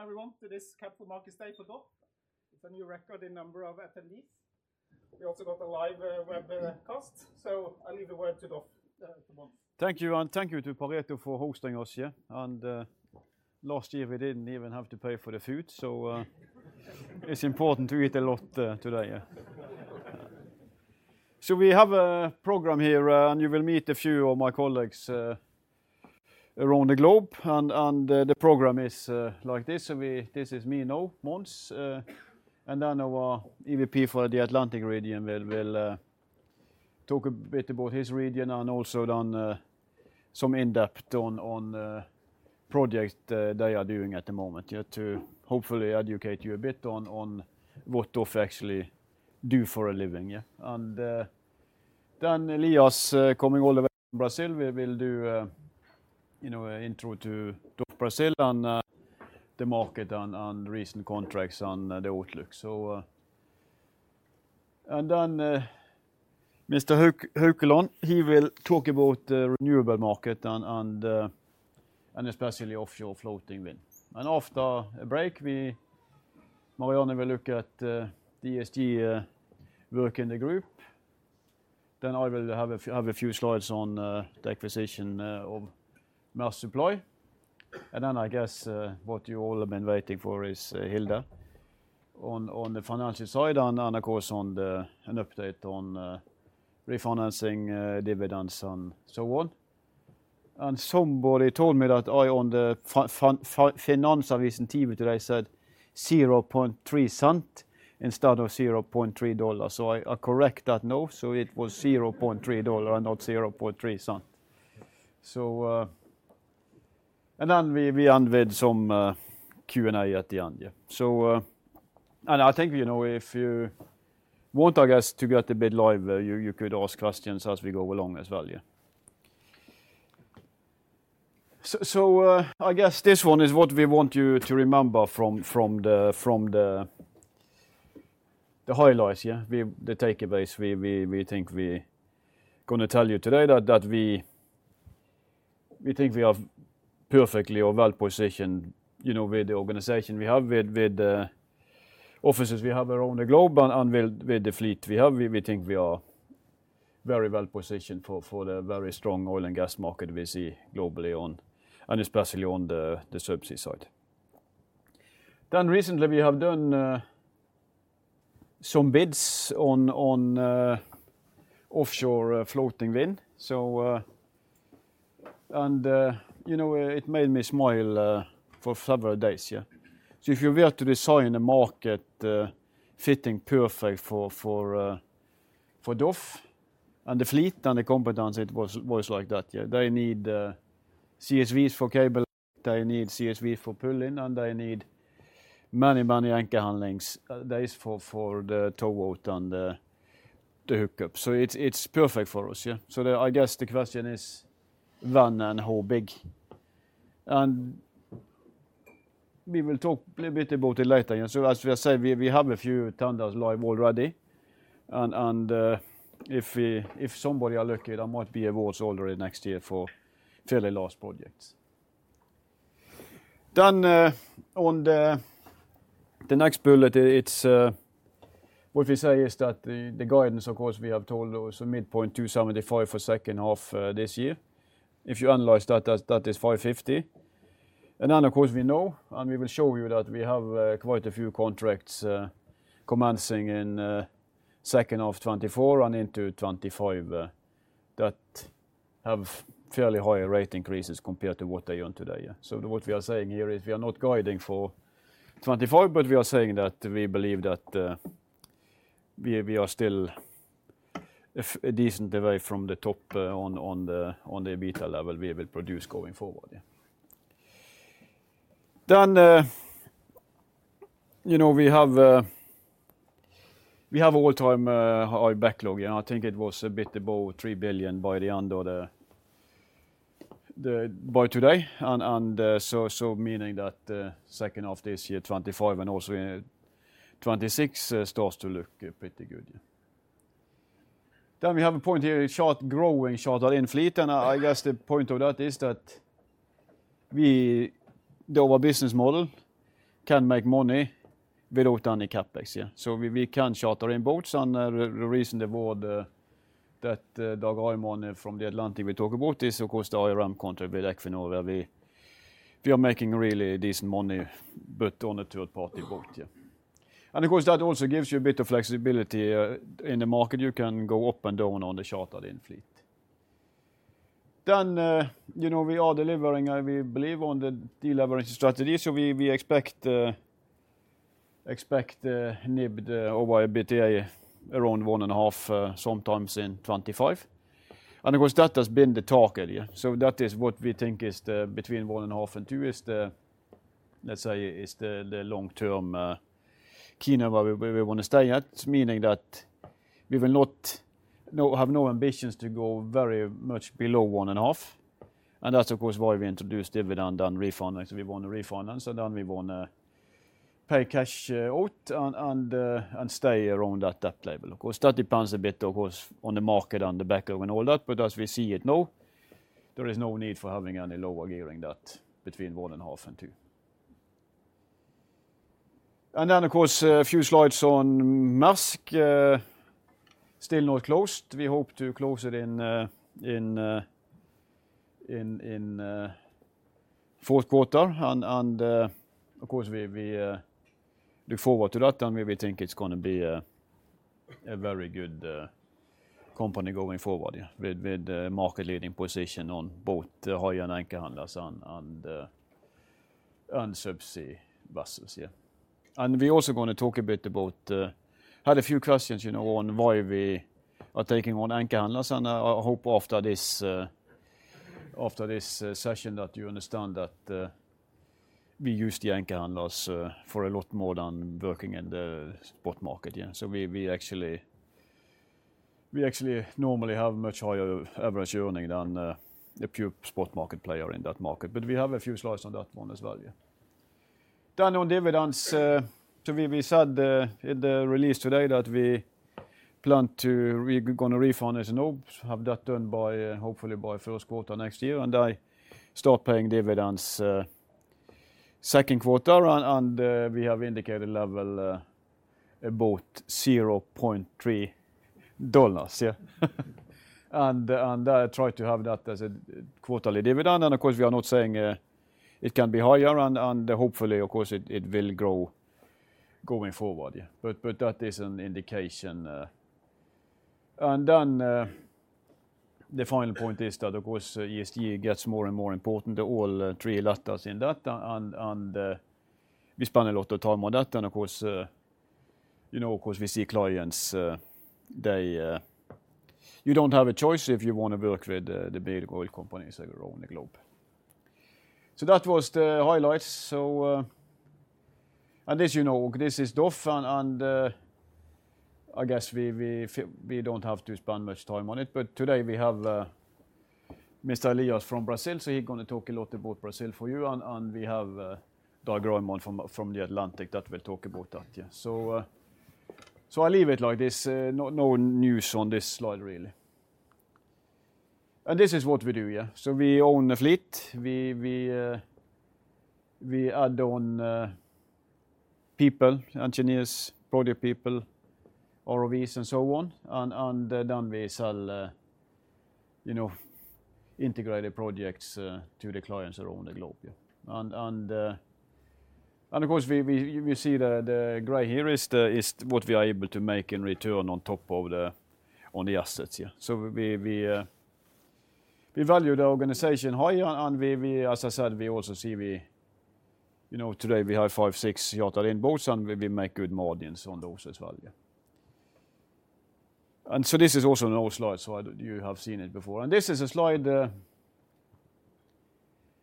Welcome everyone to this Capital Markets Day for DOF. It's a new record in number of attendees. We also got a live webcast, so I leave the word to DOF, Mons. Thank you, and thank you to Pareto for hosting us, yeah? Last year, we didn't even have to pay for the food, so it's important to eat a lot today, yeah. We have a program here, and you will meet a few of my colleagues around the globe, and the program is like this. This is me now, Mons, and then our EVP for the Atlantic region will talk a bit about his region and also then some in-depth on projects they are doing at the moment, yeah, to hopefully educate you a bit on what DOF actually do for a living, yeah? Then Elias, coming all the way from Brazil, will do you know an intro to DOF Brazil and the market and recent contracts and the outlook. Then Mr. Haukeland, he will talk about the renewable market and especially offshore floating wind. After a break, Marianne will look at the ESG work in the group. Then I will have a few slides on the acquisition of Maersk Supply. Then I guess what you all have been waiting for is Hilde on the financial side, and of course on an update on refinancing, dividends, and so on. Somebody told me that I, on the Finansavisen TV today, said 0.3 cents instead of $0.3. I correct that now, so it was $0.3 and not $0.003. And then we end with some Q&A at the end, yeah. And I think, you know, if you want, I guess, to get a bit live, you could ask questions as we go along as well, yeah. I guess this one is what we want you to remember from the highlights, yeah? The takeaways we think we're gonna tell you today that we think we are perfectly or well-positioned, you know, with the organization we have, with the offices we have around the globe and with the fleet we have. We think we are very well-positioned for the very strong oil and gas market we see globally and especially on the subsea side. Then recently, we have done some bids on offshore floating wind. So you know, it made me smile for several days, yeah. So if you were to design a market fitting perfect for DOF and the fleet and the competence, it was like that, yeah. They need CSVs for cable. They need CSV for pulling, and they need many, many anchor handling days for the towout and the hookup. So it's perfect for us, yeah? So I guess the question is when and how big, and we will talk a little bit about it later, yeah. So as we said, we have a few tenders live already, and if somebody are lucky, there might be awards already next year for fairly large projects, then on the next bullet, it's what we say is that the guidance, of course, we have told also midpoint 275 for second half this year. If you analyze that, that is 550. And then, of course, we know, and we will show you that we have quite a few contracts commencing in second half 2024 and into 2025, that have fairly higher rate increases compared to what they earn today, yeah. So what we are saying here is we are not guiding for 2025, but we are saying that we believe that we are still a decent way from the top on the EBITDA level we will produce going forward, yeah. Then, you know, we have all-time high backlog, yeah. I think it was a bit above $3 billion by the end of the day today, and so meaning that second half this year, 2025, and also in 2026 starts to look pretty good, yeah. Then we have a point here, a chart—growing chartered-in fleet, and I guess the point of that is that we, though our business model can make money without any CapEx, yeah. So we can charter in boats, and the reason the money from the Atlantic we talk about is of course the IMR contract with Equinor, where we are making really decent money, but on a third-party boat, yeah. And of course, that also gives you a bit of flexibility in the market. You can go up and down on the chartered-in fleet. You know, we are delivering, and we believe on the deleveraging strategy, so we expect NIBD or EBITDA around one and a half times in 2025. And of course, that has been the target, yeah. That is what we think is the between one and a half and two is the, let's say, is the, the long-term key number we want to stay at, meaning that we will not have no ambitions to go very much below one and a half, and that's of course why we introduced dividend and refinance. We want to refinance, and then we want to pay cash out and stay around that level. Of course, that depends a bit, of course, on the market and the backlog and all that, but as we see it now, there is no need for having any lower gearing than between one and a half and two. Then, of course, a few slides on Maersk, still not closed. We hope to close it in fourth quarter. Of course, we look forward to that, and we think it's gonna be a very good company going forward, yeah, with a market leading position on both high anchor handlers and subsea vessels, yeah. We're also gonna talk a bit about. We had a few questions, you know, on why we are taking on anchor handlers, and I hope after this session, that you understand that we use the anchor handlers for a lot more than working in the spot market. Yeah. So we actually normally have much higher average earning than a pure spot market player in that market. But we have a few slides on that one as well, yeah. Then on dividends, so we said in the release today that we plan to – we're gonna refund it and hope to have that done by hopefully by first quarter next year, and I start paying dividends second quarter, and we have indicated level about $0.3. Yeah. And try to have that as a quarterly dividend, and of course, we are not saying it can be higher, and hopefully, of course, it will grow going forward, yeah. But that is an indication. And then the final point is that, of course, ESG gets more and more important, the all three letters in that, and we spend a lot of time on that, and of course, you know, of course, we see clients, they. You don't have a choice if you want to work with the big oil companies around the globe. So that was the highlights. And this, you know, this is DOF. And I guess we don't have to spend much time on it. But today we have Mr. Elias from Brazil, so he's gonna talk a lot about Brazil for you. And we have Dag Lilletvedt from the Atlantic that will talk about that. Yeah. So I leave it like this. No news on this slide, really. And this is what we do, yeah. So we own the fleet. We add on people, engineers, project people, ROVs, and so on. And then we sell, you know, integrated projects to the clients around the globe, yeah. Of course, we see the gray here is what we are able to make in return on top of the assets, yeah. So we value the organization high, and, as I said, we also see, you know, today we have five, six charter in boats, and we make good margins on those as well, yeah. So this is also an old slide, so I do. You have seen it before. This is a slide, and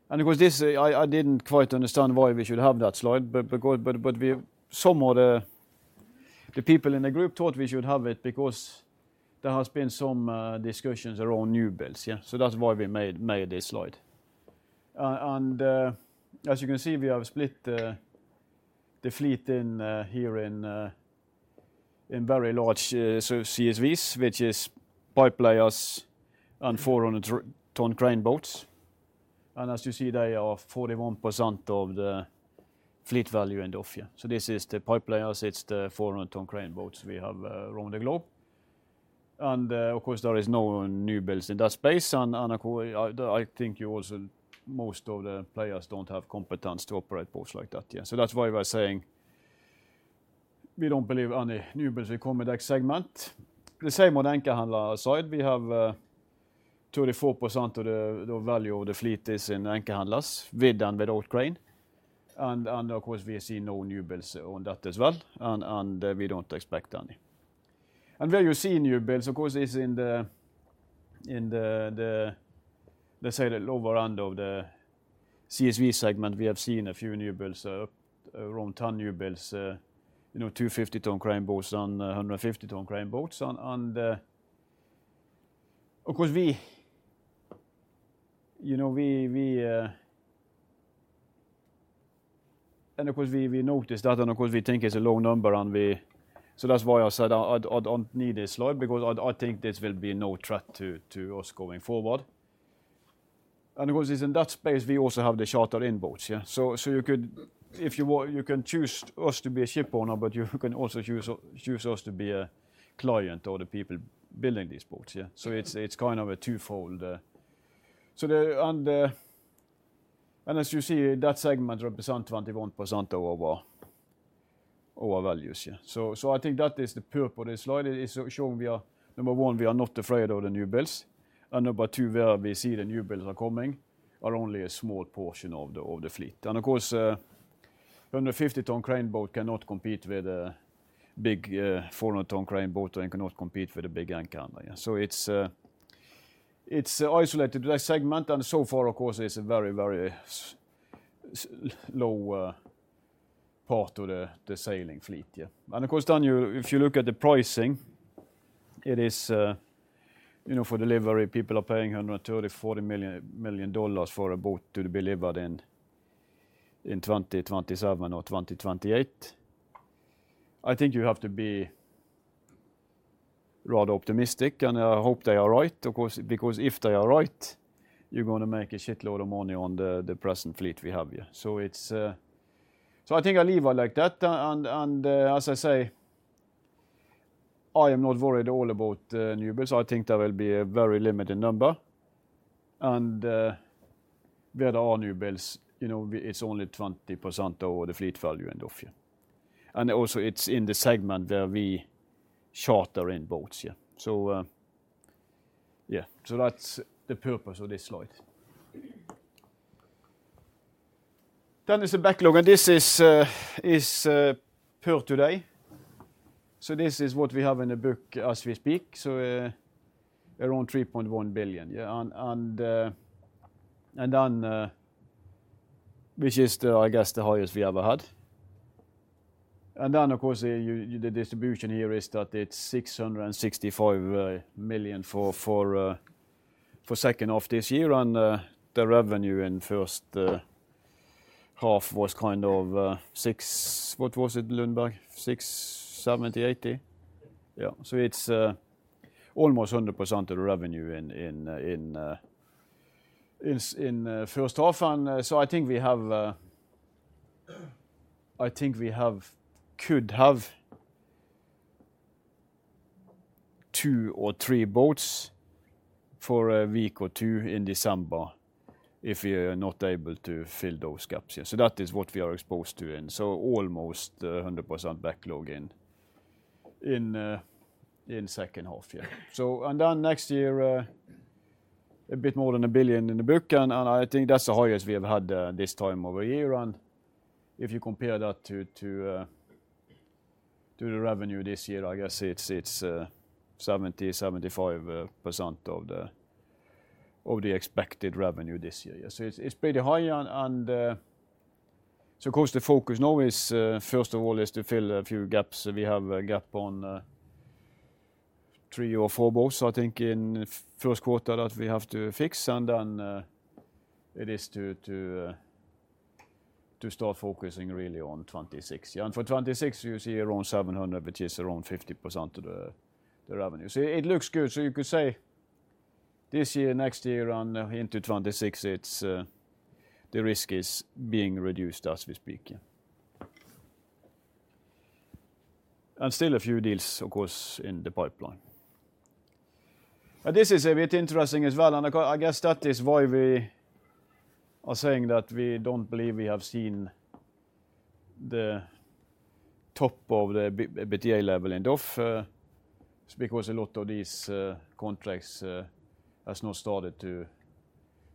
of course, this, I didn't quite understand why we should have that slide, but we. Some of the people in the group thought we should have it, because there has been some discussions around new builds, yeah. So that's why we made this slide. As you can see, we have split the fleet here into very large so CSVs, which is pipe layers and 400-ton crane boats. And as you see, they are 41% of the fleet value in DOF, yeah. So this is the pipe layers, it's the 400-ton crane boats we have around the globe. And, of course, there is no new builds in that space, and, of course, I think you also, most of the players don't have competence to operate boats like that, yeah. So that's why we're saying we don't believe any new builds will come in that segment. The same on anchor handler side, we have 34% of the value of the fleet is in anchor handlers, with and without crane. Of course, we see no new builds on that as well, and we don't expect any. Where you see new builds, of course, is in the lower end of the CSV segment. We have seen a few new builds, up around 10 new builds, you know, 250-ton crane boats and 150-ton crane boats. Of course, we noticed that, and of course, we think it's a low number. So that's why I said I don't need this slide, because I think this will be no threat to us going forward. Of course, it's in that space, we also have the charter-in boats, yeah. You could, if you want, you can choose us to be a shipowner, but you can also choose us to be a client or the people building these boats, yeah. So it's kind of a twofold. So as you see, that segment represents 21% of our values, yeah. So I think that is the purpose of this slide, is to show we are number one, we are not afraid of the new builds, and number two, where we see the new builds are coming are only a small portion of the fleet. And of course, a 150-ton crane boat cannot compete with a big 400-ton crane boat and cannot compete with the big anchor handler, yeah. It's an isolated segment, and so far, of course, it's a very, very low part of the sailing fleet, yeah. And of course, then you, if you look at the pricing, it is, you know, for delivery, people are paying $130-140 million for a boat to be delivered in 2027 or 2028. I think you have to be rather optimistic, and I hope they are right, of course, because if they are right, you're gonna make a shitload of money on the present fleet we have here. So I think I leave it like that. And, as I say, I am not worried at all about newbuilds. I think there will be a very limited number, and where there are newbuilds, you know, it's only 20% over the fleet value end of year. And also, it's in the segment where we charter in boats, yeah. So, yeah, so that's the purpose of this slide. Then there's a backlog, and this is per today. So this is what we have in the book as we speak, so around $3.1 billion, yeah. And then, which is the, I guess, the highest we ever had. And then, of course, the, you, the distribution here is that it's $665 million for second half this year, and the revenue in first half was kind of six... What was it, Lundberg? 670, 680? Yeah. Yeah. So it's almost 100% of the revenue in first half. And so I think we could have two or three boats for a week or two in December if we are not able to fill those gaps here. So that is what we are exposed to, and so almost 100% backlog in second half, yeah. And then next year, a bit more than $1 billion in the book, and I think that's the highest we have had this time of the year. And if you compare that to the revenue this year, I guess it's 70-75% of the expected revenue this year. Yeah, so it's pretty high, and so of course the focus now is first of all to fill a few gaps. We have a gap on three or four boats, I think, in first quarter that we have to fix, and then it is to start focusing really on 2026. And for 2026, you see around 700, which is around 50% of the revenue. So it looks good. So you could say this year, next year, and into 2026, it's the risk is being reduced as we speak, yeah. And still a few deals, of course, in the pipeline. This is a bit interesting as well, and I guess that is why we are saying that we don't believe we have seen the top of the EBITDA level off. It's because a lot of these contracts has now started to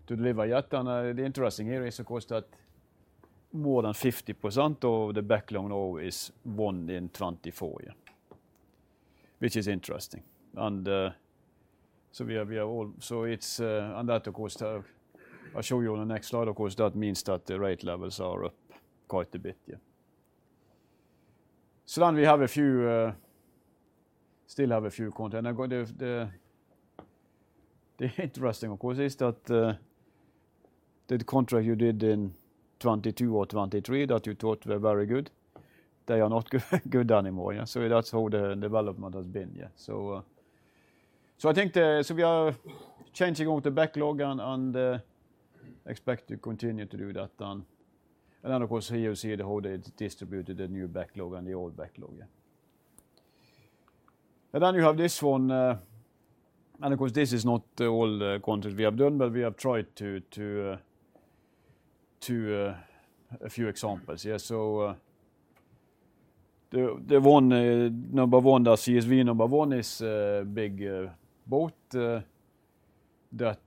deliver yet. The interesting here is, of course, that more than 50% of the backlog now is won in 2024, yeah, which is interesting. And so we are all. So it's. And that, of course, I'll show you on the next slide, of course, that means that the rate levels are up quite a bit, yeah. So then we still have a few contract. And the interesting, of course, is that the contract you did in 2022 or 2023 that you thought were very good; they are not good anymore, yeah. So that's how the development has been, yeah. So I think we are changing all the backlog and expect to continue to do that then. And then, of course, here you see how they distributed the new backlog and the old backlog, yeah. And then you have this one, and of course, this is not all the contracts we have done, but we have tried to a few examples. Yeah, so, the number one, the CSV number one is a big boat that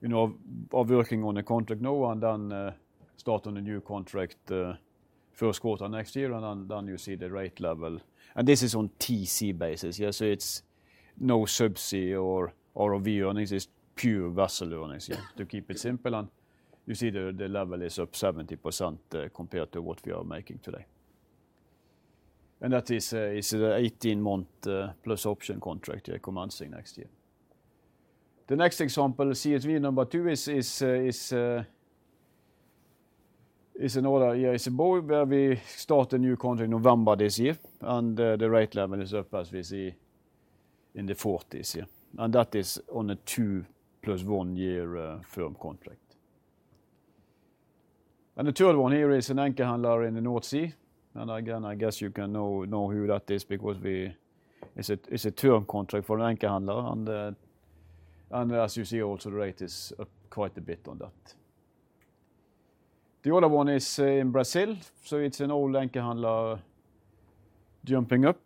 you know are working on a contract now and then start on a new contract first quarter next year, and then you see the rate level. And this is on TC basis, yeah, so it's no subsea or ROV earnings. It's pure vessel earnings, yeah, to keep it simple, and you see the level is up 70% compared to what we are making today. And that is a 18-month plus option contract, yeah, commencing next year. The next example, CSV number two, is another boat where we start a new contract November this year, and the rate level is up, as we see, in the forties, yeah. That is on a two plus one year firm contract. The third one here is an anchor handler in the North Sea, and again, I guess you can know how that is because it's a term contract for an anchor handler, and as you see, also, the rate is up quite a bit on that. The other one is in Brazil, so it's an old anchor handler jumping up.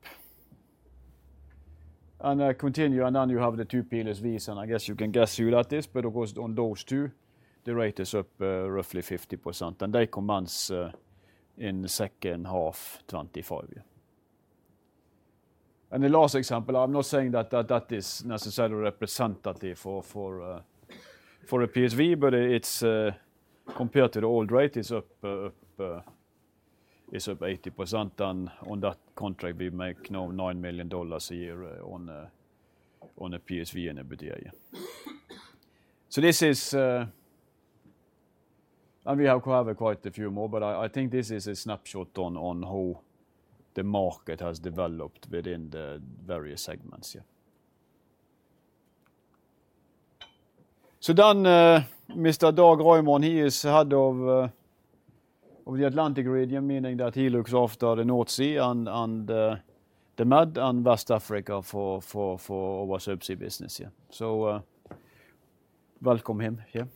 Continue, and then you have the two PSVs, and I guess you can guess who that is, but of course, on those two, the rate is up roughly 50%, and they commence in the second half 2025, yeah. And the last example, I'm not saying that is necessarily representative for a PSV, but it's compared to the old rate, it's up 80% on that contract. We make now $9 million a year on a PSV and AHT, yeah. This is a snapshot on how the market has developed within the various segments, yeah. We have quite a few more, but I think this is it. Mr. Dag Lilletvedt is head of the Atlantic region, meaning that he looks after the North Sea and the Med and West Africa for our subsea business, yeah. Welcome him here.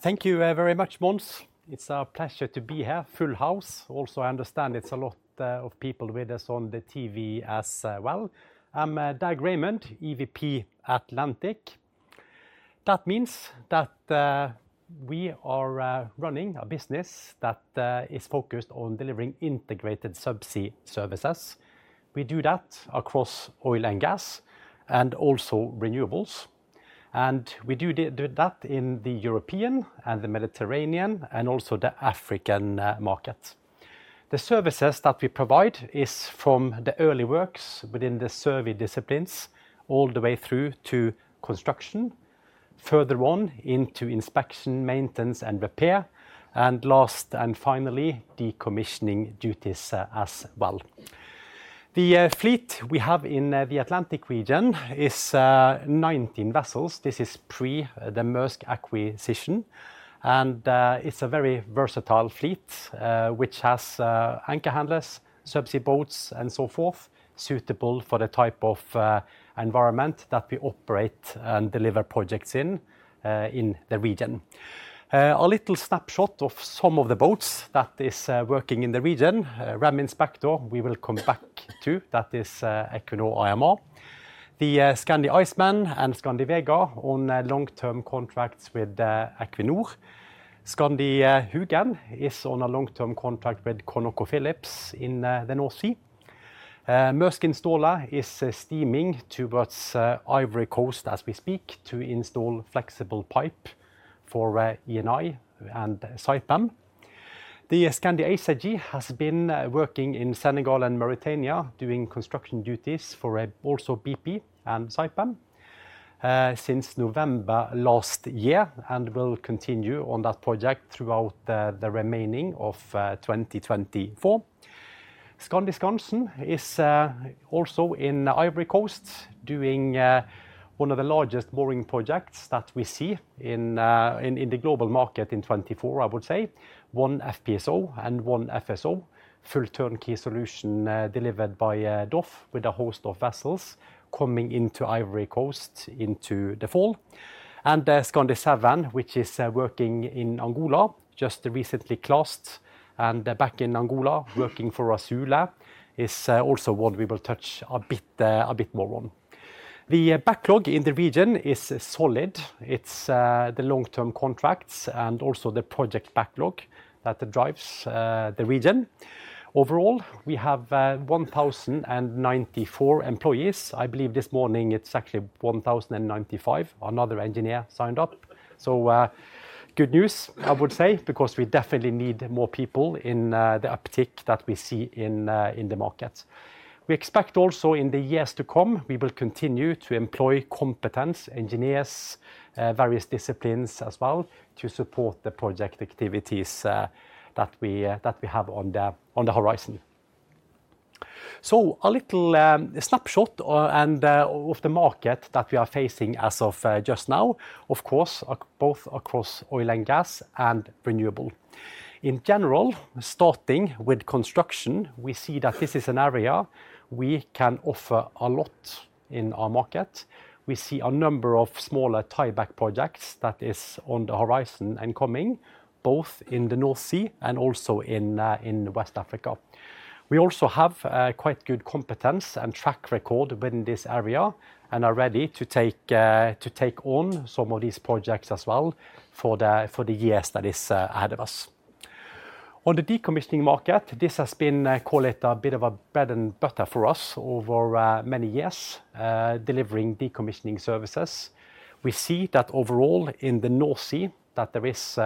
Thank you, very much, Mons. It's a pleasure to be here. Full house. Also, I understand it's a lot of people with us on the TV as well. I'm Dag Raymond, EVP, Atlantic. That means that we are running a business that is focused on delivering integrated subsea services. We do that across oil and gas and also renewables, and we do that in the European and the Mediterranean, and also the African market. The services that we provide is from the early works within the survey disciplines, all the way through to construction, further on into inspection, maintenance, and repair, and last and finally, decommissioning duties, as well. The fleet we have in the Atlantic region is nineteen vessels. This is pre the Maersk acquisition, and, it's a very versatile fleet, which has, anchor handlers, subsea boats, and so forth, suitable for the type of, environment that we operate and deliver projects in, in the region. A little snapshot of some of the boats that is, working in the region. Rem Inspector, we will come back to, that is, Equinor IMR. The, Skandi Iceman and Skandi Vega on long-term contracts with, Equinor. Skandi Hugen is on a long-term contract with ConocoPhillips in, the North Sea. Maersk Installer is, steaming towards, Ivory Coast as we speak, to install flexible pipe for, Eni and Saipem. The Skandi Africa has been working in Senegal and Mauritania, doing construction duties for also BP and Saipem since November last year, and will continue on that project throughout the remaining of 2024. Skandi Skansen is also in Ivory Coast, doing one of the largest mooring projects that we see in the global market in 2024, I would say. One FPSO and one FSO, full turnkey solution delivered by DOF with a host of vessels coming into Ivory Coast into the fall. The Skandi Seven, which is working in Angola, just recently classed and back in Angola working for Azule, is also one we will touch a bit more on. The backlog in the region is solid. It's the long-term contracts and also the project backlog that drives the region. Overall, we have one thousand and ninety-four employees. I believe this morning it's actually one thousand and ninety-five. Another engineer signed up, so good news, I would say, because we definitely need more people in the uptick that we see in the market. We expect also in the years to come, we will continue to employ competent engineers, various disciplines as well, to support the project activities that we have on the horizon. So a little snapshot and of the market that we are facing as of just now, of course, both across oil and gas and renewable. In general, starting with construction, we see that this is an area we can offer a lot in our market. We see a number of smaller tie-back projects that is on the horizon and coming, both in the North Sea and also in West Africa. We also have quite good competence and track record within this area and are ready to take on some of these projects as well for the years that is ahead of us. On the decommissioning market, this has been call it a bit of a bread and butter for us over many years delivering decommissioning services. We see that overall in the North Sea, that there is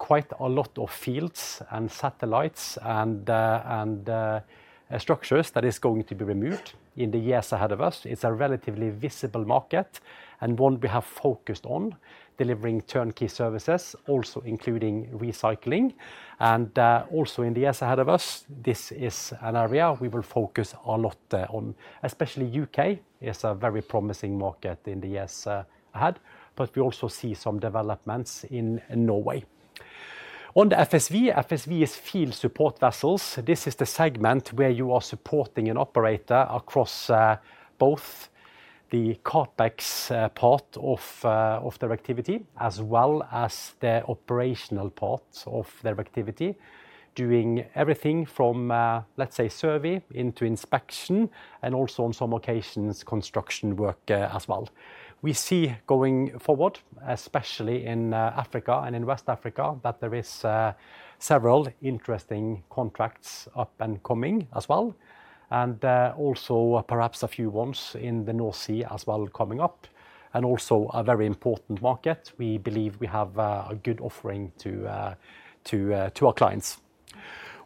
quite a lot of fields and satellites and structures that is going to be removed in the years ahead of us. It's a relatively visible market and one we have focused on, delivering turnkey services, also including recycling. Also in the years ahead of us, this is an area we will focus a lot on. Especially U.K. is a very promising market in the years ahead, but we also see some developments in Norway. On the FSV, FSV is Field Support Vessels. This is the segment where you are supporting an operator across both the CapEx part of their activity, as well as the operational parts of their activity. Doing everything from, let's say, survey into inspection, and also on some occasions, construction work, as well. We see going forward, especially in Africa and in West Africa, that there is several interesting contracts up and coming as well, and also perhaps a few ones in the North Sea as well, coming up. And also a very important market. We believe we have a good offering to our clients.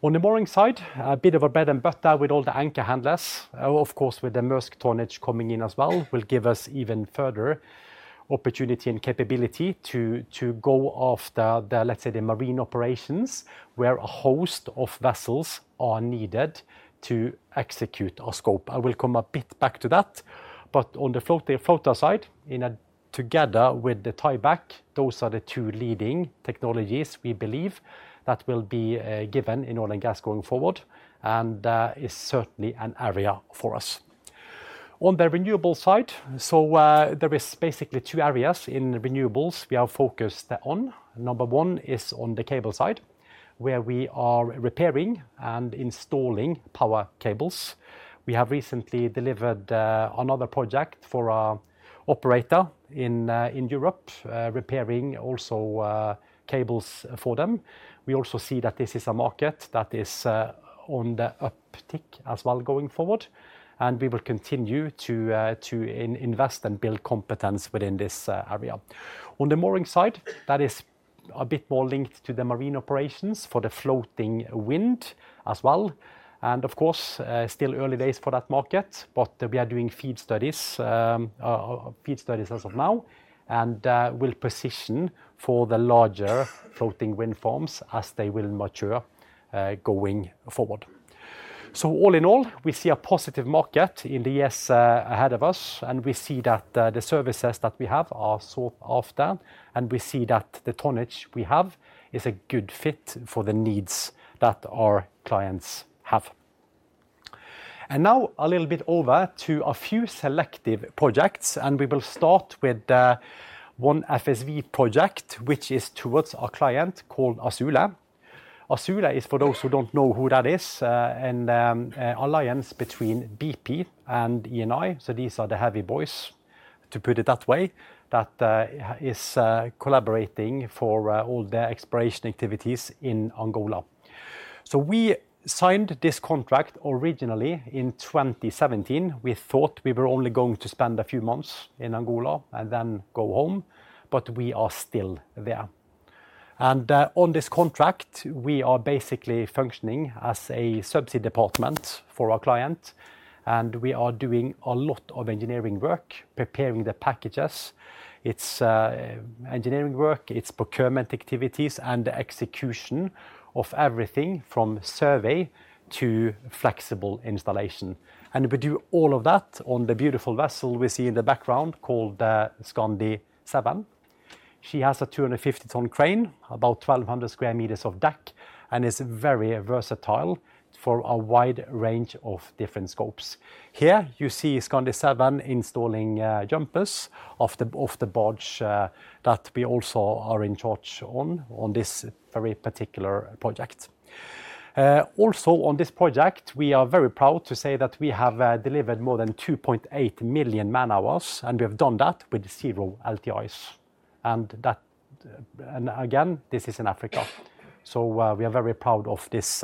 On the mooring side, a bit of our bread and butter with all the anchor handlers. Of course, with the Maersk tonnage coming in as well, will give us even further opportunity and capability to go after the, let's say, the marine operations, where a host of vessels are needed to execute our scope. I will come a bit back to that. But on the floating, floater side, in a together with the tieback, those are the two leading technologies we believe that will be given in oil and gas going forward, and is certainly an area for us. On the renewable side, so there is basically two areas in renewables we are focused on. Number one is on the cable side, where we are repairing and installing power cables. We have recently delivered another project for our operator in Europe, repairing also cables for them. We also see that this is a market that is on the uptick as well going forward, and we will continue to invest and build competence within this area. On the mooring side, that is a bit more linked to the marine operations for the floating wind as well. Of course, still early days for that market, but we are doing feed studies as of now, and will position for the larger floating wind farms as they will mature going forward. All in all, we see a positive market in the years ahead of us, and we see that the services that we have are sought after, and we see that the tonnage we have is a good fit for the needs that our clients have. Now a little bit over to a few selective projects, and we will start with one FSV project, which is towards our client called Azule. Azule is, for those who don't know who that is, an alliance between BP and Eni. These are the heavy boys, to put it that way, that is collaborating for all the exploration activities in Angola. We signed this contract originally in 2017. We thought we were only going to spend a few months in Angola and then go home, but we are still there. On this contract, we are basically functioning as a subsea department for our client, and we are doing a lot of engineering work, preparing the packages. It's engineering work, it's procurement activities, and the execution of everything from survey to flexible installation. And we do all of that on the beautiful vessel we see in the background called Skandi Seven. She has a 250-ton crane, about 1,200 square meters of deck, and is very versatile for a wide range of different scopes. Here you see Skandi Seven installing jumpers off the barge that we also are in charge on this very particular project. Also on this project, we are very proud to say that we have delivered more than 2.8 million man-hours, and we have done that with zero LTIs. That, and again, this is in Africa, so we are very proud of this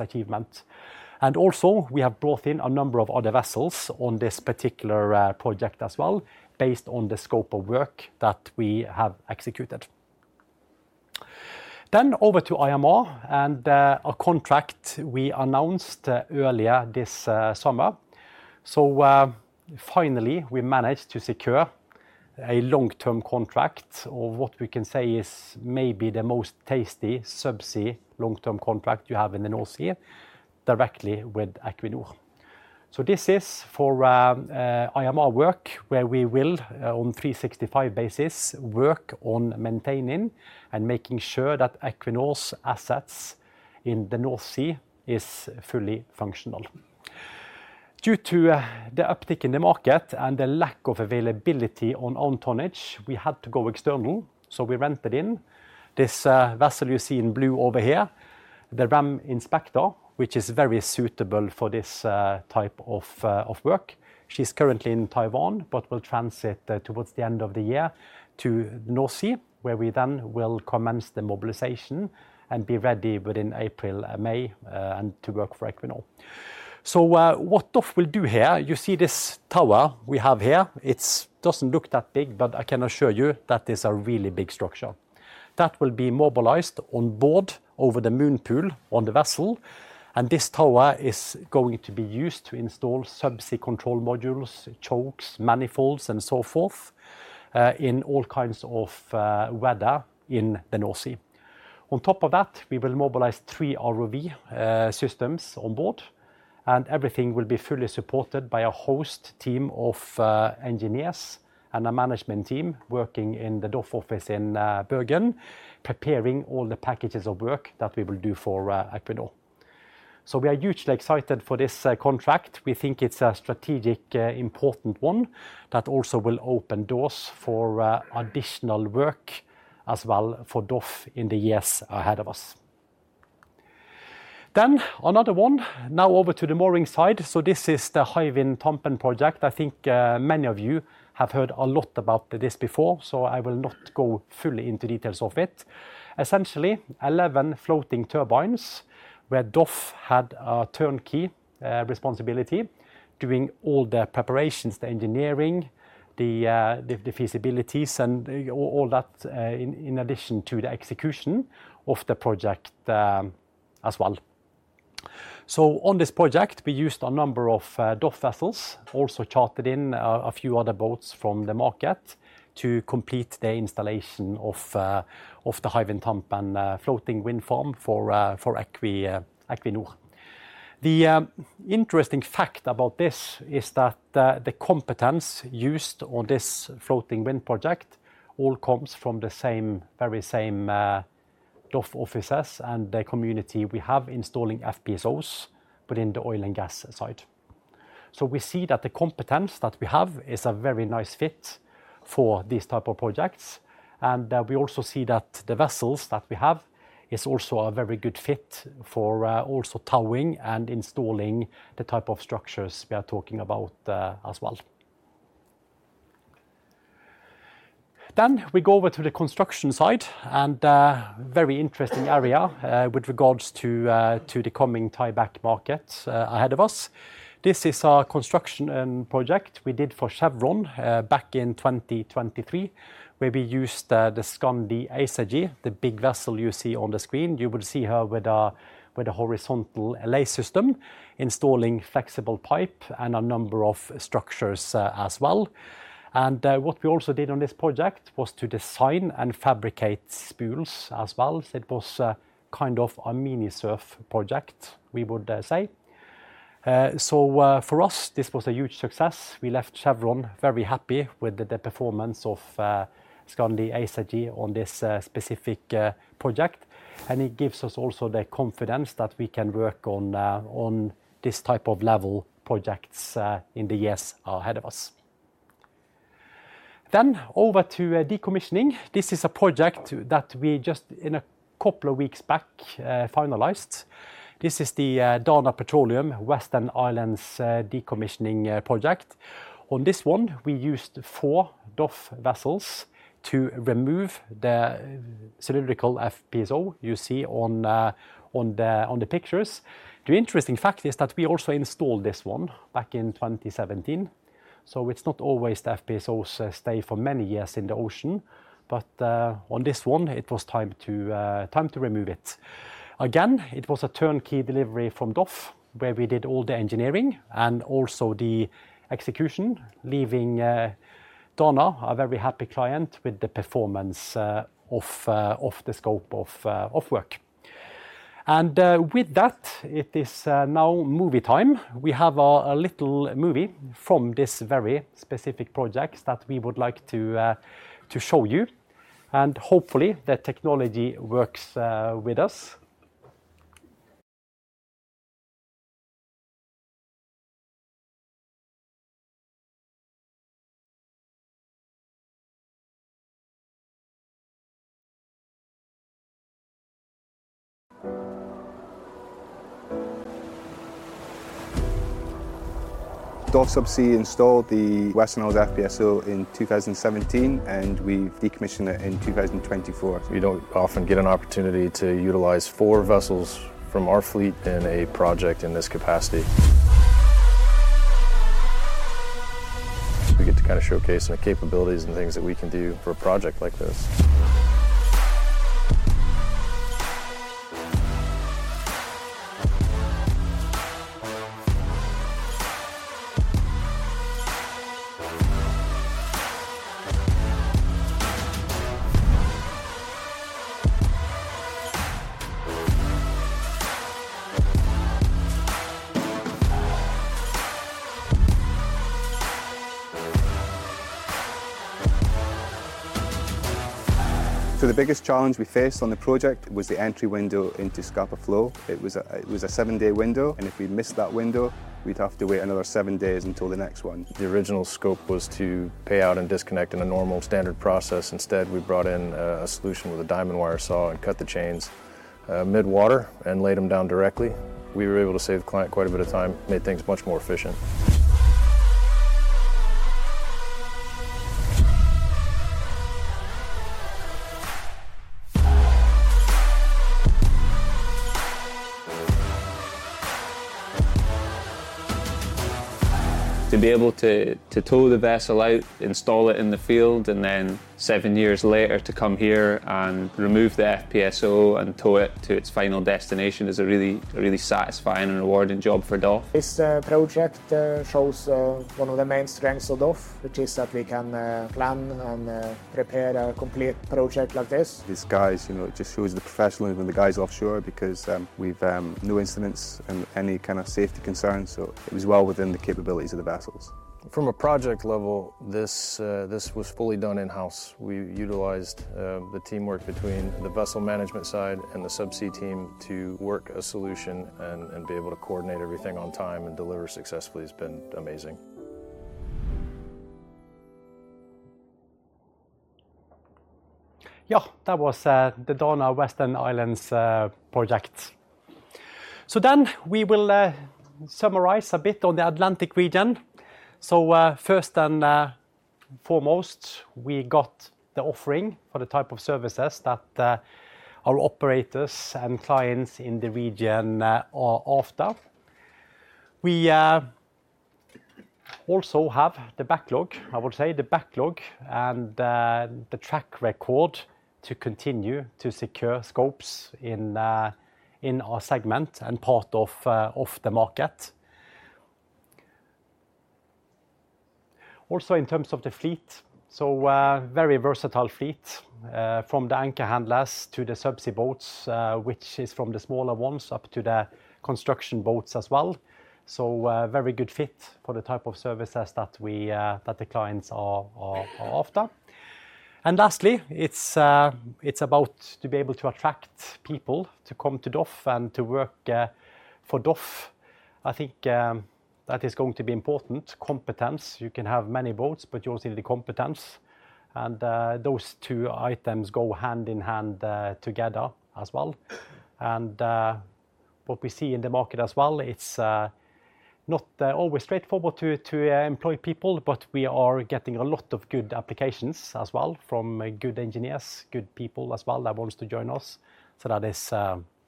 achievement. We have also brought in a number of other vessels on this particular project as well, based on the scope of work that we have executed. Over to IMR and a contract we announced earlier this summer. Finally, we managed to secure a long-term contract, or what we can say is maybe the most tasty subsea long-term contract you have in the North Sea, directly with Equinor. This is for IMR work, where we will, on three sixty-five basis, work on maintaining and making sure that Equinor's assets in the North Sea is fully functional. Due to the uptick in the market and the lack of availability on own tonnage, we had to go external, so we rented in this, vessel you see in blue over here, the Rem Inspector, which is very suitable for this, type of work. She's currently in Taiwan, but will transit towards the end of the year to North Sea, where we then will commence the mobilization and be ready within April, May, and to work for Equinor. So, what DOF will do here, you see this tower we have here. It doesn't look that big, but I can assure you that is a really big structure. That will be mobilized on board over the moon pool on the vessel, and this tower is going to be used to install subsea control modules, chokes, manifolds, and so forth, in all kinds of weather in the North Sea. On top of that, we will mobilize three ROV systems on board, and everything will be fully supported by a host team of engineers and a management team working in the DOF office in Bergen, preparing all the packages of work that we will do for Equinor, so we are hugely excited for this contract. We think it's a strategic important one that also will open doors for additional work as well for DOF in the years ahead of us, then another one, now over to the mooring side, so this is the Hywind Tampen project. I think many of you have heard a lot about this before, so I will not go fully into details of it. Essentially, eleven floating turbines, where DOF had a turnkey responsibility, doing all the preparations, the engineering, the feasibilities, and all that in addition to the execution of the project as well. So on this project, we used a number of DOF vessels, also chartered in a few other boats from the market to complete the installation of the Hywind Tampen floating wind farm for Equinor. The interesting fact about this is that the competence used on this floating wind project all comes from the same, very same, DOF offices and the community we have installing FPSOs within the oil and gas side. So we see that the competence that we have is a very nice fit for these type of projects, and we also see that the vessels that we have is also a very good fit for also towing and installing the type of structures we are talking about, as well. Then we go over to the construction side, and very interesting area with regards to the coming tie-back market ahead of us. This is a construction project we did for Chevron back in 2023, where we used the Skandi Acergy, the big vessel you see on the screen. You will see her with a horizontal lay system, installing flexible pipe and a number of structures, as well. And what we also did on this project was to design and fabricate spools as well. It was kind of a mini-SURF project, we would say. So, for us, this was a huge success. We left Chevron very happy with the performance of Skandi Acergy on this specific project, and it gives us also the confidence that we can work on this type of level projects in the years ahead of us. Then, over to decommissioning. This is a project that we just, in a couple of weeks back, finalized. This is the Dana Petroleum Western Isles decommissioning project. On this one, we used four DOF vessels to remove the cylindrical FPSO you see on the pictures. The interesting fact is that we also installed this one back in 2017, so it's not always the FPSOs stay for many years in the ocean. But on this one, it was time to remove it. Again, it was a turnkey delivery from DOF, where we did all the engineering and also the execution, leaving Dana a very happy client with the performance of the scope of work. And with that, it is now movie time. We have a little movie from this very specific project that we would like to show you, and hopefully, the technology works with us. DOF Subsea installed the Western Isles FPSO in 2017, and we decommissioned it in 2024. We don't often get an opportunity to utilize four vessels from our fleet in a project in this capacity. We get to kind of showcase the capabilities and things that we can do for a project like this. The biggest challenge we faced on the project was the entry window into Scapa Flow. It was a seven-day window, and if we missed that window, we'd have to wait another seven days until the next one. The original scope was to pay out and disconnect in a normal, standard process. Instead, we brought in a solution with a diamond wire saw and cut the chains mid-water, and laid them down directly. We were able to save the client quite a bit of time, made things much more efficient. To be able to, to tow the vessel out, install it in the field, and then seven years later, to come here and remove the FPSO and tow it to its final destination is a really, a really satisfying and rewarding job for DOF. This project shows one of the main strengths of DOF, which is that we can plan and prepare a complete project like this. These guys, you know, it just shows the professionalism of the guys offshore because we've no incidents and any kind of safety concerns, so it was well within the capabilities of the vessels. From a project level, this was fully done in-house. We utilized the teamwork between the vessel management side and the subsea team to work a solution and be able to coordinate everything on time and deliver successfully has been amazing. Yeah, that was the Dana Western Isles project. So then we will summarize a bit on the Atlantic region. First and foremost, we got the offering for the type of services that our operators and clients in the region are after. We also have the backlog, I would say, the backlog and the track record to continue to secure scopes in our segment and part of the market. Also, in terms of the fleet, so very versatile fleet from the anchor handlers to the subsea boats, which is from the smaller ones up to the construction boats as well. So very good fit for the type of services that we that the clients are after. And lastly, it's about to be able to attract people to come to DOF and to work for DOF. I think that is going to be important. Competence. You can have many boats, but you also need the competence, and those two items go hand in hand together as well. And what we see in the market as well, it's not always straightforward to employ people, but we are getting a lot of good applications as well from good engineers, good people as well, that wants to join us. So that is...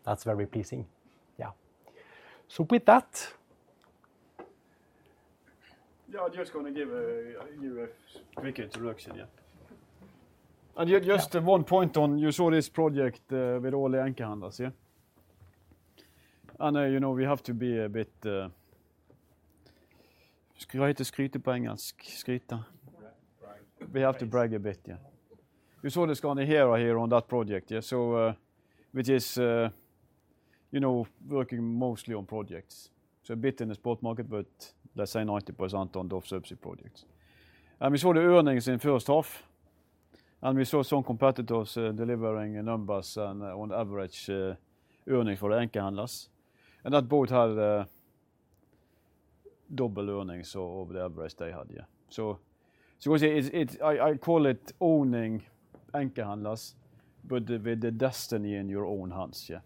That's very pleasing. Yeah. So with that- Yeah, I'm just gonna give you a quick introduction, yeah. And yet just- Yeah... one point on, you saw this project with all the anchor handlers, yeah? I know, you know, we have to be a bit, we have to brag a bit, yeah. You saw this going here or here on that project, yeah, so, which is, you know, working mostly on projects. So a bit in the spot market, but let's say 90% on DOF Subsea projects. And we saw the earnings in first half, and we saw some competitors delivering numbers and on average earnings for anchor handlers. And that boat had double earnings over the average they had, yeah. So, so what I say, it's, it's... I, I call it owning anchor handlers, but with the destiny in your own hands, yeah.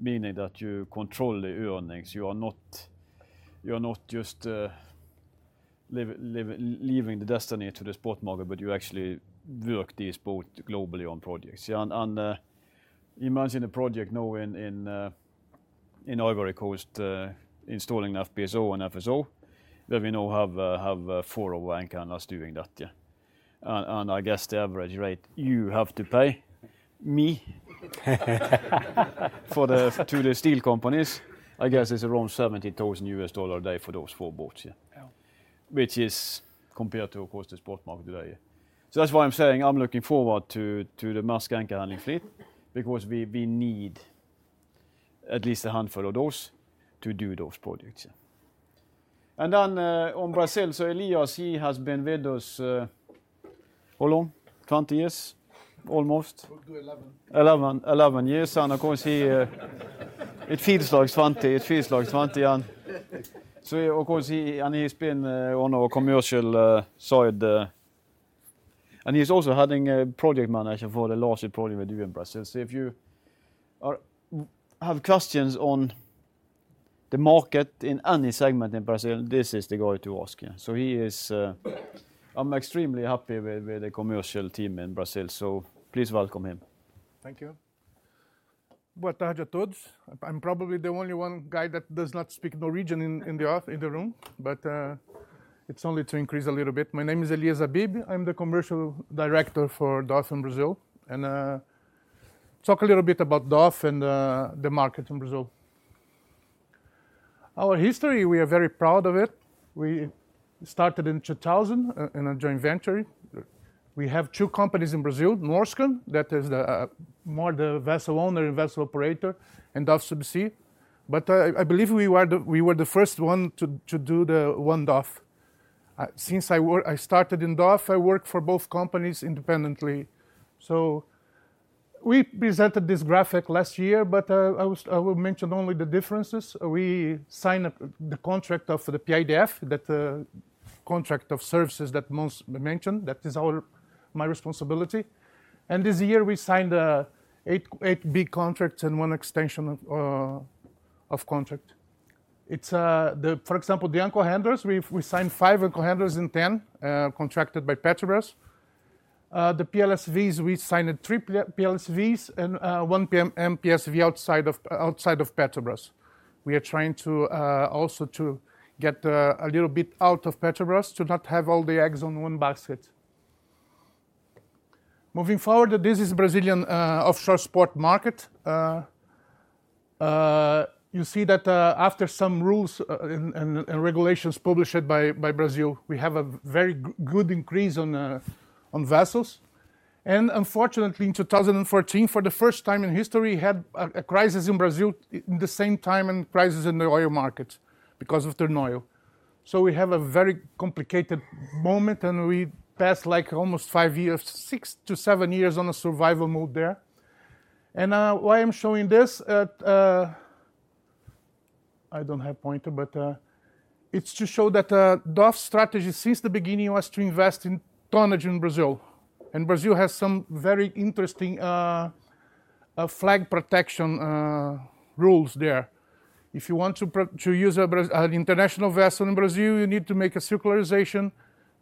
Meaning that you control the earnings. You are not just leaving the destiny to the spot market, but you actually work this boat globally on projects, yeah? And imagine a project now in Ivory Coast, installing FPSO and FSO, where we now have four anchor handlers doing that, yeah. And I guess the average rate you have to pay to the vessel companies, I guess it's around $70,000 a day for those four boats, yeah. Yeah. Which is compared to, of course, the spot market today. So that's why I'm saying I'm looking forward to the Maersk anchor handling fleet, because we need at least a handful of those to do those projects, yeah. And then on Brazil, so Elias, he has been with us how long? Twenty years, almost. Probably eleven. Eleven. Eleven years. And of course, he, it feels like twenty, and so of course, he, and he's been on our commercial side. And he's also heading a project manager for the largest project we do in Brazil. So if you have questions on the market in any segment in Brazil, this is the guy to ask, yeah. So, I'm extremely happy with the commercial team in Brazil, so please welcome him. Thank you. I'm probably the only one guy that does not speak Norwegian in the room, but it's only to increase a little bit. My name is Elias Habib. I'm the commercial director for DOF Brazil, and talk a little bit about DOF and the market in Brazil. Our history, we are very proud of it. We started in 2000 in a joint venture. We have two companies in Brazil, Norskan, that is the more the vessel owner and vessel operator, and DOF Subsea. But I believe we were the first one to do the one DOF. Since I started in DOF, I worked for both companies independently. So we presented this graphic last year, but I will mention only the differences. We signed the contract of the PIDF, that contract of services that Mons mentioned. That is my responsibility. This year, we signed eight big contracts and one extension of contract. It's the... For example, the anchor handlers, we signed five anchor handlers in 2010 contracted by Petrobras. The PLSVs, we signed three PLSVs, and one PSV outside of Petrobras. We are trying also to get a little bit out of Petrobras, to not have all the eggs in one basket. Moving forward, this is Brazilian offshore spot market. You see that after some rules and regulations published by Brazil, we have a very good increase on vessels. And unfortunately, in two thousand and fourteen, for the first time in history, we had a crisis in Brazil in the same time, and crisis in the oil market because of the oil. So we have a very complicated moment, and we passed, like, almost five years, six to seven years on a survival mode there. And why I'm showing this. I don't have pointer, but it's to show that DOF strategy since the beginning was to invest in tonnage in Brazil. And Brazil has some very interesting flag protection rules there. If you want to use an international vessel in Brazil, you need to make a circularization.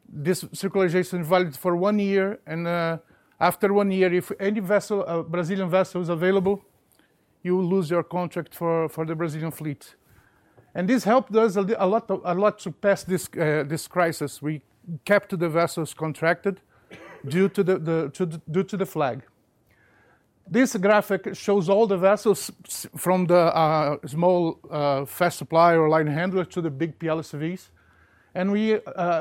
This circularization is valid for one year, and after one year, if any vessel, a Brazilian vessel is available, you will lose your contract for the Brazilian fleet. This helped us a lot to pass this crisis. We kept the vessels contracted due to the flag. This graphic shows all the vessels from the small fast supply or line handler to the big PLSVs, and we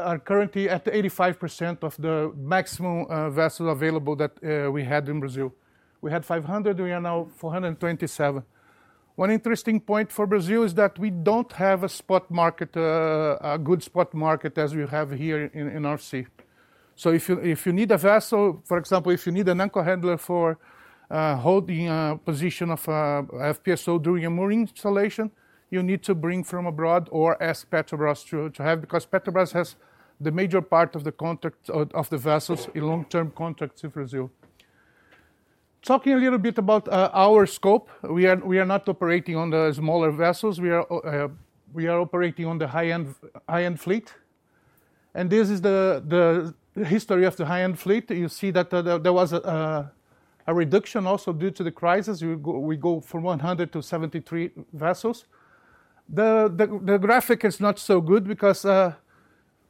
are currently at 85% of the maximum vessel available that we had in Brazil. We had 500, we are now 427. One interesting point for Brazil is that we don't have a spot market, a good spot market as we have here in our sea. If you need a vessel, for example, if you need an anchor handler for holding a position of FPSO, doing a mooring installation, you need to bring from abroad or ask Petrobras to have, because Petrobras has the major part of the contract of the vessels in long-term contracts in Brazil. Talking a little bit about our scope, we are not operating on the smaller vessels. We are operating on the high-end, high-end fleet, and this is the history of the high-end fleet. You see that there was a reduction also due to the crisis. We go from 100 to 73 vessels. The graphic is not so good because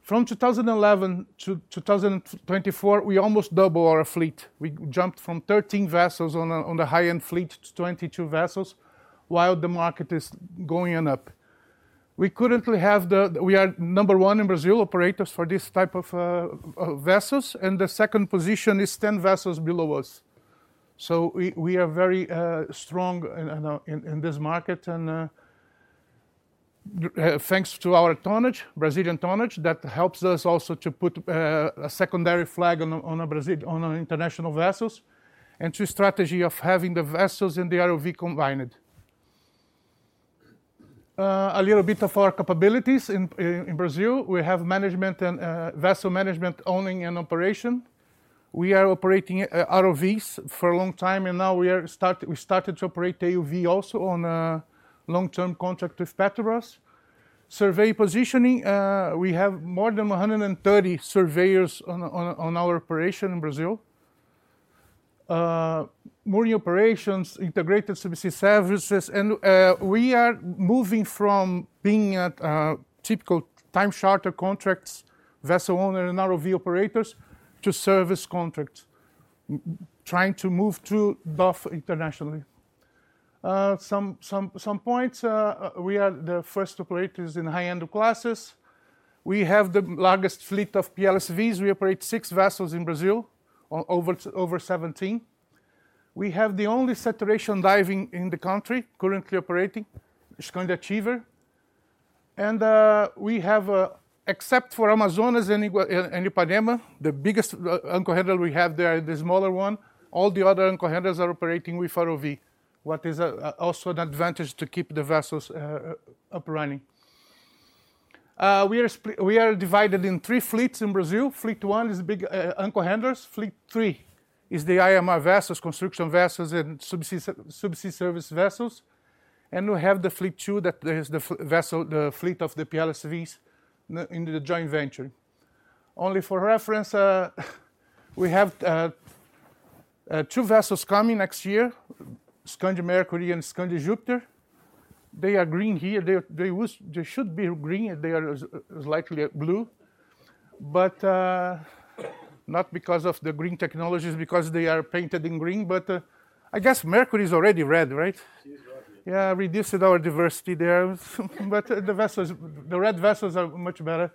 from 2011 to 2024, we almost double our fleet. We jumped from 13 vessels on the high-end fleet to 22 vessels, while the market is going up. We currently have the. We are number one in Brazil, operators for this type of vessels, and the second position is 10 vessels below us. So we are very strong in this market and thanks to our tonnage, Brazilian tonnage, that helps us also to put a secondary flag on an international vessels, and to strategy of having the vessels and the ROV combined. A little bit of our capabilities in Brazil, we have management and vessel management, owning, and operation. We are operating ROVs for a long time, and now we started to operate AUV also on a long-term contract with Petrobras. Survey positioning, we have more than 130 surveyors on our operation in Brazil. Mooring operations, integrated subsea services, and we are moving from being at typical time charter contracts, vessel owner and ROV operators to service contracts, trying to move to DOF internationally. Some points, we are the first operators in high-end classes. We have the largest fleet of PLSVs. We operate six vessels in Brazil, on over 17. We have the only saturation diving in the country, currently operating, which is Skandi Achiever. And we have, except for Amazonas and Ipanema, the biggest anchor handler we have there, the smaller one, all the other anchor handlers are operating with ROV, what is also an advantage to keep the vessels up running. We are divided in three fleets in Brazil. Fleet one is big anchor handlers. Fleet three is the IMR vessels, construction vessels, and subsea service vessels. And we have the fleet two, that is the fleet of the PLSV's in the joint venture. Only for reference, we have two vessels coming next year, Skandi Mercury and Skandi Jupiter. They are green here. They should be green, they are slightly blue, but not because of the green technologies, because they are painted in green, but I guess Mercury is already red, right? Yeah, reducing our diversity there, but the vessels, the red vessels are much better,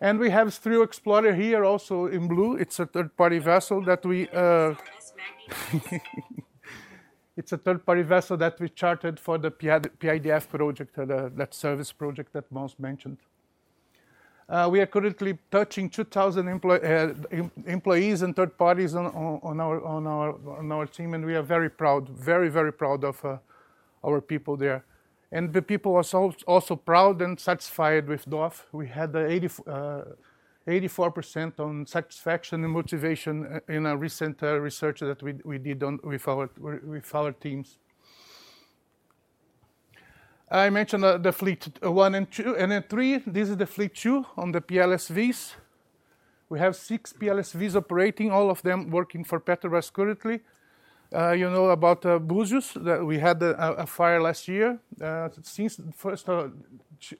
and we have Stril Explorer here also in blue. It's a third-party vessel that we It's a third-party vessel that we chartered for the PIDF project, that service project that Miles mentioned. We are currently touching two thousand employees and third parties on our team, and we are very proud, very, very proud of our people there. And the people are also proud and satisfied with DOF. We had 84% on satisfaction and motivation in a recent research that we did on with our teams. I mentioned the fleet one and two, and then three. This is the fleet two on the PLSVs. We have six PLSVs operating, all of them working for Petrobras currently. You know about Búzios, that we had a fire last year. Since first, ch...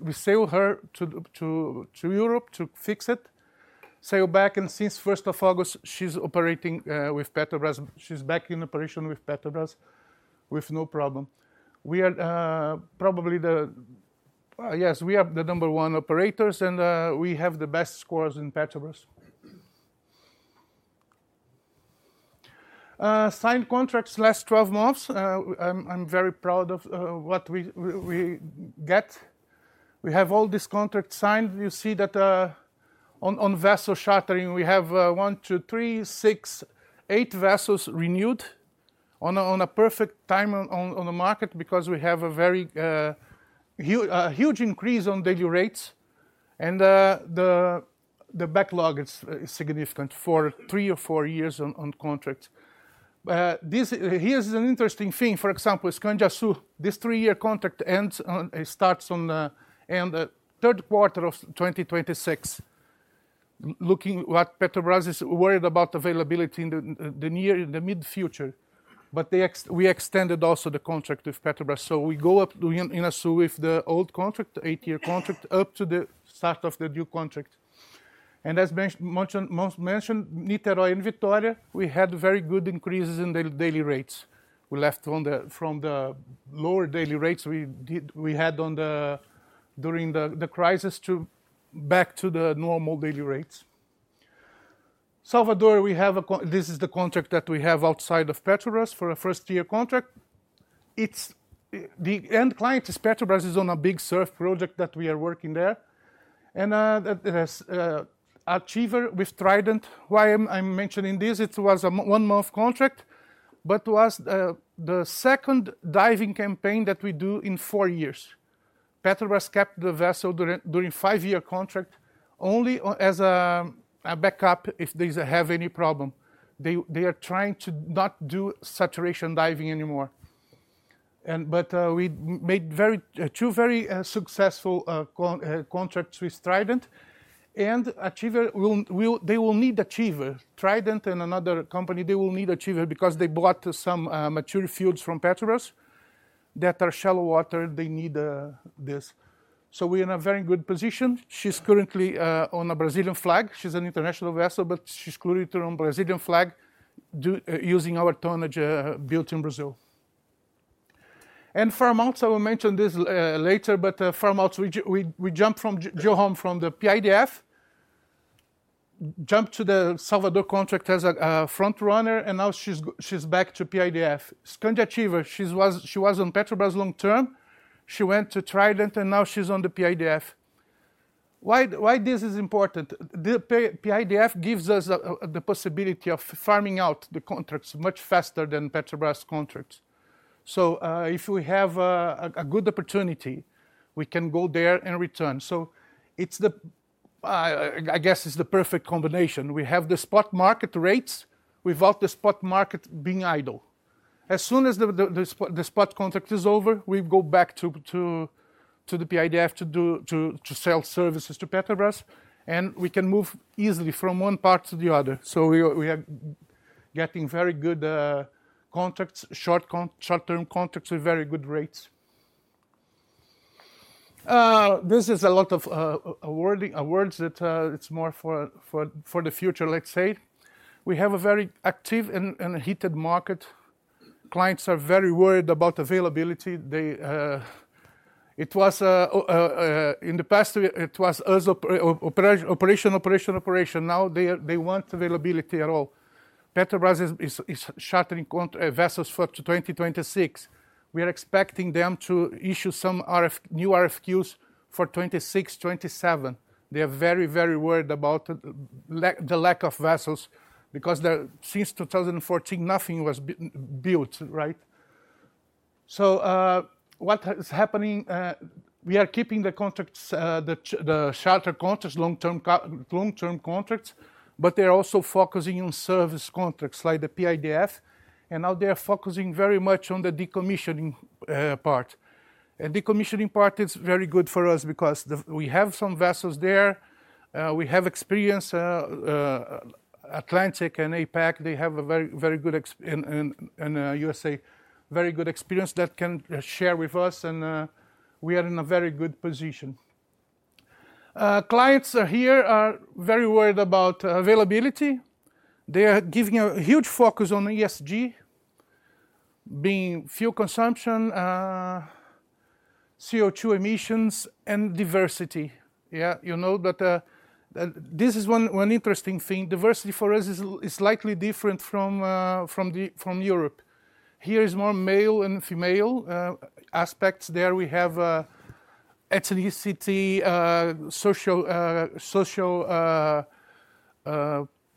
We sail her to Europe to fix it, sail back, and since first of August, she's operating with Petrobras. She's back in operation with Petrobras with no problem. We are the number one operators, and we have the best scores in Petrobras. Signed contracts last 12 months. I'm very proud of what we get. We have all these contracts signed. You see that on vessel chartering, we have one, two, three, six, eight vessels renewed on a perfect time on the market because we have a very huge increase on daily rates and the backlog is significant for three or four years on contract. This, here's an interesting thing, for example, Skandi Açu, this three-year contract ends on it starts on end of third quarter of 2026. Looking what Petrobras is worried about availability in the near, in the mid-future, but we extended also the contract with Petrobras. So we go up to Niterói with the old contract, the eight-year contract, up to the start of the new contract. And as mentioned, Niterói and Vitória, we had very good increases in the daily rates. We left on the from the lower daily rates we had on the during the crisis to back to the normal daily rates. Salvador, we have a this is the contract that we have outside of Petrobras for a first-year contract. It's. The end client is Petrobras, is on a big SURF project that we are working there. And that has Achiever with Trident. Why I'm mentioning this? It was a one-month contract, but was the second diving campaign that we do in four years. Petrobras kept the vessel during five-year contract, only on as a backup, if they have any problem. They are trying to not do saturation diving anymore. And but we made very two very successful contracts with Trident. And Achiever will. They will need Achiever. Trident and another company, they will need Achiever because they bought some mature fields from Petrobras that are shallow water, they need this. So we're in a very good position. She's currently on a Brazilian flag. She's an international vessel, but she's currently on Brazilian flag, using our tonnage, built in Brazil. Farm out, I will mention this later, but farm out, we jumped from job to job from the PIDF, jumped to the Salvador contract as a front runner, and now she's back to PIDF. Skandi Achiever, she was on Petrobras long term, she went to Trident, and now she's on the PIDF. Why, why this is important? The PIDF gives us the possibility of farming out the contracts much faster than Petrobras contracts. So, if we have a good opportunity, we can go there and return. So it's the, I guess it's the perfect combination. We have the spot market rates without the spot market being idle. As soon as the spot contract is over, we go back to the PIDF to sell services to Petrobras, and we can move easily from one part to the other. So we are getting very good contracts, short-term contracts with very good rates. This is a lot of awards that it's more for the future, let's say. We have a very active and heated market. Clients are very worried about availability. They... It was in the past, it was us operators. Now, they want availability at all. Petrobras is chartering vessels for up to twenty twenty-six. We are expecting them to issue some new RFQs for twenty six, twenty seven. They are very, very worried about the lack of vessels because since two thousand and fourteen, nothing was built, right? So, what is happening, we are keeping the contracts, the charter contracts, long-term contracts, but they're also focusing on service contracts like the PIDF, and now they are focusing very much on the decommissioning part. And decommissioning part is very good for us because we have some vessels there, we have experience, Atlantic and APAC, they have a very, very good experience in USA, very good experience that can share with us, and we are in a very good position. Clients here are very worried about availability. They are giving a huge focus on ESG, being fuel consumption, CO2 emissions, and diversity. Yeah, you know, but this is one interesting thing. Diversity for us is slightly different from the from Europe. Here is more male and female aspects. There we have ethnicity social social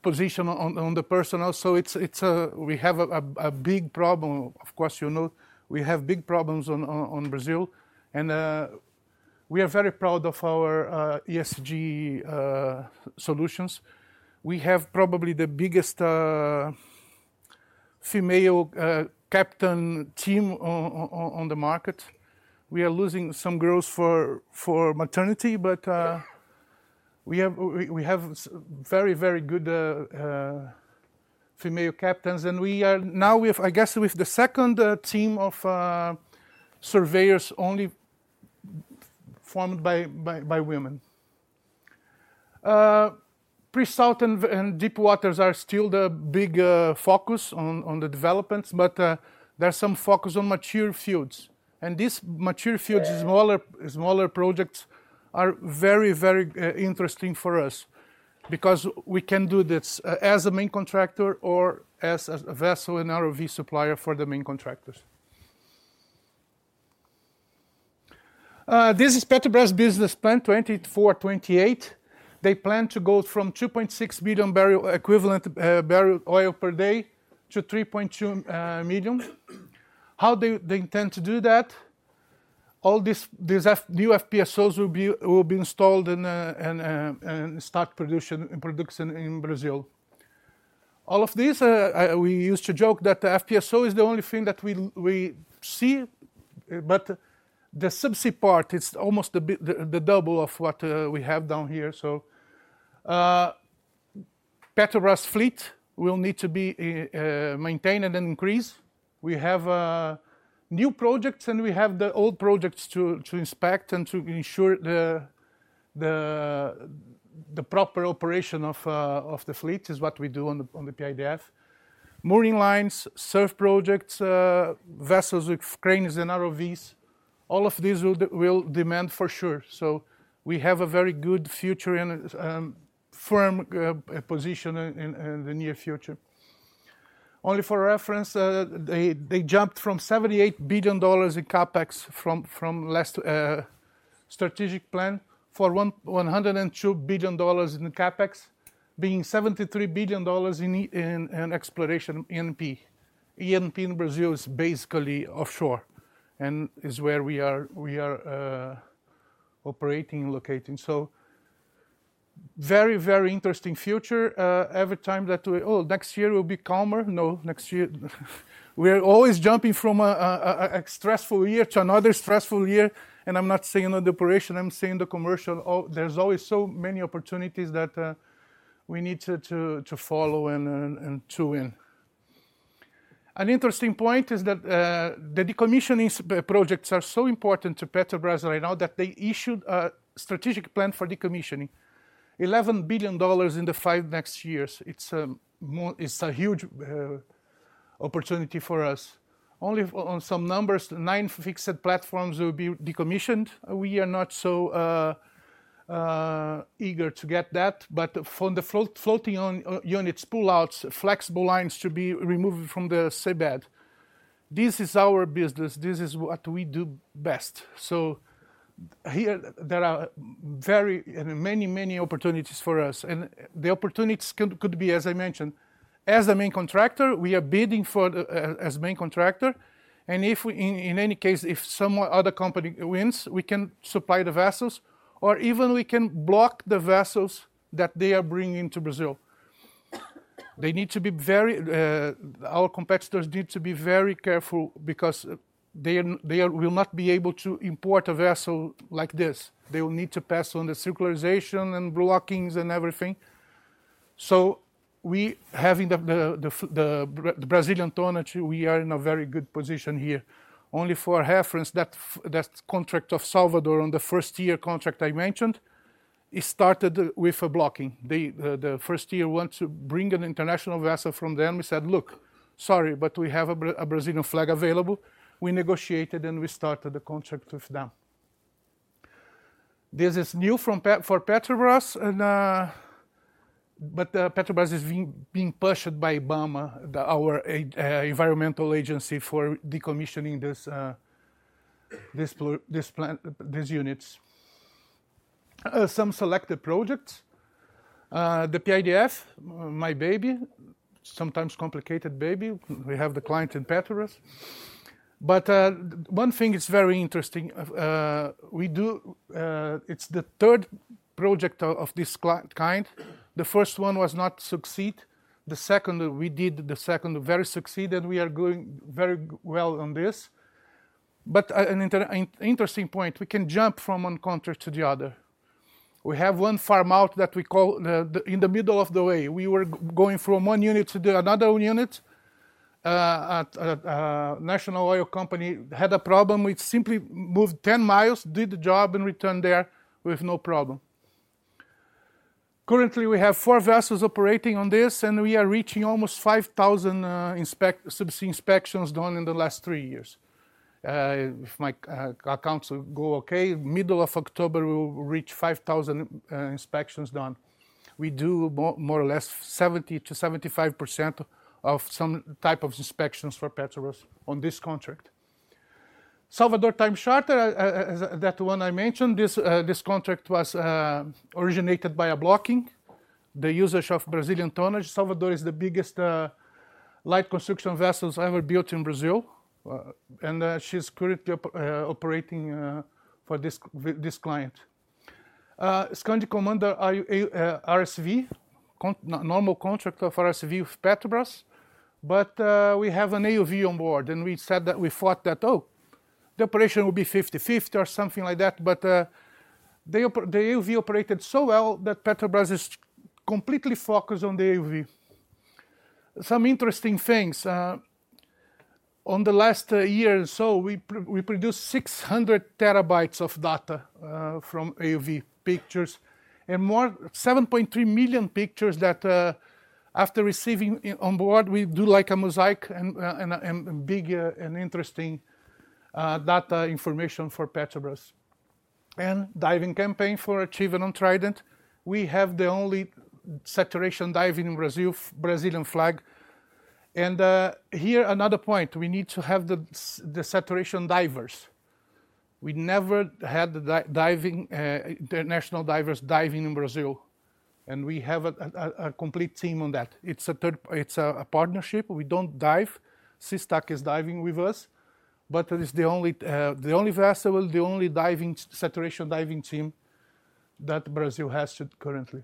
position on the personnel. So it's a-- We have a big problem. Of course, you know, we have big problems on Brazil, and we are very proud of our ESG solutions. We have probably the biggest female captain team on the market. We are losing some girls for maternity, but we have very good female captains, and we are... Now, we have, I guess, with the second team of surveyors only formed by women. Pre-salt and deep waters are still the big focus on the developments, but there are some focus on mature fields. These mature fields, smaller projects, are very interesting for us because we can do this as a main contractor or as a vessel and ROV supplier for the main contractors. This is Petrobras business plan 2024-2028. They plan to go from 2.6 billion barrel equivalent, barrel oil per day to 3.2 million. How they intend to do that? All these new FPSOs will be installed and start production in Brazil. All of this, we used to joke that the FPSO is the only thing that we see, but the subsea part is almost the double of what we have down here. So, Petrobras fleet will need to be maintained and increased. We have new projects, and we have the old projects to inspect and to ensure the proper operation of the fleet, is what we do on the PIDF. Mooring lines, SURF projects, vessels with cranes and ROVs, all of these will demand for sure. So we have a very good future and firm position in the near future. Only for reference, they jumped from $78 billion in CapEx from last strategic plan, for one hundred and two billion dollars in CapEx, being $73 billion in exploration E&P. E&P in Brazil is basically offshore, and is where we are operating and locating. So very, very interesting future. Every time that we, "Oh, next year will be calmer." No, next year. We are always jumping from a stressful year to another stressful year, and I'm not saying on the operation, I'm saying the commercial. Oh, there's always so many opportunities that we need to follow and to win. An interesting point is that the decommissioning projects are so important to Petrobras right now, that they issued a strategic plan for decommissioning. $11 billion in the five next years, it's more, it's a huge opportunity for us. Only on some numbers, nine fixed platforms will be decommissioned. We are not so eager to get that, but for the floating on units, pull outs, flexible lines to be removed from the seabed. This is our business, this is what we do best. So here, there are very and many, many opportunities for us. The opportunities could be, as I mentioned, as the main contractor, we are bidding for the as main contractor, and if we in any case, if some other company wins, we can supply the vessels, or even we can block the vessels that they are bringing to Brazil. They need to be very. Our competitors need to be very careful because they will not be able to import a vessel like this. They will need to pass on the circularization and blockings and everything. So we, having the Brazilian tonnage, we are in a very good position here. Only for reference, that contract of Salvador on the first year contract I mentioned, it started with a blocking. They, the first year want to bring an international vessel from them. We said, "Look, sorry, but we have a Brazilian flag available." We negotiated, and we started the contract with them. This is new for Petrobras, and but, Petrobras is being pushed by IBAMA, our environmental agency, for decommissioning this plant, these units. Some selected projects, the PIDF, my baby, sometimes complicated baby, we have the client in Petrobras. But one thing is very interesting, we do, it's the third project of this kind. The first one was not succeed. The second, we did the second, very succeeded, we are doing very well on this. But an interesting point, we can jump from one contract to the other. We have one farm out that we call, the, in the middle of the way. We were going from one unit to the another unit, at the national oil company had a problem. We simply moved 10 miles, did the job, and returned there with no problem. Currently, we have four vessels operating on this, and we are reaching almost 5,000 subsea inspections done in the last three years. If my accounts go okay, middle of October, we will reach five thousand inspections done. We do more or less 70%-75% of some type of inspections for Petrobras on this contract. Salvador Time Charter, that one I mentioned, this contract was originated by a blocking, the usage of Brazilian tonnage. Salvador is the biggest light construction vessels ever built in Brazil, and she's currently operating for this client. Skandi Commander, RSV, normal contract of RSV with Petrobras, but we have an AUV on board, and we said that we thought that, "Oh, the operation will be fifty-fifty," or something like that. But the AUV operated so well that Petrobras is completely focused on the AUV. Some interesting things on the last year or so, we produced six hundred terabytes of data from AUV pictures, and more seven point three million pictures that after receiving on board, we do like a mosaic and big and interesting data information for Petrobras. Diving campaign for Skandi Achiever on Trident, we have the only saturation diving in Brazil, Brazilian flag. Here, another point, we need to have the saturation divers. We never had diving international divers diving in Brazil, and we have a complete team on that. It's a partnership. We don't dive. Sistac is diving with us, but it is the only vessel, the only diving, saturation diving team that Brazil has currently.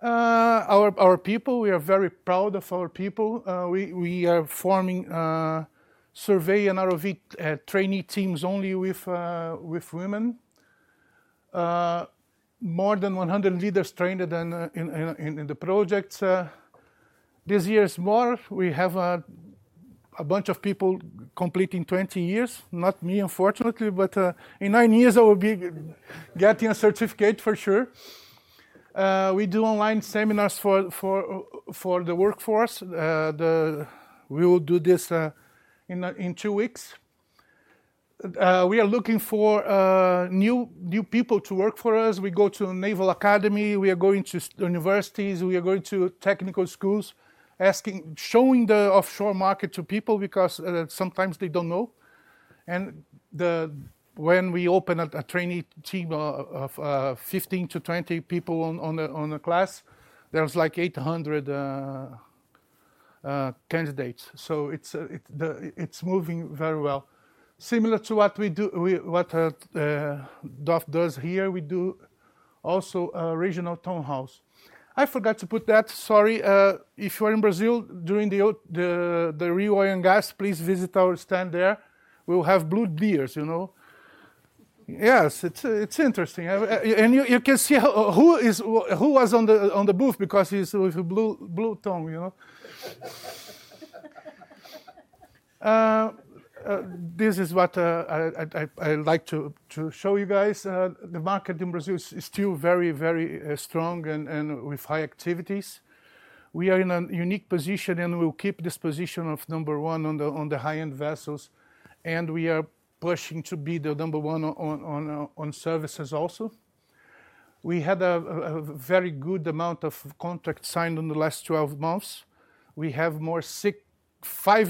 Our people, we are very proud of our people. We are forming survey and ROV trainee teams only with women. More than one hundred leaders trained in the projects. This year is more. We have a bunch of people completing twenty years. Not me, unfortunately, but in nine years, I will be getting a certificate for sure. We do online seminars for the workforce. We will do this in two weeks. We are looking for new people to work for us. We go to naval academy, we are going to universities, we are going to technical schools, showing the offshore market to people because sometimes they don't know. And the... When we open a trainee team of 15 to 20 people on a class, there was like 800 candidates. So it's moving very well. Similar to what we do, DOF does here, we do also a regional town hall. I forgot to put that, sorry. If you are in Brazil during the Rio Oil and Gas, please visit our stand there. We will have blue beers, you know? Yes, it's interesting. You can see who is who was on the booth because he's with a blue tongue, you know? This is what I'd like to show you guys. The market in Brazil is still very strong and with high activities. We are in a unique position, and we will keep this position of number one on the high-end vessels, and we are pushing to be the number one on services also. We had a very good amount of contracts signed in the last twelve months. We have five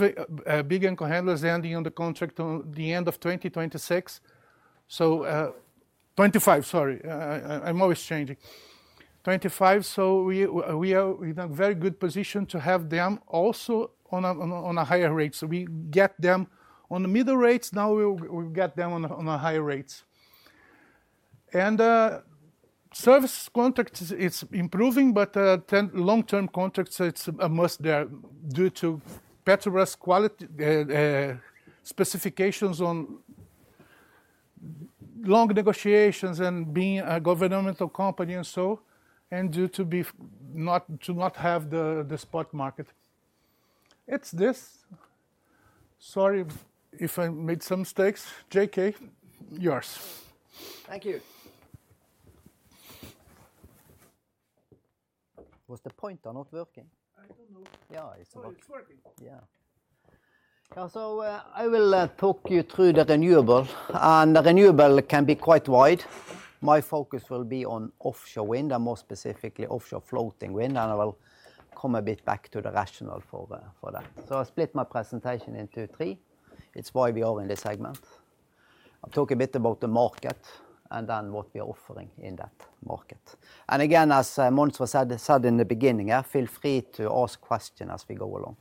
big anchor handlers ending on the contract on the end of 2026. So, 2025, sorry. I'm always changing. 2025, so we are in a very good position to have them also on a higher rate. So we get them on the middle rates, now we will get them on higher rates. Service contracts is improving, but tender long-term contracts, it's mostly they are due to Petrobras quality specifications on long negotiations and being a governmental company and so, and due to not having the spot market. It's this. Sorry if I made some mistakes. JK, yours. Thank you. Was the pointer not working? I don't know. Yeah, it's working. Oh, it's working. Yeah. Yeah, so I will talk you through the renewable, and the renewable can be quite wide. My focus will be on offshore wind, and more specifically, offshore floating wind, and I will come a bit back to the rationale for that. So I split my presentation into three. It's why we are in this segment. I'll talk a bit about the market and then what we are offering in that market. And again, as Mons said in the beginning, yeah, feel free to ask questions as we go along.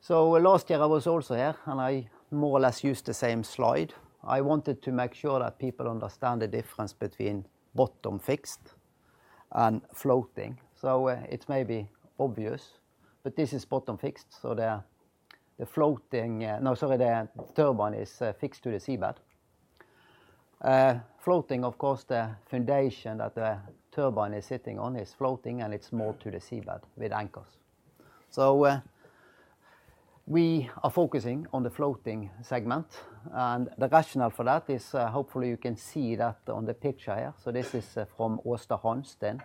So last year, I was also here, and I more or less used the same slide. I wanted to make sure that people understand the difference between bottom-fixed and floating. So it may be obvious, but this is bottom-fixed, so the floating. No, sorry, the turbine is fixed to the seabed. Floating, of course, the foundation that the turbine is sitting on is floating, and it's moored to the seabed with anchors. So we are focusing on the floating segment, and the rationale for that is, hopefully you can see that on the picture here. So this is from Aasta Hansteen,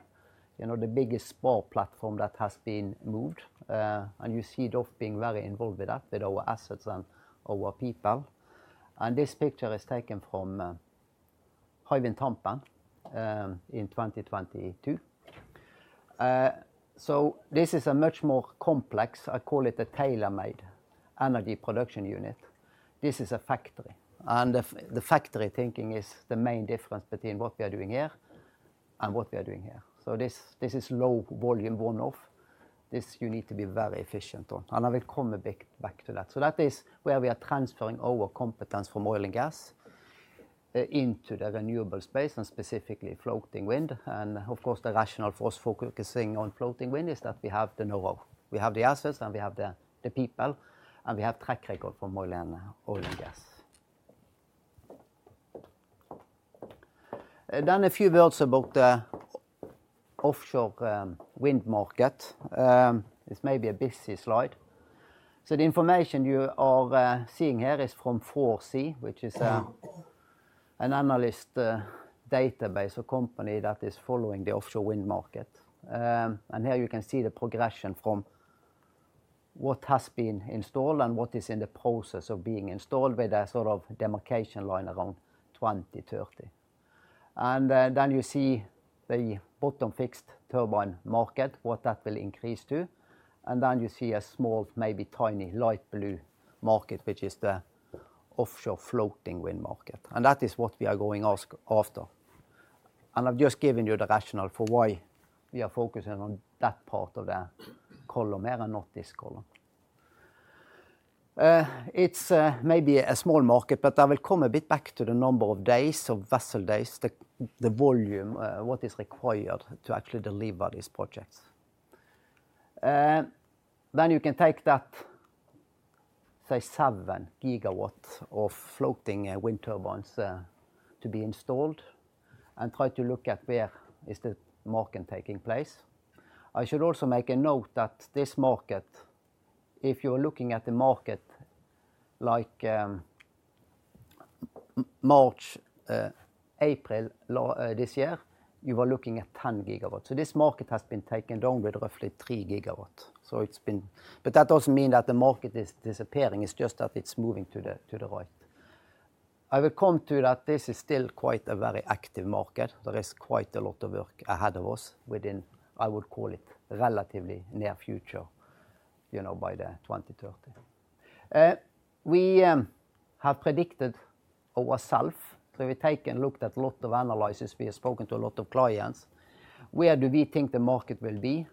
you know, the biggest spar platform that has been moved. And you see DOF being very involved with that, with our assets and our people. And this picture is taken from Hywind Tampen in 2022. So this is a much more complex, I call it a tailor-made, energy production unit. This is a factory, and the factory thinking is the main difference between what we are doing here and what we are doing here. So this is low volume, one-off. This you need to be very efficient on, and I will come a bit back to that. So that is where we are transferring our competence from oil and gas into the renewable space, and specifically floating wind. And of course, the rationale for us focusing on floating wind is that we have the know-how, we have the assets, and we have the people, and we have track record from oil and gas. Then a few words about the offshore wind market. This may be a busy slide. So the information you are seeing here is from 4C, which is an analyst database or company that is following the offshore wind market. And here you can see the progression from what has been installed and what is in the process of being installed with a sort of demarcation line around twenty thirty. And then you see the bottom fixed turbine market, what that will increase to, and then you see a small, maybe tiny light blue market, which is the offshore floating wind market. And that is what we are going after. And I've just given you the rationale for why we are focusing on that part of the column here and not this column. It's maybe a small market, but I will come a bit back to the number of days of vessel days, the volume, what is required to actually deliver these projects. Then you can take that, say, seven gigawatts of floating wind turbines to be installed and try to look at where the market is taking place. I should also make a note that this market, if you are looking at the market like mid-March, April, late this year, you were looking at ten gigawatts. So this market has been taken down with roughly three gigawatts. So it's been. But that doesn't mean that the market is disappearing, it's just that it's moving to the, to the right. I will come to that. This is still quite a very active market. There is quite a lot of work ahead of us within, I would call it, relatively near future, you know, by the 2030. We have predicted ourselves. So we take a look at a lot of analysis. We have spoken to a lot of clients. Where do we think the market will be?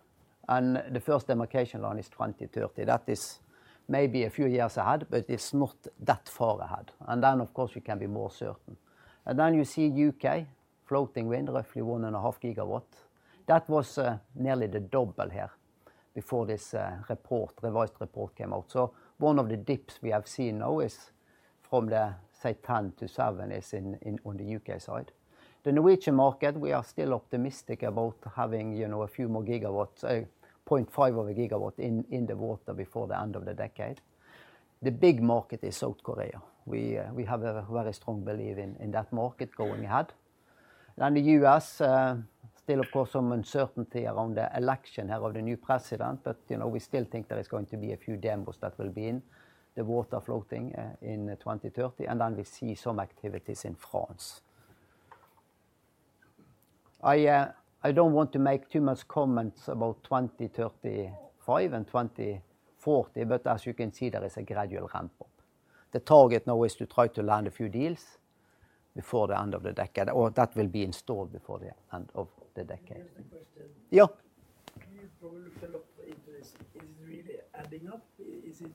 And the first demarcation line is twenty thirty. That is maybe a few years ahead, but it's not that far ahead. And then, of course, we can be more certain. And then you see U.K., floating wind, roughly one and a half gigawatt. That was nearly the double here before this report, revised report came out. So one of the dips we have seen now is from the, say, 10 to 7, is in on the U.K. side. The Norwegian market, we are still optimistic about having, you know, a few more gigawatts, point five of a gigawatt in the water before the end of the decade. The big market is South Korea. We we have a very strong belief in that market going ahead. Then the U.S., still, of course, some uncertainty around the election of the new president, but, you know, we still think there is going to be a few demos that will be in the water floating in 2030, and then we see some activities in France. I don't want to make too much comments about 2035 and 2040, but as you can see, there is a gradual ramp up. The target now is to try to land a few deals before the end of the decade, or that will be installed before the end of the decade. Here's the question. Yeah. Can you probably follow up into this? Is it really adding up? Is it...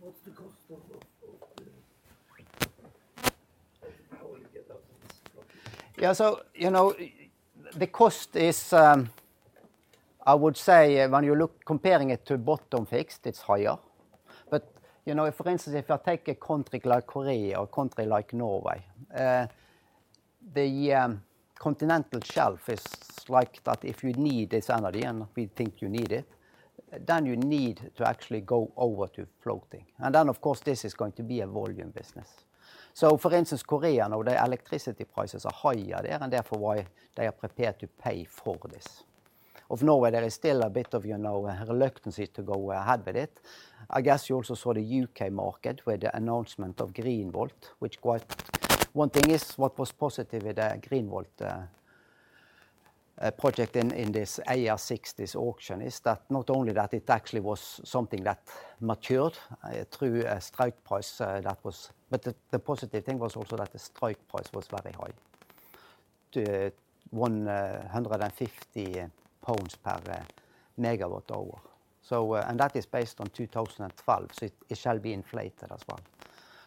What's the cost of the... How will you get out of this problem? Yeah, so, you know, the cost is, I would say when you look comparing it to bottom fixed, it's higher. But, you know, for instance, if you take a country like Korea or country like Norway, the continental shelf is like that if you need this energy, and we think you need it, then you need to actually go over to floating. And then, of course, this is going to be a volume business. So for instance, Korea, now, the electricity prices are higher there, and therefore, why they are prepared to pay for this. Of Norway, there is still a bit of, you know, reluctance to go ahead with it. I guess you also saw the UK market with the announcement of Green Volt, which quite... One thing is, what was positive with the Green Volt project in this AR6 auction is that not only that it actually was something that matured through a strike price that was, but the positive thing was also that the strike price was very high, to 150 pounds per megawatt hour. So, and that is based on 2012, so it shall be inflated as well.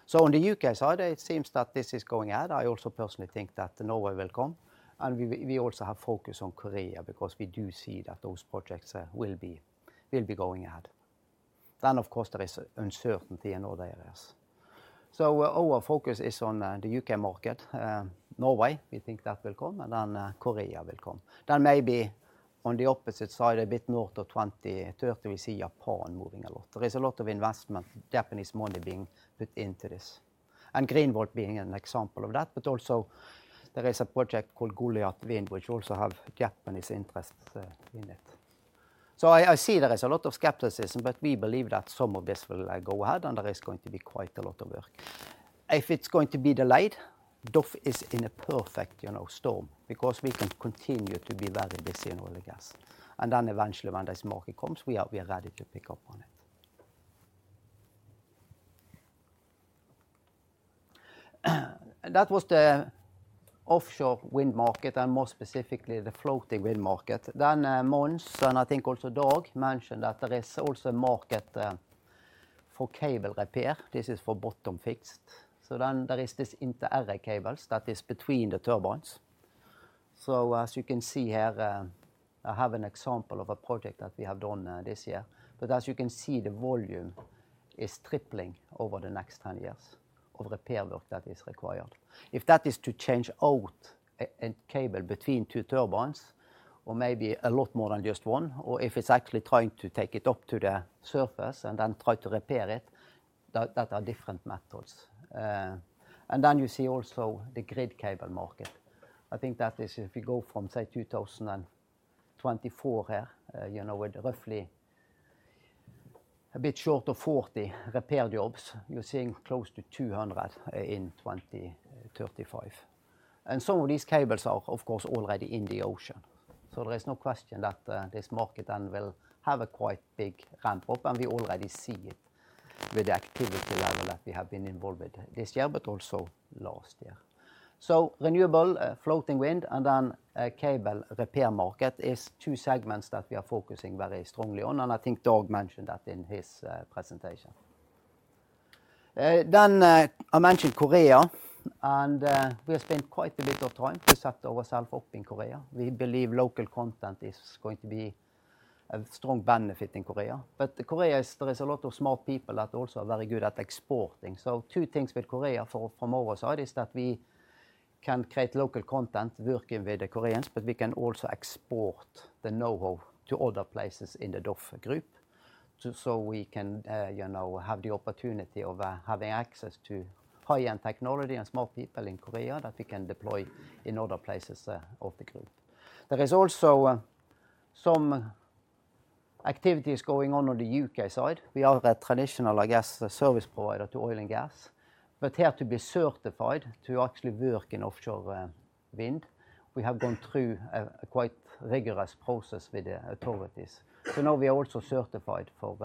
So on the U.K. side, it seems that this is going ahead. I also personally think that Norway will come, and we also have focus on Korea because we do see that those projects will be going ahead. Then, of course, there is uncertainty in other areas. So our focus is on the U.K. market. Norway, we think that will come, and then Korea will come. Then maybe on the opposite side, a bit north of 2030, we see Japan moving a lot. There is a lot of investment, Japanese money being put into this, and Green Volt being an example of that. But also there is a project called Goliath Wind, which also have Japanese interests in it. So I see there is a lot of skepticism, but we believe that some of this will go ahead, and there is going to be quite a lot of work. If it's going to be delayed, DOF is in a perfect, you know, storm, because we can continue to be very busy in oil and gas. And then eventually, when this market comes, we are ready to pick up on it. That was the offshore wind market, and more specifically, the floating wind market. Then, Mons, and I think also Dag, mentioned that there is also a market for cable repair. This is for bottom-fixed. So then there is this inter-array cables that is between the turbines. So as you can see here, I have an example of a project that we have done this year. But as you can see, the volume is tripling over the next ten years of repair work that is required. If that is to change out a cable between two turbines, or maybe a lot more than just one, or if it's actually trying to take it up to the surface and then try to repair it, that are different methods. And then you see also the grid cable market. I think that is if you go from, say, 2024 here, you know, with roughly a bit short of 40 repair jobs. You're seeing close to 200 in 2035. Some of these cables are, of course, already in the ocean, so there is no question that this market then will have a quite big ramp up. We already see it with the activity level that we have been involved with this year, but also last year. Renewable, floating wind, and then, cable repair market is two segments that we are focusing very strongly on, and I think Dag mentioned that in his presentation. I mentioned Korea, and we have spent quite a bit of time to set ourselves up in Korea. We believe local content is going to be a strong benefit in Korea. But Korea, there is a lot of smart people that are also very good at exporting. So two things with Korea from our side is that we can create local content working with the Koreans, but we can also export the know-how to other places in the DOF Group. So we can, you know, have the opportunity of having access to high-end technology and smart people in Korea that we can deploy in other places of the group. There is also some activities going on on the UK side. We are a traditional, I guess, service provider to oil and gas, but here to be certified to actually work in offshore wind, we have gone through a quite rigorous process with the authorities. So now we are also certified for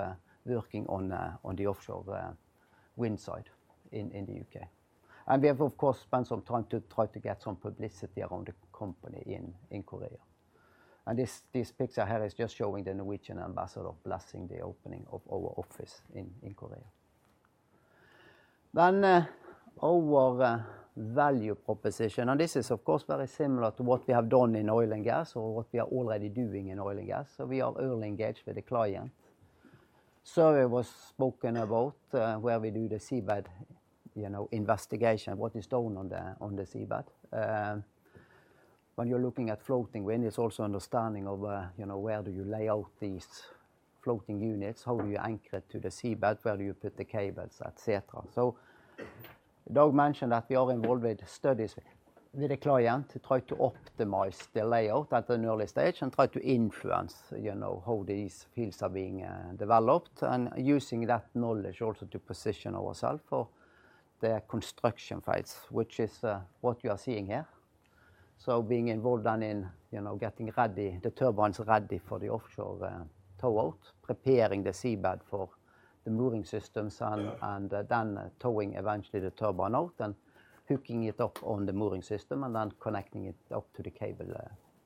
working on the offshore wind side in the U.K. And we have, of course, spent some time to try to get some publicity around the company in Korea. And this picture here is just showing the Norwegian ambassador blessing the opening of our office in Korea. Then our value proposition, and this is, of course, very similar to what we have done in oil and gas or what we are already doing in oil and gas. So we are early engaged with the client. Survey was spoken about where we do the seabed, you know, investigation, what is done on the seabed. When you're looking at floating wind, it's also understanding of, you know, where do you lay out these floating units? How do you anchor it to the seabed? Where do you put the cables, et cetera. So Dag mentioned that we are involved with studies with the client to try to optimize the layout at an early stage and try to influence, you know, how these fields are being developed, and using that knowledge also to position ourself for the construction phase, which is what you are seeing here. So being involved then in, you know, getting ready, the turbines ready for the offshore tow out, preparing the seabed for the mooring systems, and then towing eventually the turbine out and hooking it up on the mooring system, and then connecting it up to the cable,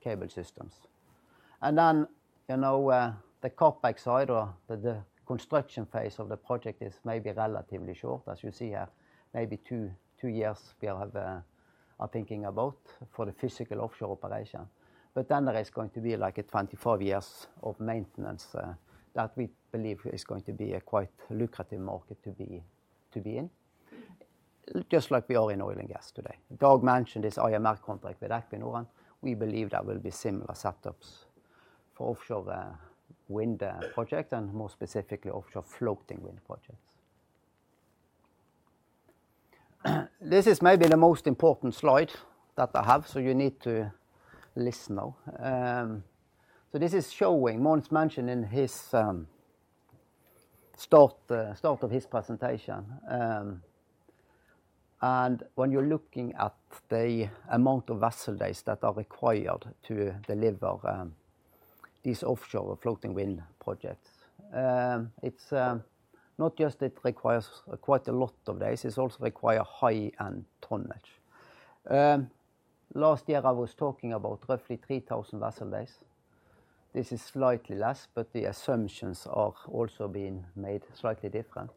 cable systems. And then, you know, the CapEx side or the construction phase of the project is maybe relatively short, as you see here. Maybe two years we have, are thinking about for the physical offshore operation. But then there is going to be like a 25 years of maintenance, that we believe is going to be a quite lucrative market to be in, just like we are in oil and gas today. Dag mentioned this IMR contract with Equinor, and we believe there will be similar setups for offshore wind project and more specifically, offshore floating wind projects. This is maybe the most important slide that I have, so you need to listen now. So this is showing. Mons mentioned in his start of his presentation, and when you're looking at the amount of vessel days that are required to deliver these offshore floating wind projects, it's not just it requires quite a lot of days, it also require high-end tonnage. Last year, I was talking about roughly three thousand vessel days. This is slightly less, but the assumptions are also being made slightly different.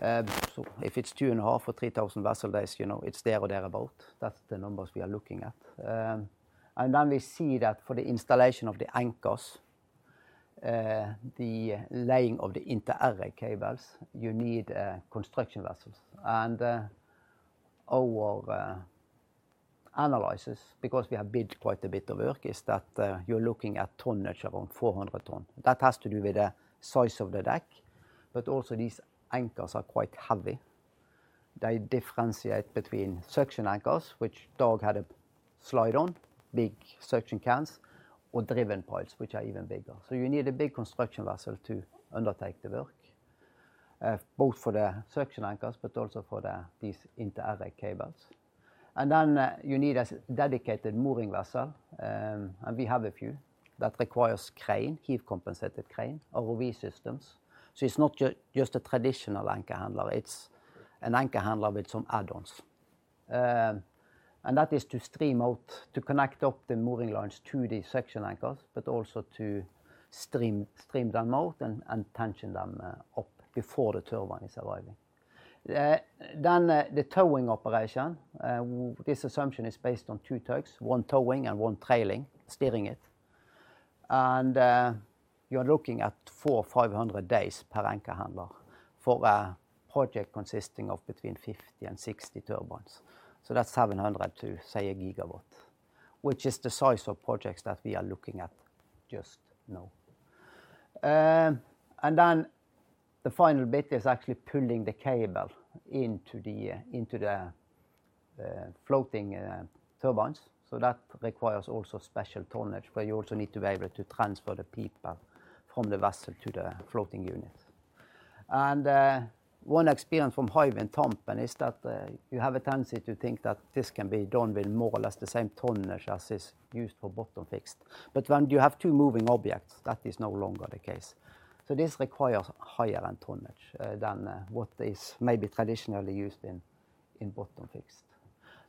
So if it's two and a half or three thousand vessel days, you know, it's there or thereabouts. That's the numbers we are looking at. And then we see that for the installation of the anchors, the laying of the inter-array cables, you need construction vessels. Our analysis, because we have built quite a bit of work, is that you're looking at tonnage around 400 ton. That has to do with the size of the deck, but also these anchors are quite heavy. They differentiate between suction anchors, which Dag had a slide on, big suction cans or driven piles, which are even bigger. So you need a big construction vessel to undertake the work, both for the suction anchors, but also for these inter-array cables. And then you need a dedicated mooring vessel, and we have a few. That requires crane, heave-compensated crane, ROV systems. So it's not just a traditional anchor handler, it's an anchor handler with some add-ons. And that is to stream out, to connect up the mooring lines to the suction anchors, but also to stream them out and tension them up before the turbine is arriving. Then the towing operation. This assumption is based on two tugs, one towing and one trailing, steering it. And you are looking at 450 days per anchor handler for a project consisting of between 50 and 60 turbines. So that's 700 to, say, a gigawatt, which is the size of projects that we are looking at just now. And then the final bit is actually pulling the cable into the floating turbines. So that requires also special tonnage, where you also need to be able to transfer the people from the vessel to the floating unit. One experience from Hywind Tampen is that you have a tendency to think that this can be done with more or less the same tonnage as is used for bottom-fixed. When you have two moving objects, that is no longer the case. This requires higher-end tonnage than what is maybe traditionally used in bottom-fixed.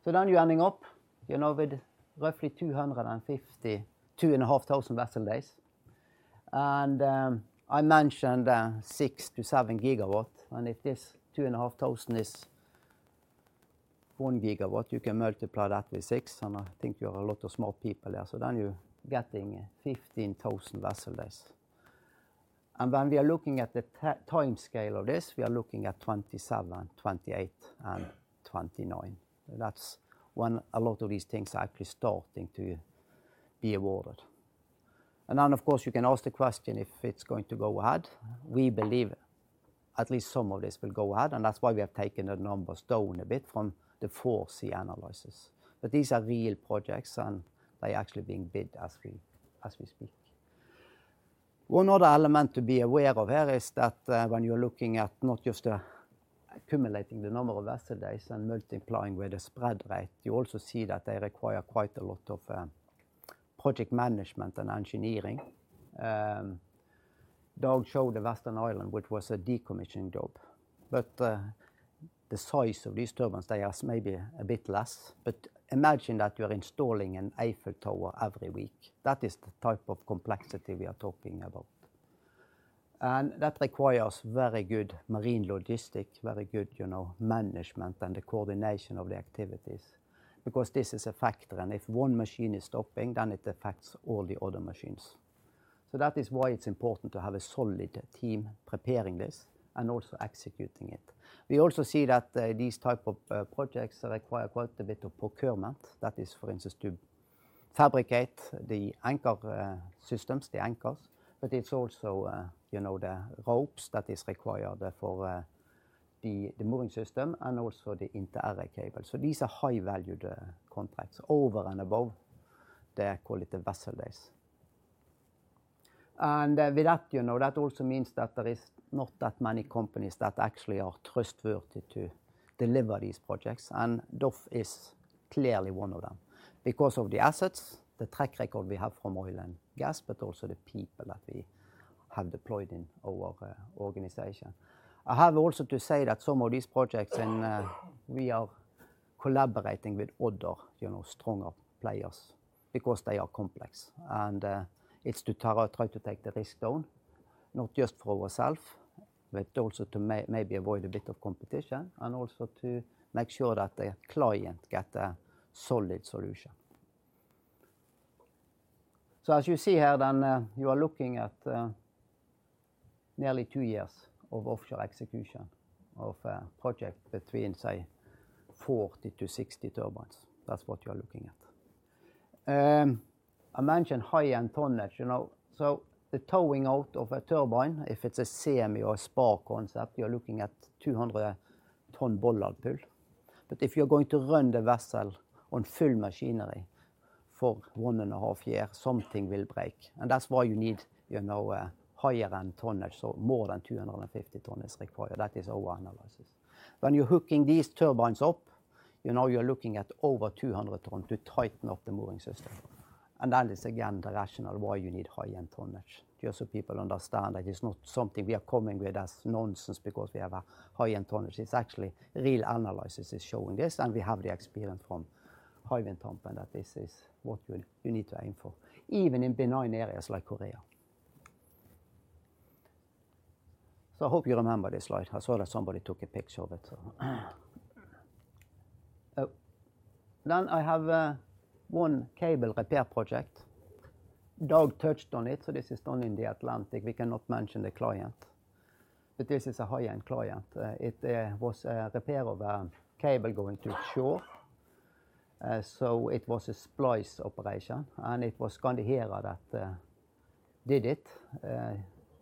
Then you are ending up, you know, with roughly 2,500 vessel days. I mentioned 6-7 gigawatt, and if this 2,500 is one gigawatt, you can multiply that with six, and I think you have a lot of smart people there, so then you are getting 15,000 vessel days. When we are looking at the timescale of this, we are looking at 2027, 2028, and 2029. That's when a lot of these things are actually starting to be awarded. And then, of course, you can ask the question if it's going to go ahead. We believe at least some of this will go ahead, and that's why we have taken the numbers down a bit from the 4C analysis. But these are real projects, and they're actually being bid as we speak. One other element to be aware of here is that, when you are looking at not just accumulating the number of vessel days and multiplying with a spread rate, you also see that they require quite a lot of project management and engineering. Dag showed the Western Isles, which was a decommissioning job, but the size of these turbines, they are maybe a bit less. But imagine that you are installing an Eiffel Tower every week. That is the type of complexity we are talking about. And that requires very good marine logistics, very good, you know, management and the coordination of the activities, because this is a factor, and if one machine is stopping, then it affects all the other machines. So that is why it's important to have a solid team preparing this and also executing it. We also see that, these type of, projects require quite a bit of procurement. That is, for instance, to fabricate the anchor, systems, the anchors, but it's also, you know, the ropes that is required for, the, the mooring system and also the inter-array cable. So these are high-value, contracts over and above the quality vessel days. With that, you know, that also means that there is not that many companies that actually are trustworthy to deliver these projects, and DOF is clearly one of them. Because of the assets, the track record we have from oil and gas, but also the people that we have deployed in our organization. I have also to say that some of these projects, and we are collaborating with other, you know, stronger players because they are complex. And it's to try to take the risk down, not just for ourself, but also to maybe avoid a bit of competition, and also to make sure that the client get a solid solution. As you see here, then, you are looking at nearly two years of offshore execution of a project between, say, forty to sixty turbines. That's what you are looking at. I mentioned high-end tonnage, you know, so the towing out of a turbine, if it's a semi or a spar concept, you are looking at 200-ton bollard pull. But if you are going to run the vessel on full machinery for one and a half year, something will break, and that's why you need, you know, higher-end tonnage. So more than 250 tonnage is required. That is our analysis. When you're hooking these turbines up, you know you are looking at over 200 ton to tighten up the mooring system. And that is, again, the rationale why you need high-end tonnage. Just so people understand that it's not something we are coming with as nonsense because we have a high-end tonnage. It's actually real analysis is showing this, and we have the experience from Hywind Tampen, that this is what you need to aim for, even in benign areas like Korea. I hope you remember this slide. I saw that somebody took a picture of it, so. Oh, then I have one cable repair project. Dag touched on it, so this is done in the Atlantic. We cannot mention the client, but this is a high-end client. It was a repair of a cable going to shore. So it was a splice operation, and it was Skandi that did it.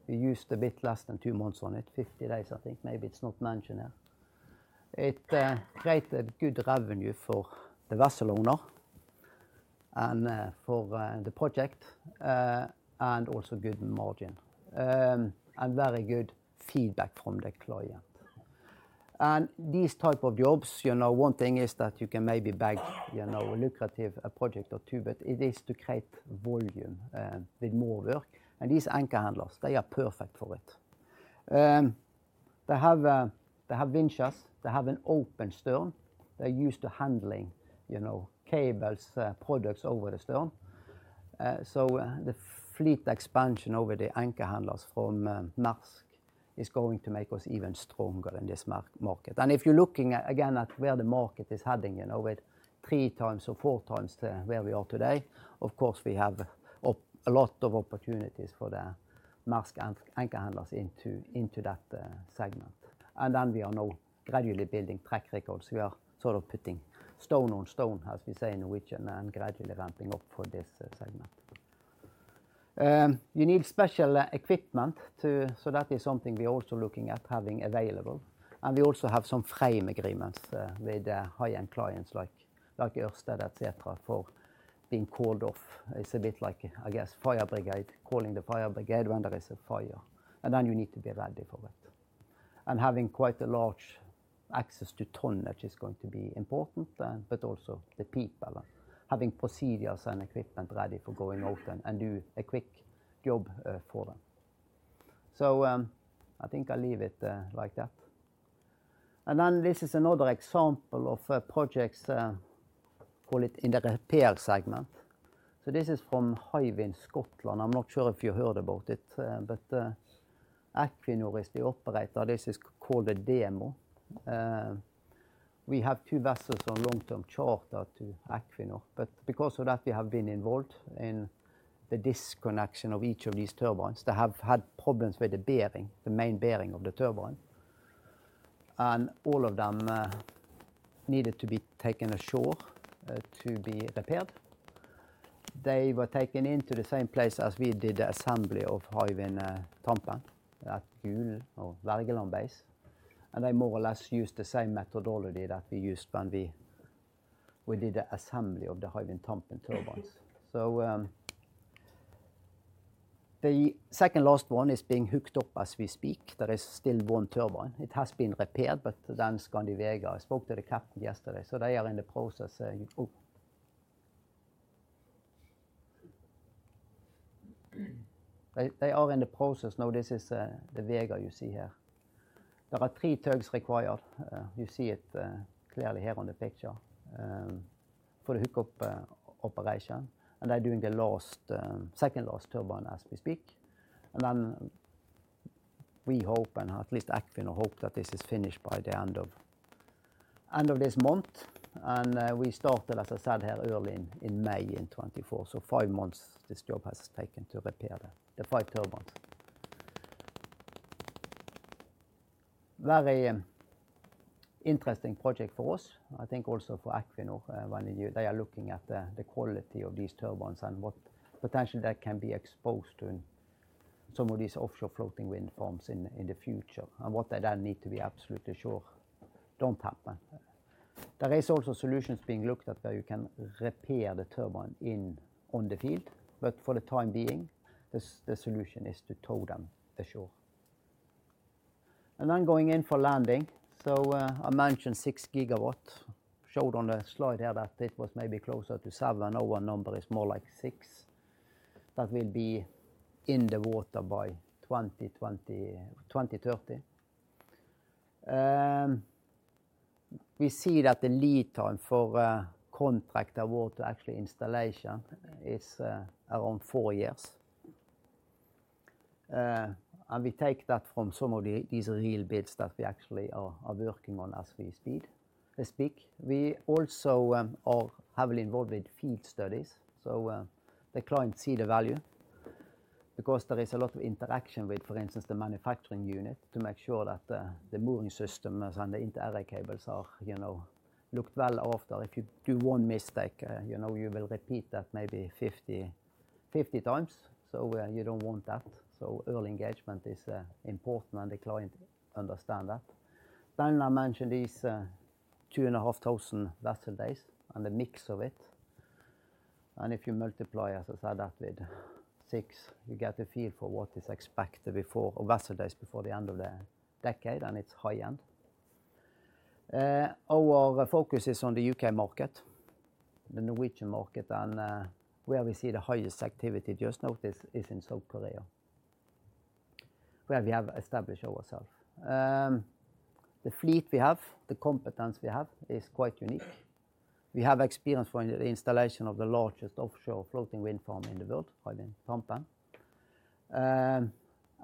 We used a bit less than two months on it, 50 days, I think. Maybe it's not mentioned here. It created good revenue for the vessel owner and for the project and also good margin and very good feedback from the client. These type of jobs, you know, one thing is that you can maybe bag, you know, a lucrative, a project or two, but it is to create volume with more work. These anchor handlers, they are perfect for it. They have winches, they have an open stern. They're used to handling, you know, cables, products over the stern. So the fleet expansion over the anchor handlers from Maersk is going to make us even stronger in this market. If you're looking at, again, at where the market is heading, you know, with three times or four times to where we are today, of course, we have a lot of opportunities for the Maersk anchor handlers into that segment. Then we are now gradually building track records. We are sort of putting stone on stone, as we say in Norwegian, and gradually ramping up for this segment. You need special equipment to, so that is something we are also looking at having available. We also have some frame agreements with high-end clients like Ørsted, et cetera, for being called off. It's a bit like, I guess, fire brigade, calling the fire brigade when there is a fire, and then you need to be ready for it. And having quite a large access to tonnage is going to be important, but also the people and having procedures and equipment ready for going out and do a quick job for them. So, I think I leave it like that. And then this is another example of projects, call it in the repair segment. So this is from Hywind Scotland. I'm not sure if you heard about it, but Equinor is the operator. This is called the demo. We have two vessels on long-term charter to Equinor, but because of that, we have been involved in the disconnection of each of these turbines. They have had problems with the bearing, the main bearing of the turbine, and all of them needed to be taken ashore to be repaired. They were taken into the same place as we did the assembly of Hywind Tampen, at Gulen or Værøy base. They more or less used the same methodology that we used when we did the assembly of the Hywind Tampen turbines. The second last one is being hooked up as we speak. There is still one turbine. It has been repaired, but then Skandi Vega. I spoke to the captain yesterday, so they are in the process now. This is the Vega you see here. There are three tugs required. You see it clearly here on the picture for the hookup operation, and they're doing the second last turbine as we speak. And then we hope, and at least Equinor hope, that this is finished by the end of this month. We started, as I said, here early in May in 2024. So five months, this job has taken to repair the five turbines. Very interesting project for us, I think also for Equinor, they are looking at the quality of these turbines and what potentially they can be exposed to in some of these offshore floating wind farms in the future, and what they then need to be absolutely sure don't happen. There is also solutions being looked at where you can repair the turbine in the field, but for the time being, the solution is to tow them to shore. And I'm going in for landing. I mentioned six gigawatts, showed on the slide here that it was maybe closer to seven. Our number is more like six. That will be in the water by 2020-2030. We see that the lead time for contract award to actual installation is around four years. We take that from some of these real bids that we actually are working on as we speak. We also are heavily involved with FEED studies, so the clients see the value because there is a lot of interaction with, for instance, the manufacturing unit, to make sure that the mooring systems and the inter-array cables are, you know, looked well after. If you do one mistake, you know, you will repeat that maybe 50 times, so you don't want that. Early engagement is important, and the client understand that. Then I mentioned these two and a half thousand vessel days, and the mix of it, and if you multiply, as I said, that with six, you get a feel for what is expected before or vessel days before the end of the decade, and it's high end. Our focus is on the UK market, the Norwegian market, and where we see the highest activity just now is in South Korea, where we have established ourselves. The fleet we have, the competence we have, is quite unique. We have experience for the installation of the largest offshore floating wind farm in the world, Hywind Tampen,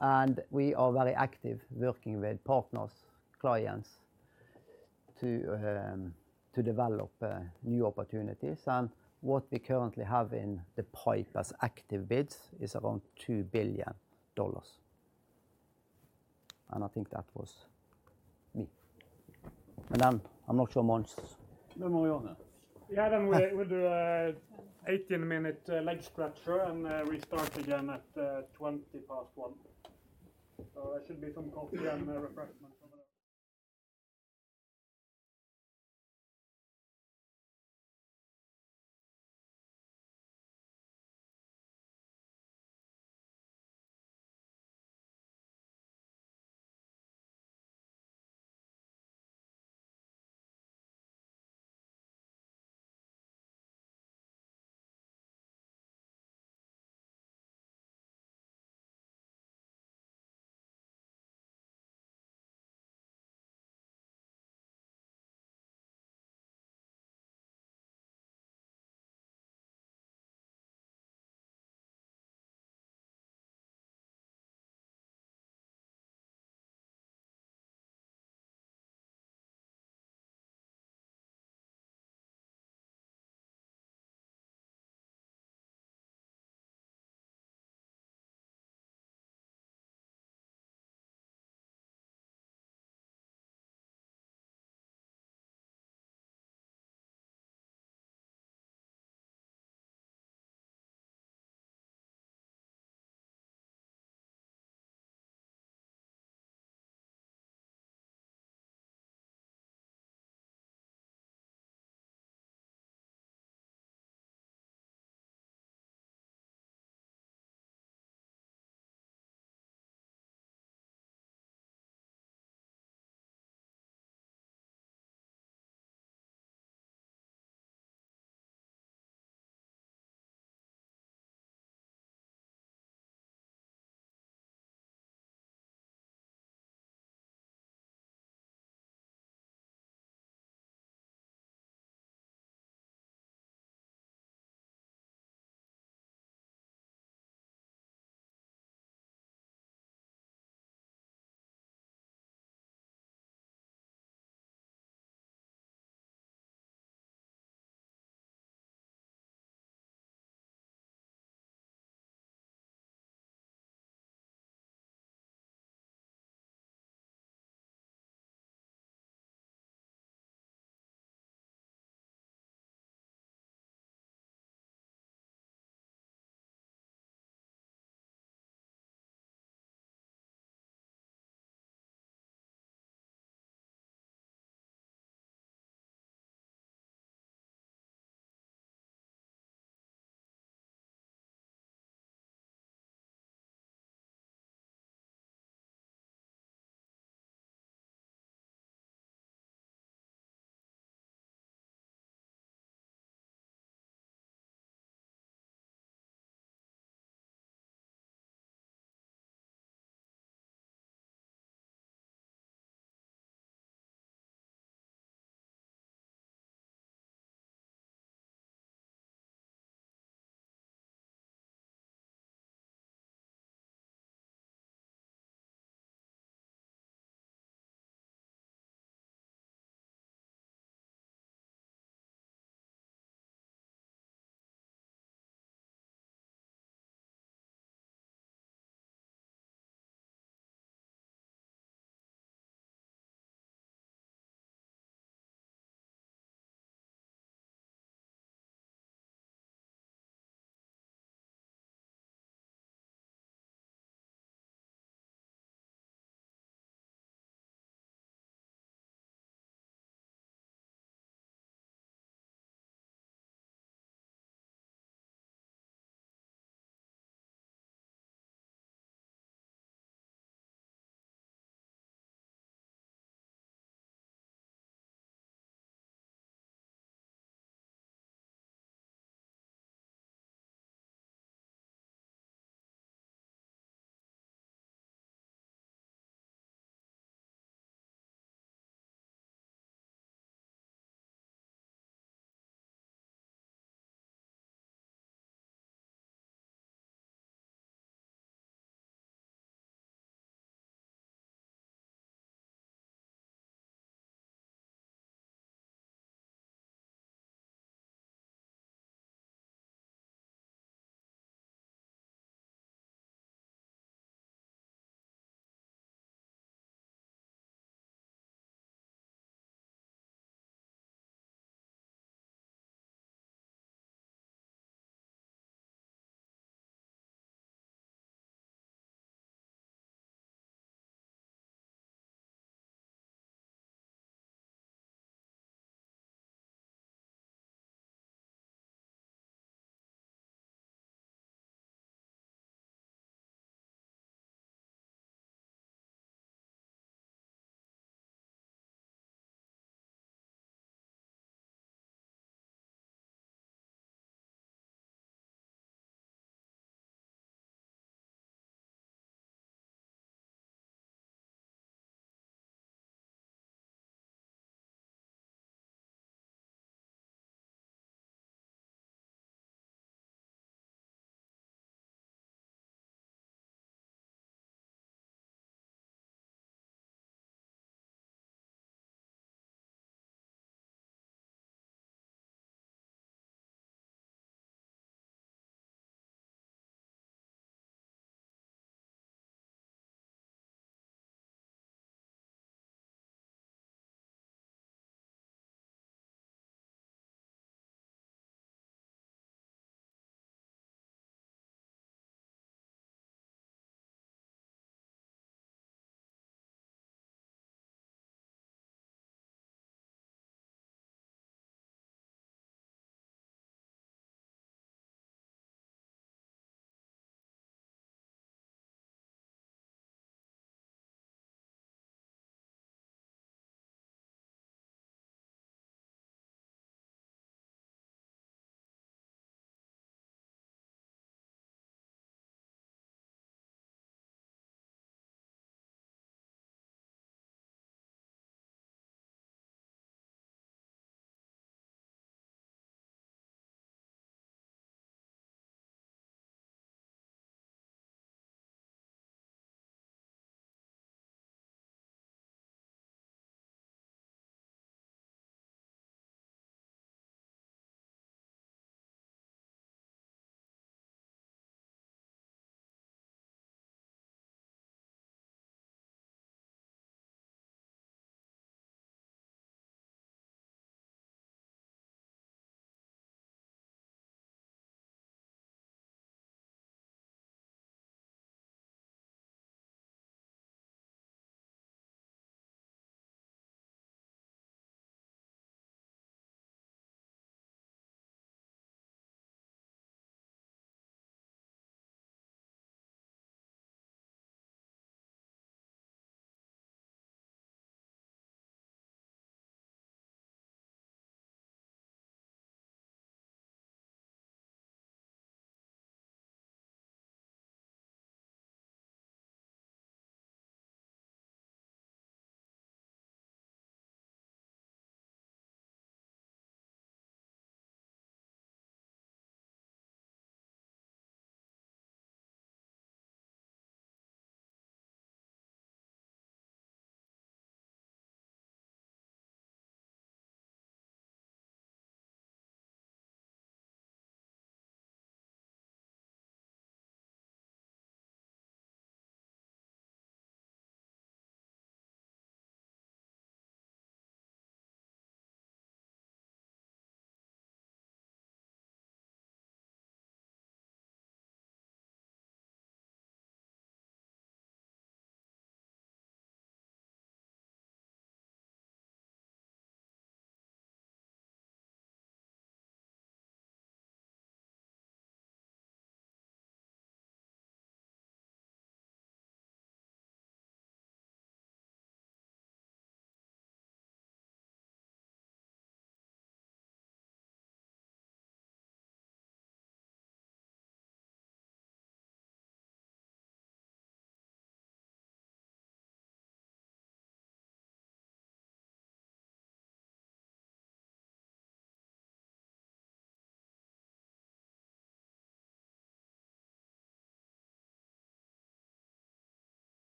and we are very active working with partners, clients, to develop new opportunities. And what we currently have in the pipe as active bids is around $2 billion. And I think that was me. And then I'm not sure months. No more on it. Yeah, then we do an 18-minute leg stretcher, and we start again at 1:20 P.M. So there should be some coffee and refreshments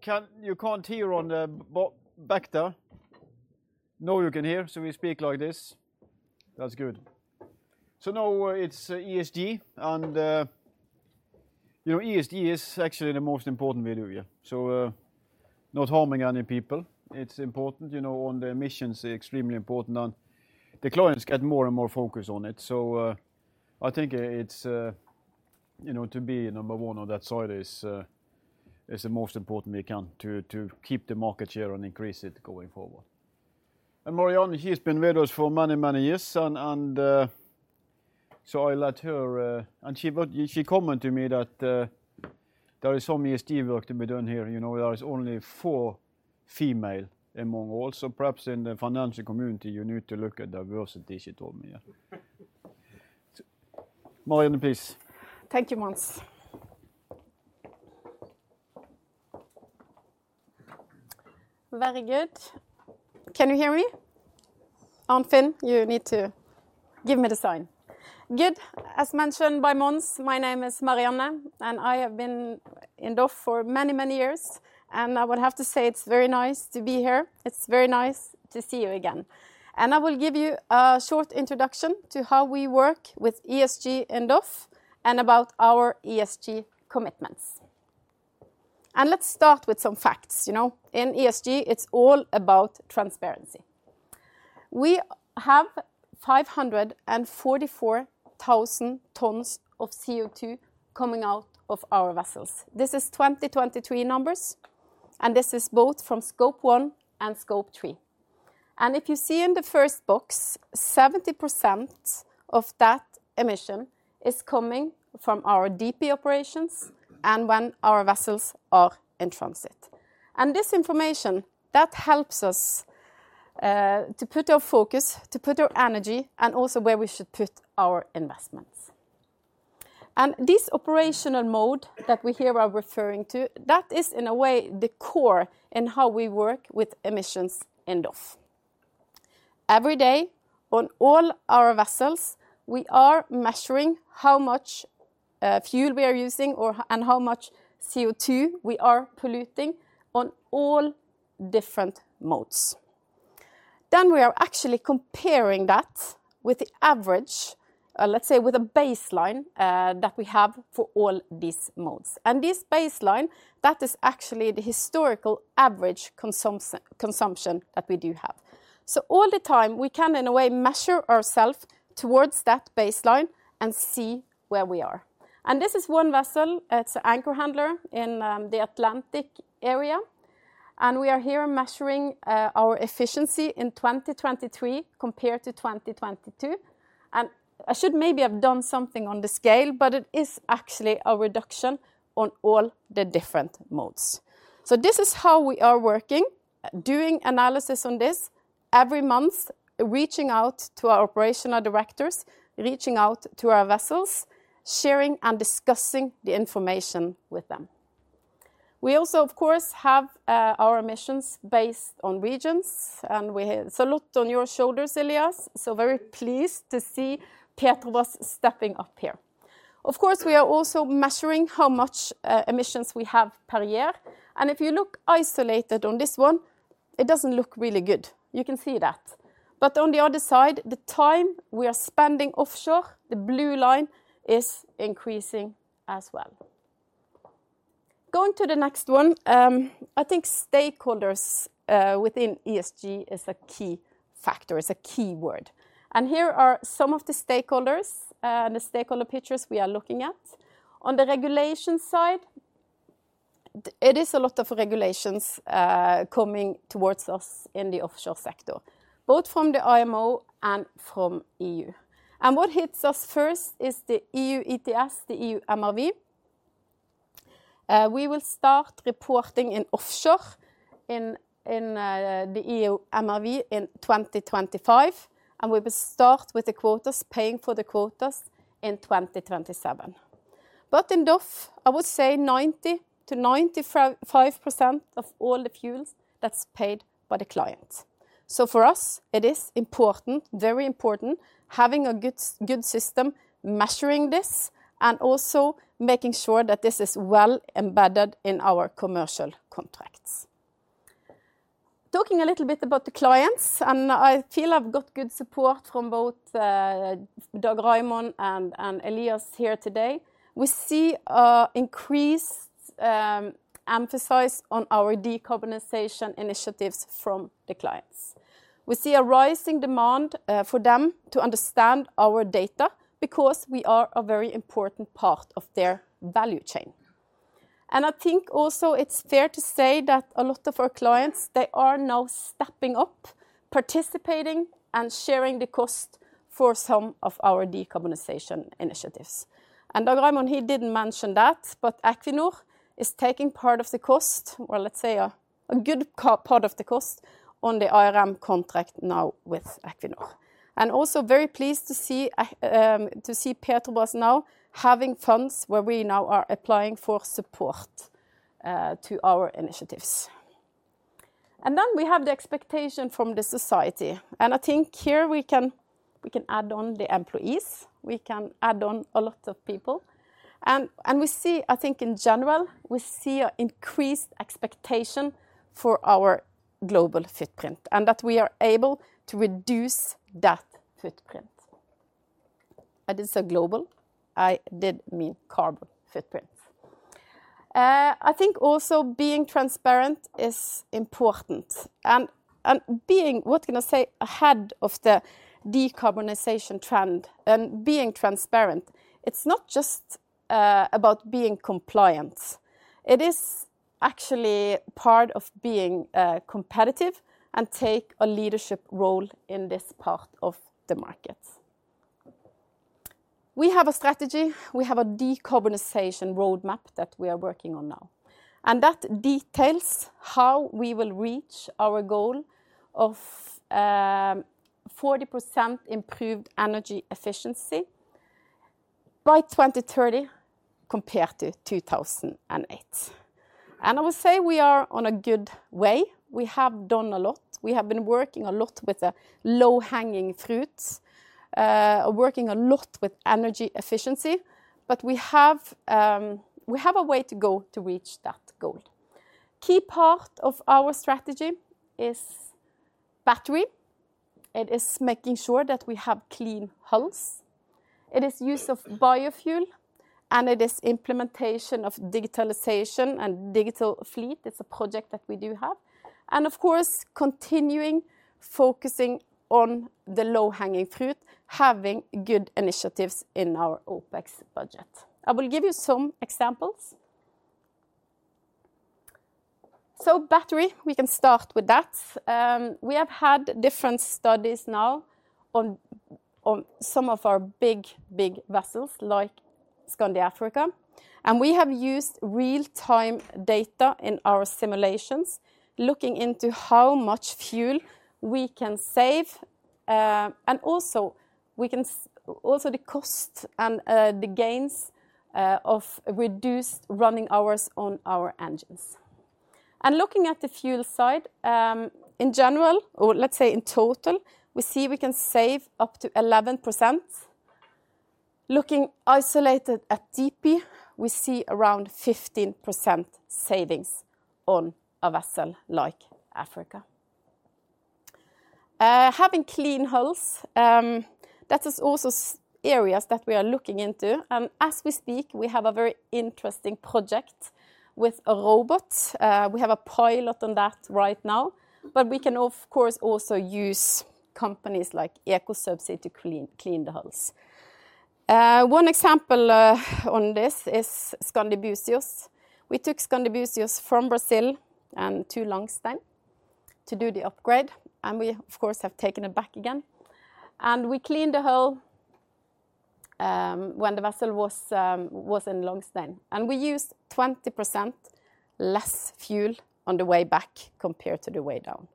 on the way.... Can you? Can't hear on the back there? Now you can hear, so we speak like this. That's good, so now it's ESG, and.. You know, ESG is actually the most important value, yeah. So, not harming any people, it's important, you know, on the emissions, extremely important, and the clients get more and more focused on it. So, I think, it's, you know, to be number one on that side is, is the most important we can to, to keep the market share and increase it going forward. And Marianne, she's been with us for many, many years, and, and, so I let her... And she comment to me that, there is so many ESG work to be done here. You know, there is only four female among all. "So perhaps in the financial community, you need to look at diversity," she told me, yeah. So Marianne, please. Thank you, Mons. Very good. Can you hear me? And then, you need to give me the sign. Good. As mentioned by Mons, my name is Marianne, and I have been in DOF for many, many years, and I would have to say it's very nice to be here. It's very nice to see you again. And I will give you a short introduction to how we work with ESG in DOF and about our ESG commitments. And let's start with some facts, you know? In ESG, it's all about transparency. We have 544,000 tons of CO2 coming out of our vessels. This is 2023 numbers, and this is both from Scope 1 and Scope 3. And if you see in the first box, 70% of that emission is coming from our DP operations and when our vessels are in transit. And this information, that helps us, to put our focus, to put our energy, and also where we should put our investments. And this operational mode that we here are referring to, that is, in a way, the core in how we work with emissions in DOF. Every day, on all our vessels, we are measuring how much fuel we are using, and how much CO2 we are polluting on all different modes. Then, we are actually comparing that with the average, let's say with a baseline, that we have for all these modes. And this baseline, that is actually the historical average consumption that we do have. So all the time, we can, in a way, measure ourself towards that baseline and see where we are. And this is one vessel. It's an anchor handler in the Atlantic area, and we are here measuring our efficiency in 2023 compared to 2022. I should maybe have done something on the scale, but it is actually a reduction on all the different modes. This is how we are working, doing analysis on this every month, reaching out to our operational directors, reaching out to our vessels, sharing and discussing the information with them. We also, of course, have our emissions based on regions, and we have a lot on your shoulders, Elias, so very pleased to see Petrobras stepping up here. Of course, we are also measuring how much emissions we have per year, and if you look isolated on this one, it doesn't look really good. You can see that. But on the other side, the time we are spending offshore, the blue line, is increasing as well. Going to the next one, I think stakeholders within ESG is a key factor, is a key word. And here are some of the stakeholders, and the stakeholder pictures we are looking at. On the regulation side, it is a lot of regulations coming towards us in the offshore sector, both from the IMO and from EU. And what hits us first is the EU ETS, the EU MRV. We will start reporting in offshore in the EU MRV in twenty twenty-five, and we will start with the quotas, paying for the quotas in twenty twenty-seven. But in DOF, I would say 90%-95% of all the fuels, that's paid by the client. So for us, it is important, very important, having a good system, measuring this, and also making sure that this is well embedded in our commercial contracts. Talking a little bit about the clients, and I feel I've got good support from both, Dag Andersen and Elias here today. We see an increased emphasis on our decarbonization initiatives from the clients. We see a rising demand for them to understand our data because we are a very important part of their value chain. And I think also it's fair to say that a lot of our clients, they are now stepping up, participating, and sharing the cost for some of our decarbonization initiatives. And Dag Reimar, he didn't mention that, but Equinor is taking part of the cost, or let's say a good part of the cost, on the IMR contract now with Equinor. And also very pleased to see a, to see Petrobras now having funds where we now are applying for support, to our initiatives. And then we have the expectation from the society, and I think here we can add on the employees, we can add on a lot of people. And we see, I think in general, we see an increased expectation for our global footprint, and that we are able to reduce that footprint. I did say global? I did mean carbon footprint. I think also being transparent is important, and being, what can I say, ahead of the decarbonization trend and being transparent, it's not just about being compliant. It is actually part of being competitive and take a leadership role in this part of the market. We have a strategy. We have a decarbonization roadmap that we are working on now, and that details how we will reach our goal of 40% improved energy efficiency by 2030, compared to 2008. I will say we are on a good way. We have done a lot. We have been working a lot with the low-hanging fruits, working a lot with energy efficiency, but we have a way to go to reach that goal. Key part of our strategy is battery. It is making sure that we have clean hulls. It is use of biofuel, and it is implementation of digitalization and digital fleet. It's a project that we do have, and of course, continuing focusing on the low-hanging fruit, having good initiatives in our OpEx budget. I will give you some examples. Battery, we can start with that. We have had different studies now on some of our big vessels, like Skandi Africa, and we have used real-time data in our simulations, looking into how much fuel we can save, and also the cost and the gains of reduced running hours on our engines. Looking at the fuel side, in general, or let's say in total, we see we can save up to 11%. Looking isolated at DP, we see around 15% savings on a vessel like Skandi Africa. Having clean hulls, that is also areas that we are looking into, and as we speak, we have a very interesting project with a robot. We have a pilot on that right now, but we can, of course, also use companies like EcoSubsea to clean the hulls. One example on this is Skandi Búzios. We took Skandi Búzios from Brazil and to Langsten to do the upgrade, and we, of course, have taken it back again. We cleaned the hull when the vessel was in Langsten, and we used 20% less fuel on the way back compared to the way down.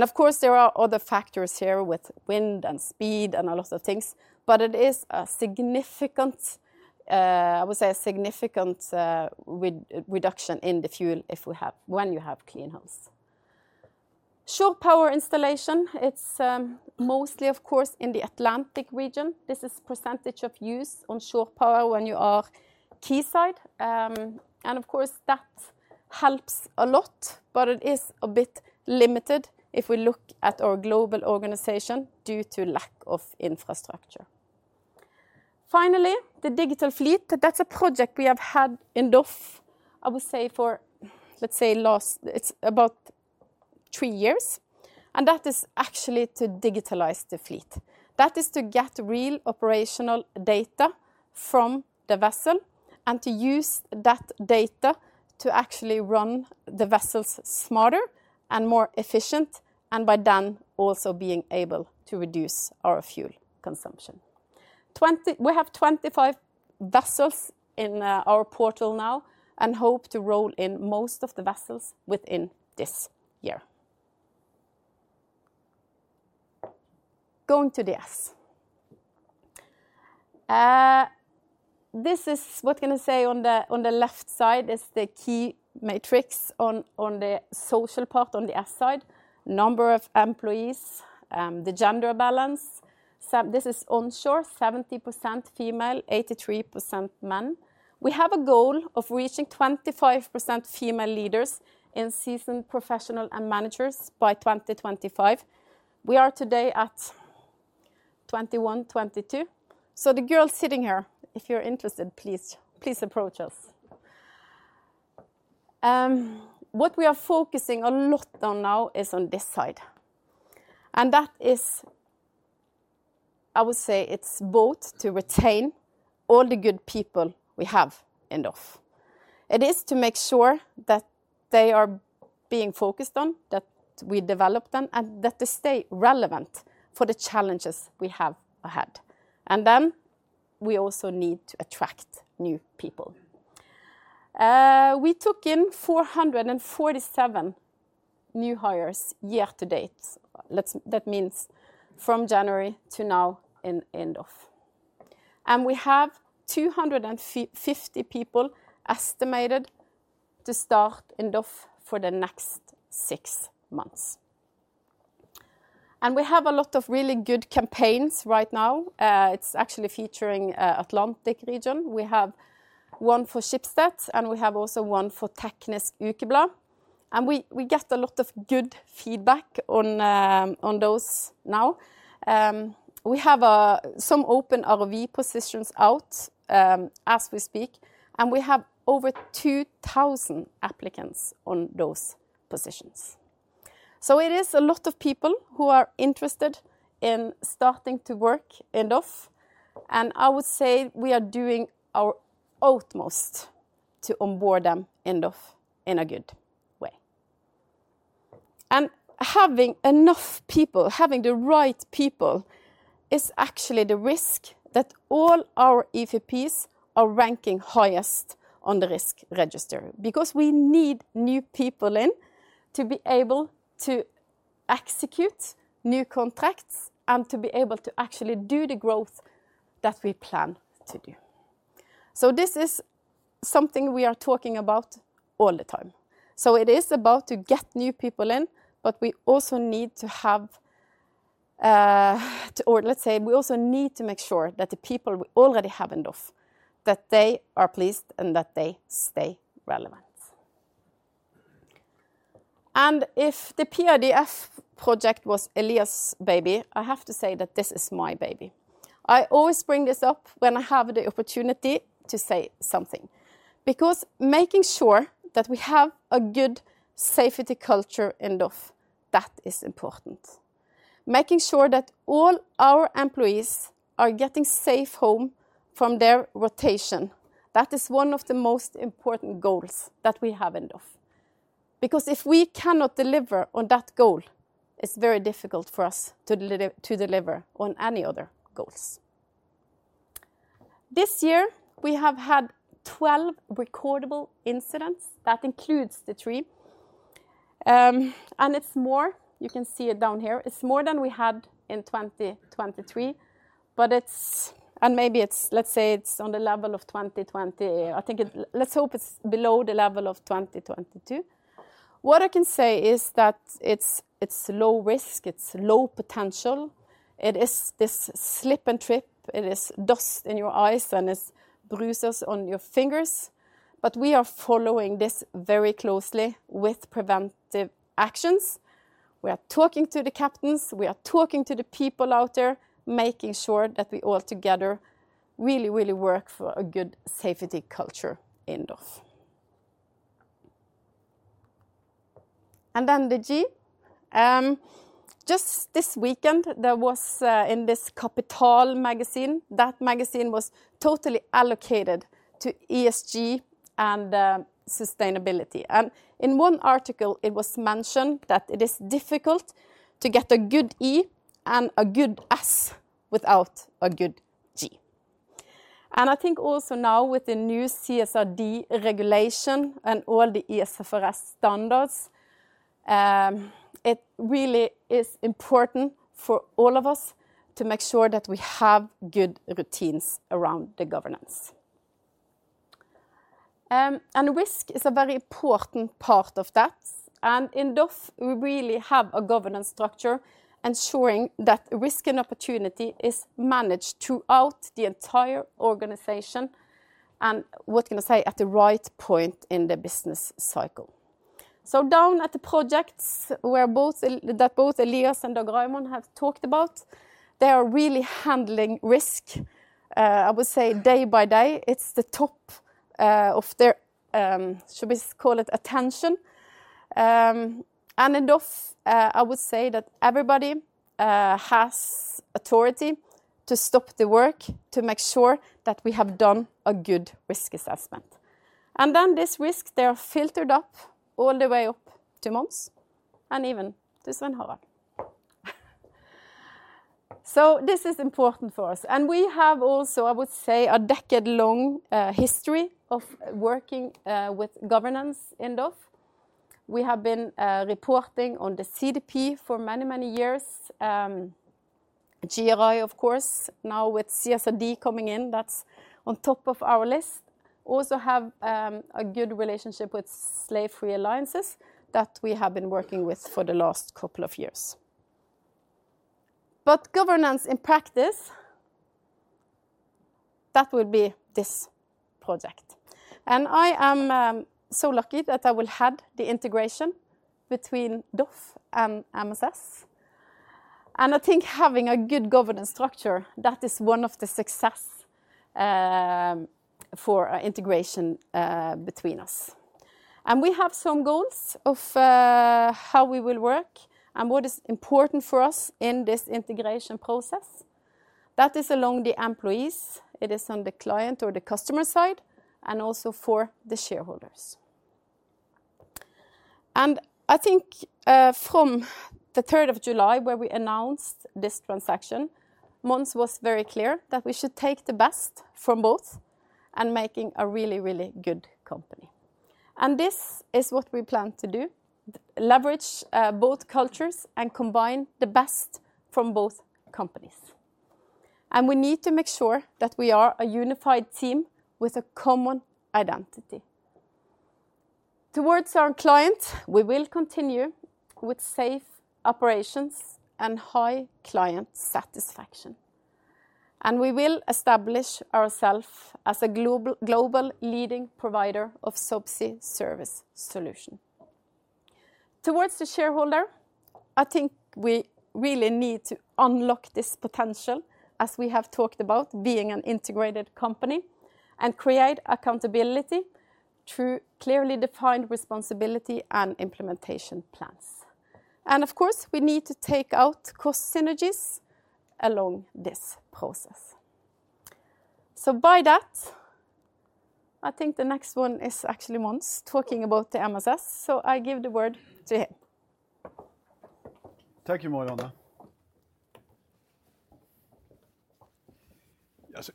Of course, there are other factors here with wind and speed and a lot of things, but it is a significant, I would say, a significant reduction in the fuel when you have clean hulls. Shore power installation, it's mostly, of course, in the Atlantic region. This is percentage of use on shore power when you are quayside. And of course, that helps a lot, but it is a bit limited if we look at our global organization due to lack of infrastructure. Finally, the digital fleet, that's a project we have had in DOF, I would say, for, let's say, it's about three years, and that is actually to digitalize the fleet. That is to get real operational data from the vessel and to use that data to actually run the vessels smarter and more efficient, and by then, also being able to reduce our fuel consumption. We have 25 vessels in our portal now and hope to roll in most of the vessels within this year. Going to the S. This is, what can I say, on the left side is the key metrics on the social part, on the S side, number of employees, the gender balance. So this is onshore, 70% female, 83% men. We have a goal of reaching 25% female leaders in seasoned, professional, and managers by 2025. We are today at 21-22%. So the girls sitting here, if you're interested, please, please approach us. What we are focusing a lot on now is on this side, and that is, I would say, it's both to retain all the good people we have in DOF. It is to make sure that they are being focused on, that we develop them, and that they stay relevant for the challenges we have ahead, and then we also need to attract new people. We took in 447 new hires year to date. That means from January to now in DOF. We have 250 people estimated to start in DOF for the next six months. We have a lot of really good campaigns right now. It's actually featuring the Atlantic region. We have one for Schibsted and we have also one for Teknisk Ukeblad. We get a lot of good feedback on those now. We have some open ROV positions out as we speak, and we have over 2,000 applicants on those positions. It is a lot of people who are interested in starting to work in DOF, and I would say we are doing our utmost to onboard them in DOF in a good way. Having enough people, having the right people, is actually the risk that all our EVPs are ranking highest on the risk register. Because we need new people in to be able to execute new contracts and to be able to actually do the growth that we plan to do. This is something we are talking about all the time. It is about to get new people in, but we also need to have, or let's say, we also need to make sure that the people we already have in DOF, that they are pleased and that they stay relevant. If the PIDF project was Elias' baby, I have to say that this is my baby. I always bring this up when I have the opportunity to say something, because making sure that we have a good safety culture in DOF, that is important. Making sure that all our employees are getting safe home from their rotation, that is one of the most important goals that we have in DOF. Because if we cannot deliver on that goal, it's very difficult for us to deliver on any other goals. This year, we have had 12 recordable incidents. That includes the three. And it's more, you can see it down here. It's more than we had in 2023, but it's on the level of 2020. I think let's hope it's below the level of 2022. What I can say is that it's low risk, it's low potential. It is this slip and trip, it is dust in your eyes, and it's bruises on your fingers. But we are following this very closely with preventive actions. We are talking to the captains, we are talking to the people out there, making sure that we all together really, really work for a good safety culture in DOF, and then the G. Just this weekend, there was in this Kapital magazine, that magazine was totally allocated to ESG and sustainability, and in one article, it was mentioned that it is difficult to get a good E and a good S without a good G, and I think also now with the new CSRD regulation and all the ESRS standards, it really is important for all of us to make sure that we have good routines around the governance. Risk is a very important part of that, and in DOF, we really have a governance structure ensuring that risk and opportunity is managed throughout the entire organization, and what can I say, at the right point in the business cycle. So down at the projects where both Elias and Dag Raymond have talked about, they are really handling risk, I would say day by day. It's the top of their, should we call it attention? And in DOF, I would say that everybody has authority to stop the work to make sure that we have done a good risk assessment. And then this risk, they are filtered up all the way to Mons and even to Svein Harald. So this is important for us. And we have also, I would say, a decade-long history of working with governance in DOF. We have been reporting on the CDP for many, many years. GRI, of course, now with CSRD coming in, that's on top of our list. Also have a good relationship with Slave-Free Alliances that we have been working with for the last couple of years. But governance in practice, that would be this project. And I am so lucky that I will head the integration between DOF and MSS. And I think having a good governance structure, that is one of the success for integration between us. And we have some goals of how we will work and what is important for us in this integration process. That is along the employees, it is on the client or the customer side, and also for the shareholders. And I think, from the third of July, where we announced this transaction, Mons was very clear that we should take the best from both and making a really, really good company. And this is what we plan to do, leverage both cultures and combine the best from both companies. And we need to make sure that we are a unified team with a common identity... Towards our client, we will continue with safe operations and high client satisfaction, and we will establish ourselves as a global leading provider of subsea service solution. Towards the shareholder, I think we really need to unlock this potential, as we have talked about being an integrated company, and create accountability through clearly defined responsibility and implementation plans. And of course, we need to take out cost synergies along this process. So by that, I think the next one is actually Mons talking about the MSS, so I give the word to him. Thank you, Marianne. Yes,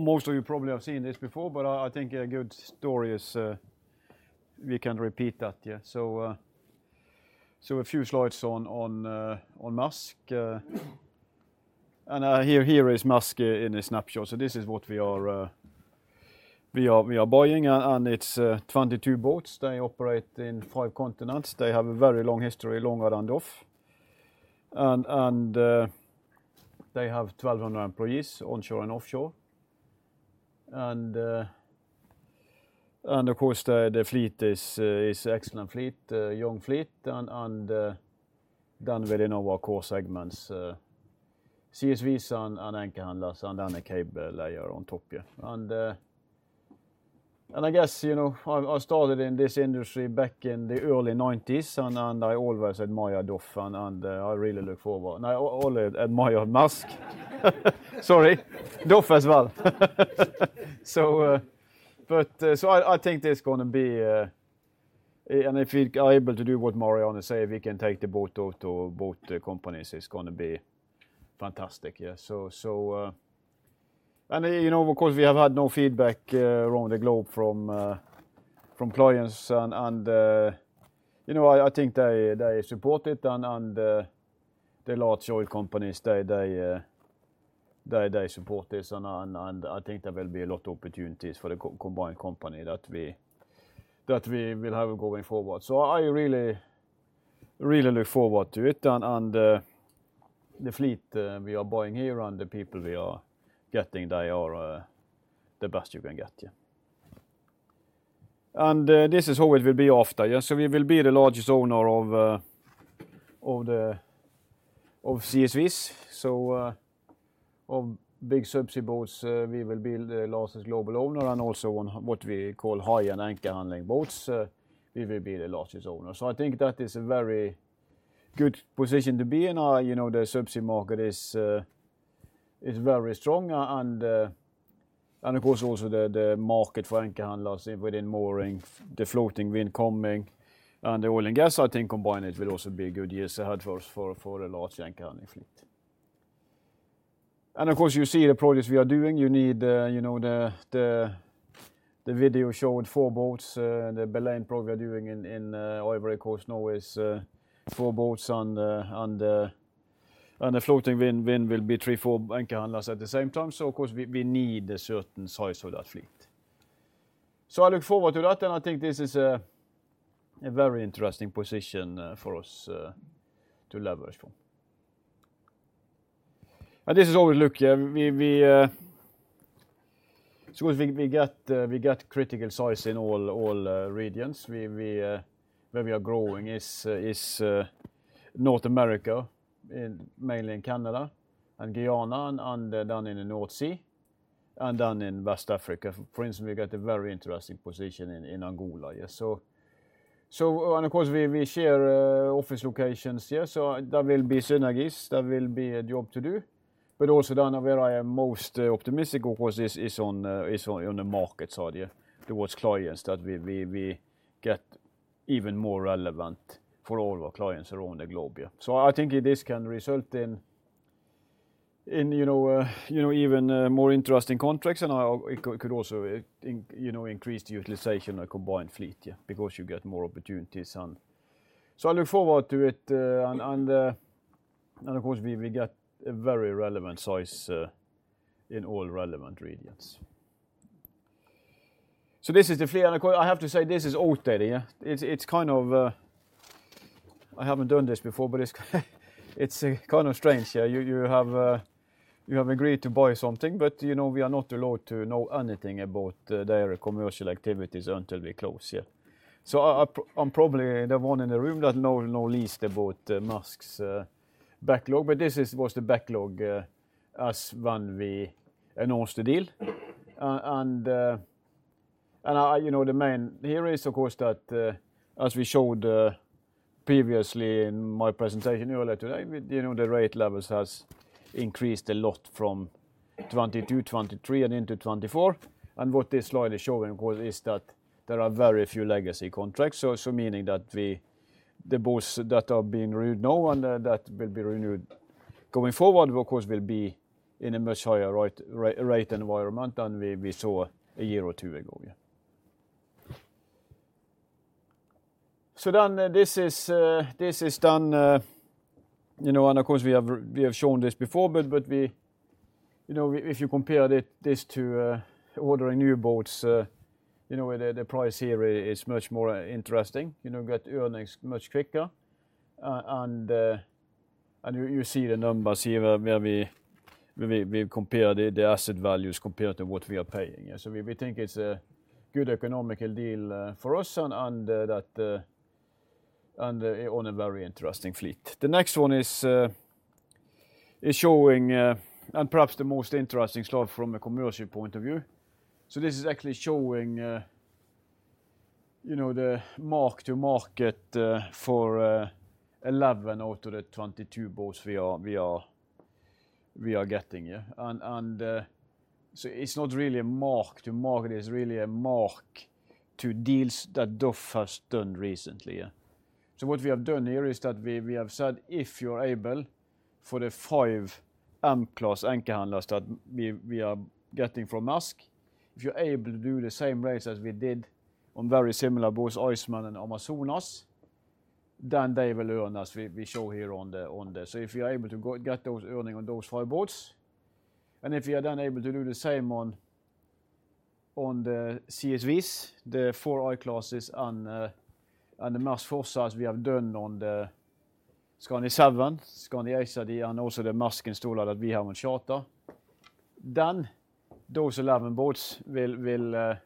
most of you probably have seen this before, but I think a good story is we can repeat that, yeah. So a few slides on Maersk, and here is Maersk in a snapshot. So this is what we are buying, and it is 22 boats. They operate in 5 continents. They have a very long history, longer than DOF. They have 1,200 employees onshore and offshore. Of course, the fleet is an excellent, young fleet and it does very well in our core segments, CSV and anchor handlers, and then a cable layer on top here. I guess, you know, I started in this industry back in the early nineties, and I always said my DOF, and I really look forward. No, I always admire Maersk. Sorry, DOF as well. So, but, so I think there's gonna be. And if we are able to do what Marianne say, we can take the best out of both companies, it's gonna be fantastic. Yeah. So, so, and, you know, of course, we have had positive feedback around the globe from clients and, you know, I think they support it. And the large oil companies, they support this, and I think there will be a lot of opportunities for the combined company that we will have going forward. I really, really look forward to it. The fleet we are buying here, and the people we are getting, they are the best you can get, yeah. This is how it will be after. Yeah. We will be the largest owner of CSVs. Of big subsea boats, we will be the largest global owner, and also on what we call high-end anchor handling boats, we will be the largest owner. I think that is a very good position to be in. You know, the subsea market is very strong, and of course, also the market for anchor handlers within mooring, the floating wind coming, and the oil and gas. I think combined, it will also be a good year ahead for a large anchor handling fleet. And of course, you see the projects we are doing. You need, you know, the video showing four boats, the Berlin probably doing in Ivory Coast now is four boats on the, and the floating wind will be three, four anchor handlers at the same time. So of course, we need a certain size of that fleet. So I look forward to that, and I think this is a very interesting position for us to leverage from. And this is how we look. So we get critical size in all regions. Where we are growing is North America, mainly in Canada and Guyana, and down in the North Sea, and then in West Africa. For instance, we got a very interesting position in Angola. Yeah, so and of course, we share office locations here, so there will be synergies, there will be a job to do. But also, down where I am most optimistic, of course, is on the market side, yeah, towards clients, that we get even more relevant for all our clients around the globe, yeah. So I think this can result in you know even more interesting contracts, and it could also in you know increase the utilization of combined fleet, yeah, because you get more opportunities. And so I look forward to it, and of course we get a very relevant size in all relevant regions. So this is the fleet, and I have to say, this is old data. Yeah, it's kind of. I haven't done this before, but it's kind of strange. Yeah, you have agreed to buy something, but you know we are not allowed to know anything about their commercial activities until we close, yeah. So I'm probably the one in the room that know least about the Maersk's backlog, but this was the backlog as when we announced the deal. And I, you know, the main here is, of course, that as we showed previously in my presentation earlier today, you know, the rate levels has increased a lot from 2022, 2023 and into 2024. And what this slide is showing, of course, is that there are very few legacy contracts. So meaning that we, the boats that are being renewed now and that will be renewed going forward, of course, will be in a much higher rate environment than we saw a year or two ago. Yeah. So then, this is, this is done, you know, and of course we have, we have shown this before, but, but we, you know, if, if you compare it, this to, ordering new boats, you know, the, the price here is much more interesting. You know, get earnings much quicker. And, and you, you see the numbers here where we, we, we compare the, the asset values compared to what we are paying. Yeah, so we, we think it's a good economical deal, for us and, and, that, and, on a very interesting fleet. The next one is, is showing, and perhaps the most interesting slide from a commercial point of view. So this is actually showing, you know, the mark to market for eleven out of the twenty-two boats we are getting, yeah? So it's not really a mark to market, it's really a mark to deals that DOF has done recently, yeah. So what we have done here is that we have said, "If you are able, for the five M class anchor handlers that we are getting from Maersk, if you're able to do the same rates as we did on very similar boats, Iceman and Amazonas, then they will earn, as we show here on the, on the... So if you are able to go get those earnings on those five boats, and if you are then able to do the same on the CSVs, the four I classes, and the Maersk vessels we have done on the Skandi Seven, Skandi Acergy, and also the Maersk Installer that we have on charter, then those eleven boats will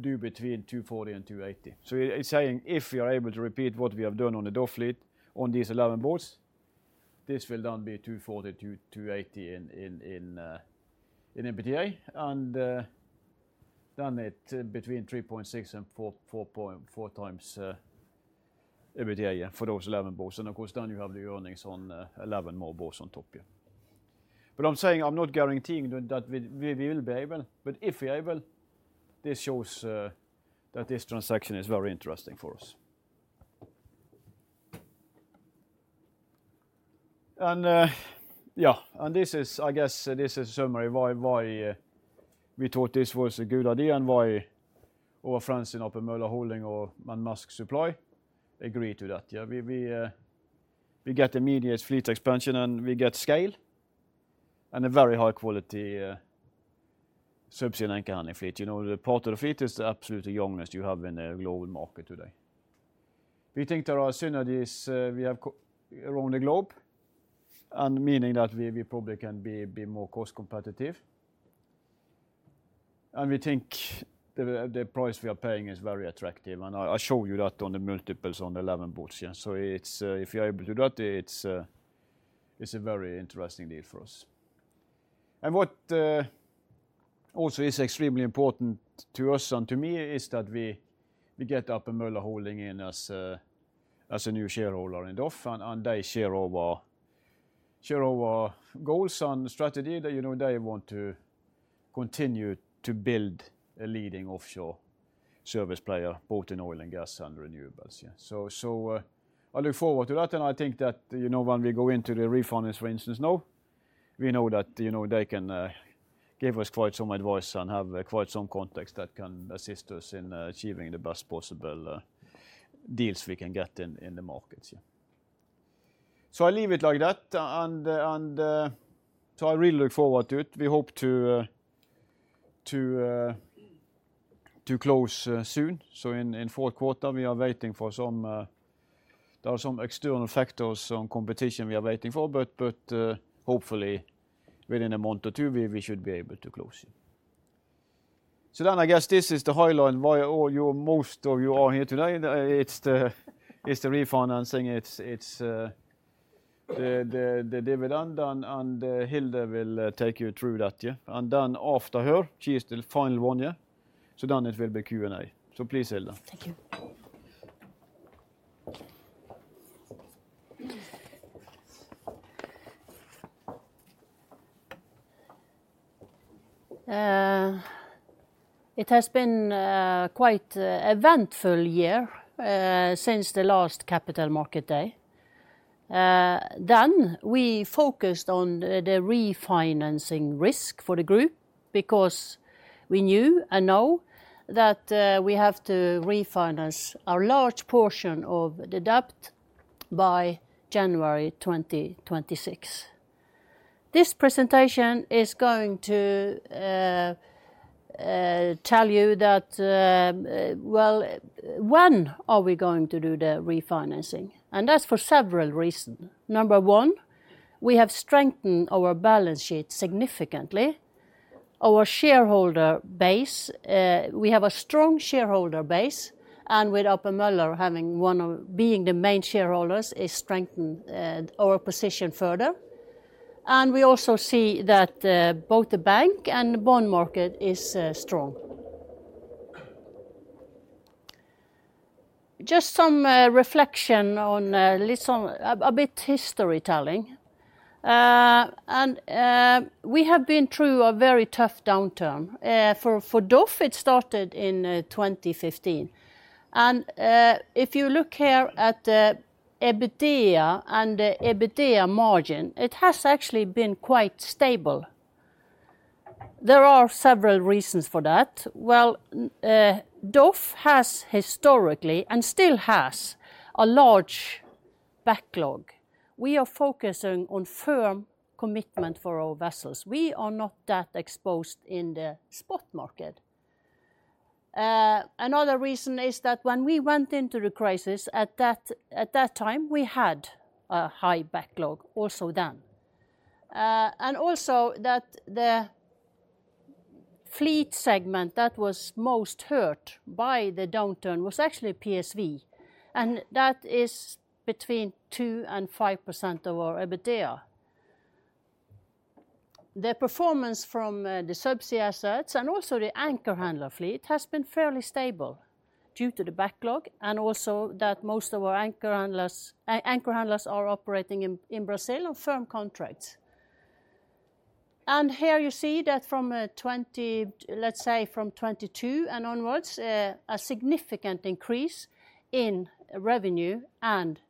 do between 240 and 280. So it's saying if you are able to repeat what we have done on the DOF fleet on these eleven boats, this will then be 240 to 280 in EBITDA. And then it between 3.6 and 4.4 times EBITDA for those eleven boats. And of course, then you have the earnings on eleven more boats on top, yeah. But I'm saying I'm not guaranteeing that we will be able, but if we are able, this shows that this transaction is very interesting for us. And, yeah, and this is, I guess, a summary why we thought this was a good idea and why our friends at A.P. Møller Holding and Maersk Supply agreed to that. We get immediate fleet expansion, and we get scale, and a very high quality subsea anchor handling fleet. You know, the part of the fleet is the absolutely youngest you have in the global market today. We think there are synergies. We have cooperation around the globe, and meaning that we probably can be more cost competitive. We think the price we are paying is very attractive, and I show you that on the multiples on the eleven boats. Yeah, so it's if you are able to do that, it's a very interesting deal for us. And what also is extremely important to us and to me is that we get A.P. Møller Holding in as a new shareholder in DOF, and they share our goals and strategy, that you know, they want to continue to build a leading offshore service player, both in oil and gas and renewables. Yeah, so, I look forward to that, and I think that, you know, when we go into the refinance, for instance, now, we know that, you know, they can give us quite some advice and have quite some context that can assist us in achieving the best possible deals we can get in the markets, yeah. So I leave it like that, and so I really look forward to it. We hope to close soon. So in fourth quarter, we are waiting for some. There are some external factors, some competition we are waiting for, but hopefully within a month or two, we should be able to close it. So then I guess this is the highlight why all you, most of you are here today. It's the refinancing, it's the dividend, and Hilde will take you through that, yeah? Then after her, she is the final one, yeah. So then it will be Q&A. So please, Hilde. Thank you. It has been an eventful year since the last capital markets day. Then we focused on the refinancing risk for the group because we knew and know that we have to refinance a large portion of the debt by January 2026. This presentation is going to tell you that, well, when are we going to do the refinancing. And that's for several reasons. Number one, we have strengthened our balance sheet significantly. Our shareholder base, we have a strong shareholder base, and with A.P. Møller being one of the main shareholders, has strengthened our position further. And we also see that both the bank and the bond market is strong. Just some reflection on a little bit of history. And we have been through a very tough downturn. For DOF, it started in 2015. If you look here at the EBITDA and the EBITDA margin, it has actually been quite stable. There are several reasons for that. Well, DOF has historically, and still has, a large backlog. We are focusing on firm commitment for our vessels. We are not that exposed in the spot market. Another reason is that when we went into the crisis, at that time, we had a high backlog also then. And also that the fleet segment that was most hurt by the downturn was actually PSV, and that is between 2% and 5% of our EBITDA. The performance from the Subsea assets and also the anchor handler fleet has been fairly stable due to the backlog, and also that most of our anchor handlers are operating in Brazil on firm contracts. Here you see that from twenty-two and onwards, a significant increase in revenue and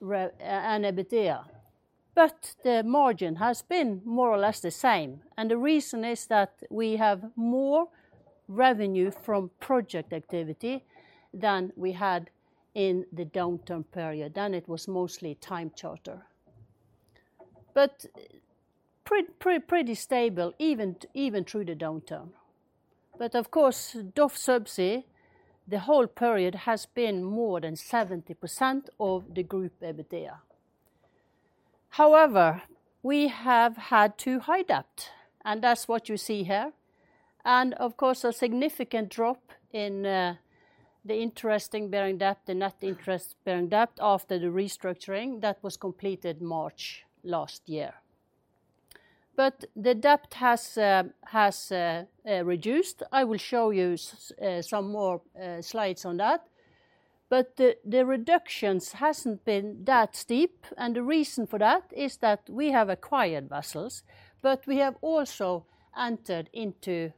EBITDA. The margin has been more or less the same, and the reason is that we have more revenue from project activity than we had in the downturn period. Then it was mostly time charter. It has been pretty stable, even through the downturn. Of course, DOF Subsea, the whole period has been more than 70% of the group EBITDA. However, we have had too high debt, and that's what you see here, and of course, a significant drop in the interest-bearing debt, the net interest-bearing debt, after the restructuring that was completed March last year. But the debt has reduced. I will show you some more slides on that. But the reductions hasn't been that steep, and the reason for that is that we have acquired vessels, but we have also entered into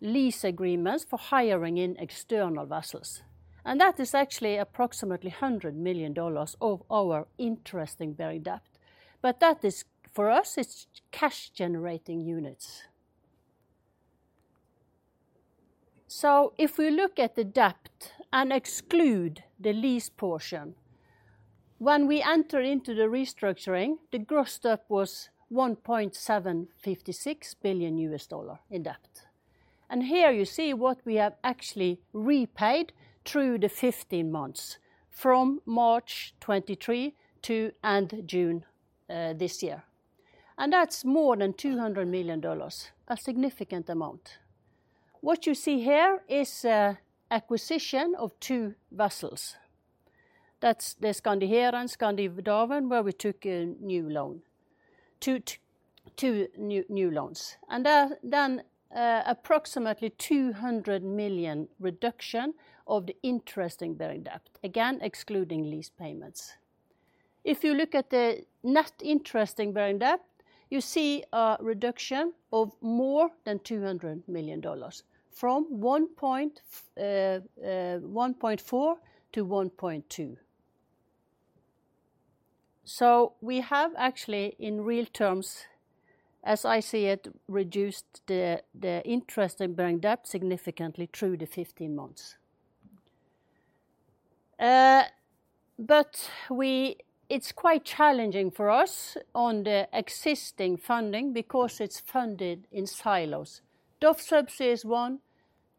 lease agreements for hiring in external vessels. And that is actually approximately $100 million of our interest-bearing debt. But that is, for us, it's cash-generating units. So if we look at the debt and exclude the lease portion, when we entered into the restructuring, the gross debt was $1.756 billion in debt. Here you see what we have actually repaid through the fifteen months, from March 2023 to June this year. That's more than $200 million, a significant amount. What you see here is acquisition of two vessels. That's the Skandi Hera and Skandi Darwin, where we took two new loans. Then approximately $200 million reduction of the interest-bearing debt, again, excluding lease payments. If you look at the net interest-bearing debt, you see a reduction of more than $200 million from 1.4 to 1.2. We have actually, in real terms, as I see it, reduced the interest-bearing debt significantly through the fifteen months. But we... It's quite challenging for us on the existing funding because it's funded in silos. DOF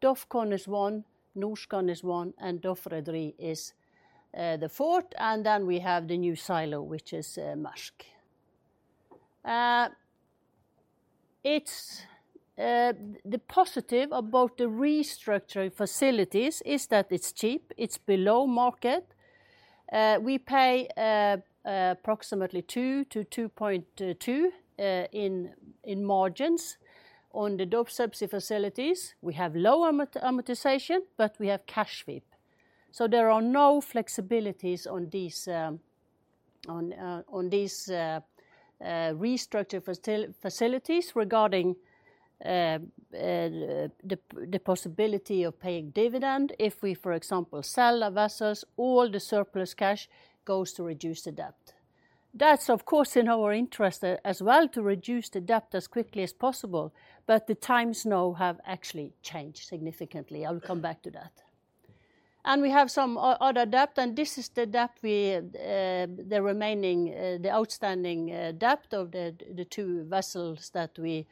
Subsea is one, DOF Con is one, Norskan is one, and DOF Rederi is the fourth, and then we have the new silo, which is Maersk. It's the positive about the restructuring facilities is that it's cheap, it's below market. We pay approximately two to two point two in margins on the DOF Subsea facilities. We have low amortization, but we have cash sweep. So there are no flexibilities on these on these restructure facilities regarding the possibility of paying dividend. If we, for example, sell a vessels, all the surplus cash goes to reduce the debt. That's, of course, in our interest as well to reduce the debt as quickly as possible, but the times now have actually changed significantly. I'll come back to that. We have some other debt, and this is the debt we, the remaining outstanding debt of the two vessels that we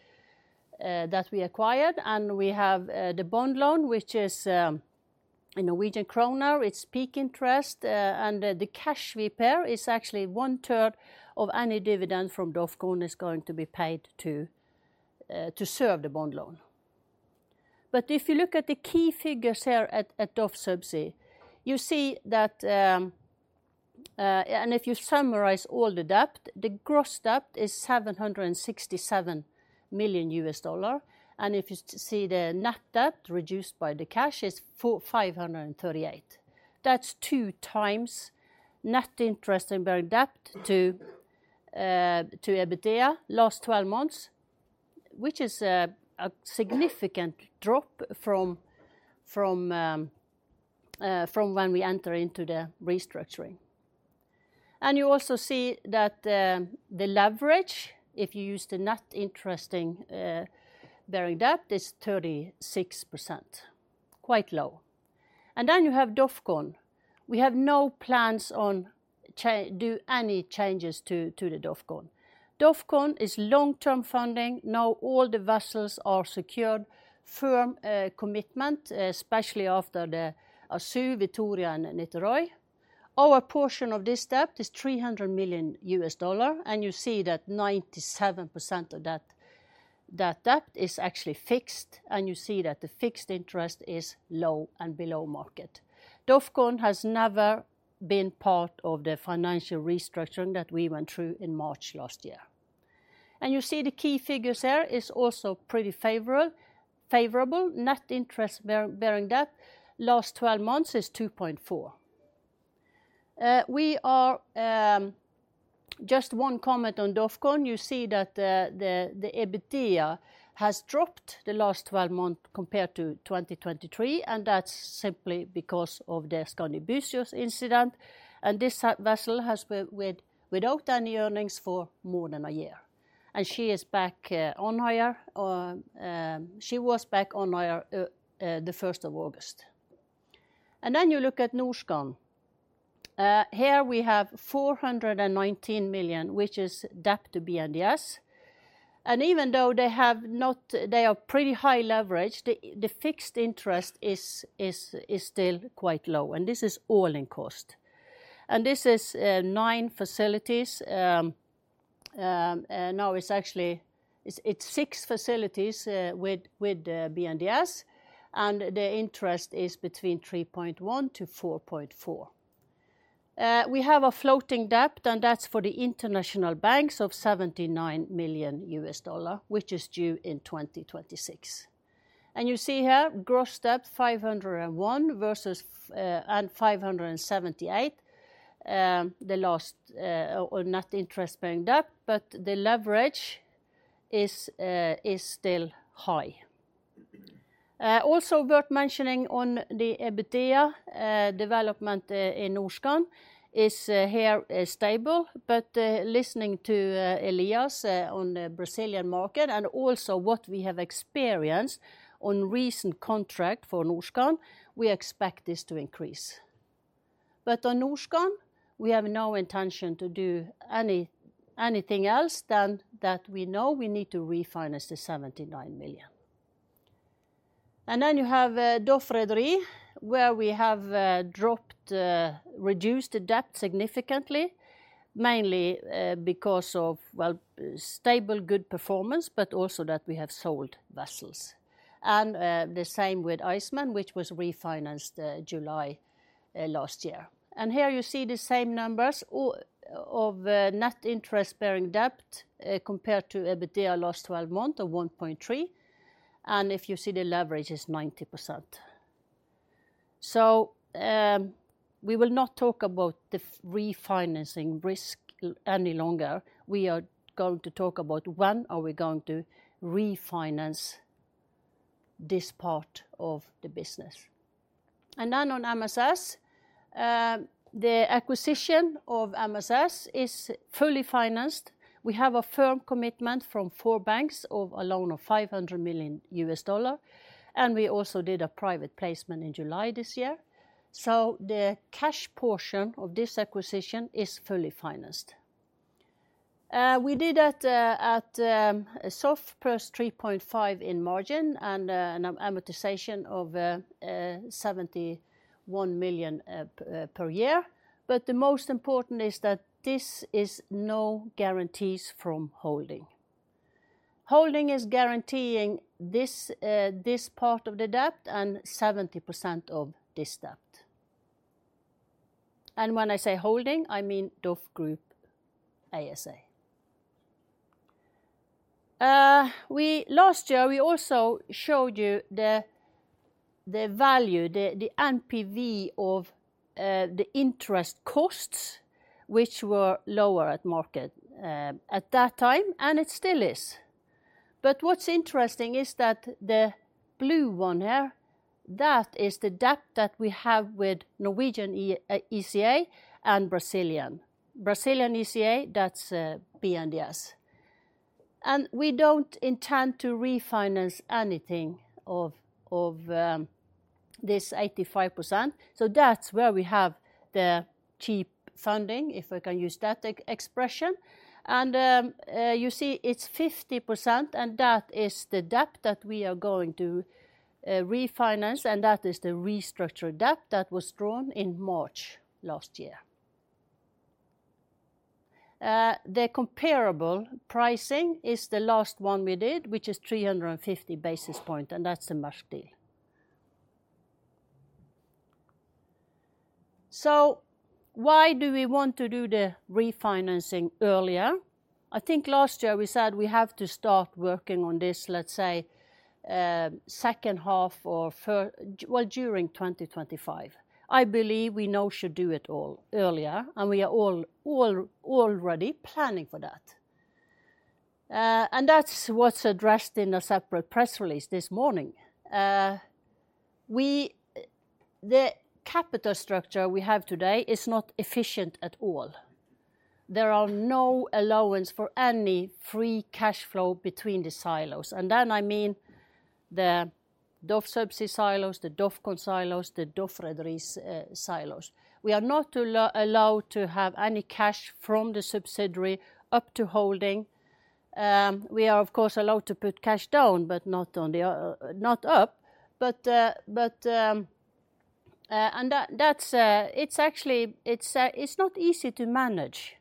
acquired. We have the bond loan, which is a Norwegian kroner. It's PIK interest, and the cash we pay is actually one third of any dividend from DOF Group is going to be paid to serve the bond loan. But if you look at the key figures here at DOF Subsea, you see that, and if you summarize all the debt, the gross debt is $767 million. If you see the net debt reduced by the cash, it's $458 million. That's two times net interest-bearing debt to EBITDA last twelve months, which is a significant drop from when we enter into the restructuring. And you also see that the leverage, if you use the net interest-bearing debt, is 36%, quite low. And then you have DOFCON. We have no plans to do any changes to the DOFCON. DOFCON is long-term funding. Now, all the vessels are secured firm commitment, especially after the Açu, Vitória, and Niterói. Our portion of this debt is $300 million, and you see that 97% of that debt is actually fixed, and you see that the fixed interest is low and below market. DOFCON has never been part of the financial restructuring that we went through in March last year. You see the key figures there is also pretty favorable, favorable. Net interest-bearing debt, last twelve months is 2.4. We are just one comment on DOFCON. You see that the EBITDA has dropped the last twelve months compared to 2023, and that's simply because of the Skandi Búzios incident, and this vessel has went without any earnings for more than a year, and she is back on hire, she was back on hire the first of August. And then you look at Norskan. Here we have $419 million, which is debt to BNDES. And even though they are pretty high leverage, the fixed interest is still quite low, and this is all-in cost. This is nine facilities, no, it's actually six facilities with BNDES, and the interest is between 3.1 to 4.4. We have a floating debt, and that's for the international banks of $79 million, which is due in 2026. You see here, gross debt, 501 versus 578, the last, or net interest-bearing debt, but the leverage is still high. Also worth mentioning on the EBITDA development in Norskan is here, is stable, but listening to Elias on the Brazilian market and also what we have experienced on recent contract for Norskan, we expect this to increase. But on Norskan, we have no intention to do anything else than that we know we need to refinance the $79 million. And then you have DOF Rederi, where we have reduced the debt significantly, mainly because of, well, stable, good performance, but also that we have sold vessels. And the same with Iceman, which was refinanced July last year. And here you see the same numbers of net interest bearing debt compared to EBITDA last twelve months of 1.3, and if you see the leverage is 90%. So, we will not talk about the refinancing risk any longer. We are going to talk about when are we going to refinance this part of the business. And then on MSS, the acquisition of MSS is fully financed. We have a firm commitment from four banks of a loan of $500 million, and we also did a private placement in July this year, so the cash portion of this acquisition is fully financed. We did at SOFR plus 3.5 in margin and an amortization of $71 million per year, but the most important is that this is no guarantees from holding. Holding is guaranteeing this part of the debt and 70% of this debt. And when I say holding, I mean DOF Group ASA. Last year, we also showed you the value, the NPV of the interest costs, which were lower at market at that time, and it still is. But what's interesting is that the blue one here, that is the debt that we have with Norwegian ECA and Brazilian. Brazilian ECA, that's BNDES. And we don't intend to refinance anything of this 85%. So that's where we have the cheap funding, if I can use that expression. And you see it's 50%, and that is the debt that we are going to refinance, and that is the restructured debt that was drawn in March last year. The comparable pricing is the last one we did, which is 350 basis points, and that's the March deal. So why do we want to do the refinancing earlier? I think last year we said we have to start working on this, let's say, second half or well, during 2025. I believe we now should do it all earlier, and we are already planning for that, and that's what's addressed in a separate press release this morning. The capital structure we have today is not efficient at all. There are no allowance for any free cash flow between the silos, and then, I mean, the DOF Subsea silos, the DOF Con silos, the DOF Rederi silos. We are not allowed to have any cash from the subsidiary up to holding. We are, of course, allowed to put cash down, but not up. But that's actually not easy to manage,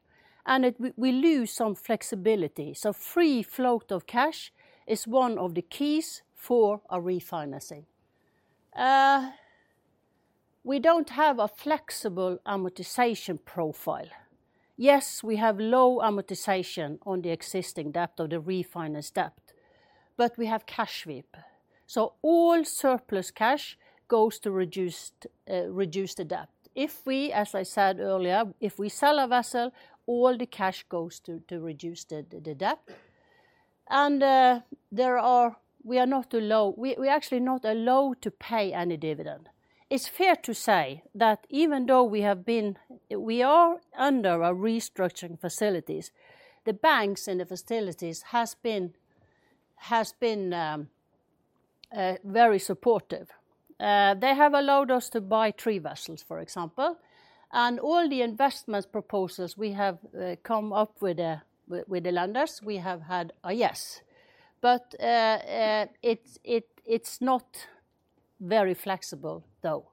and we lose some flexibility, so free flow of cash is one of the keys for a refinancing. We don't have a flexible amortization profile. Yes, we have low amortization on the existing debt or the refinance debt, but we have cash sweep. So all surplus cash goes to reduce the debt. If we, as I said earlier, if we sell a vessel, all the cash goes to reduce the debt. And we are actually not allowed to pay any dividend. It's fair to say that even though we are under a restructuring facilities, the banks and the facilities has been very supportive. They have allowed us to buy three vessels, for example, and all the investment proposals we have come up with the lenders, we have had a yes. But it's not very flexible, though.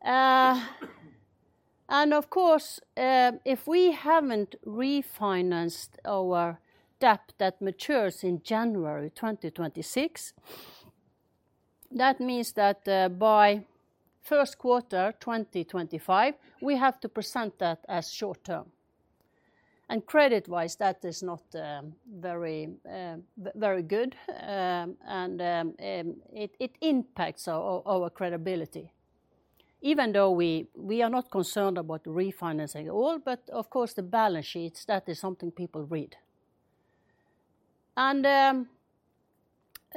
And of course, if we haven't refinanced our debt that matures in January 2026, that means that by first quarter 2025, we have to present that as short term. And credit-wise, that is not very good, and it impacts our credibility. Even though we are not concerned about refinancing at all, but of course, the balance sheets, that is something people read. And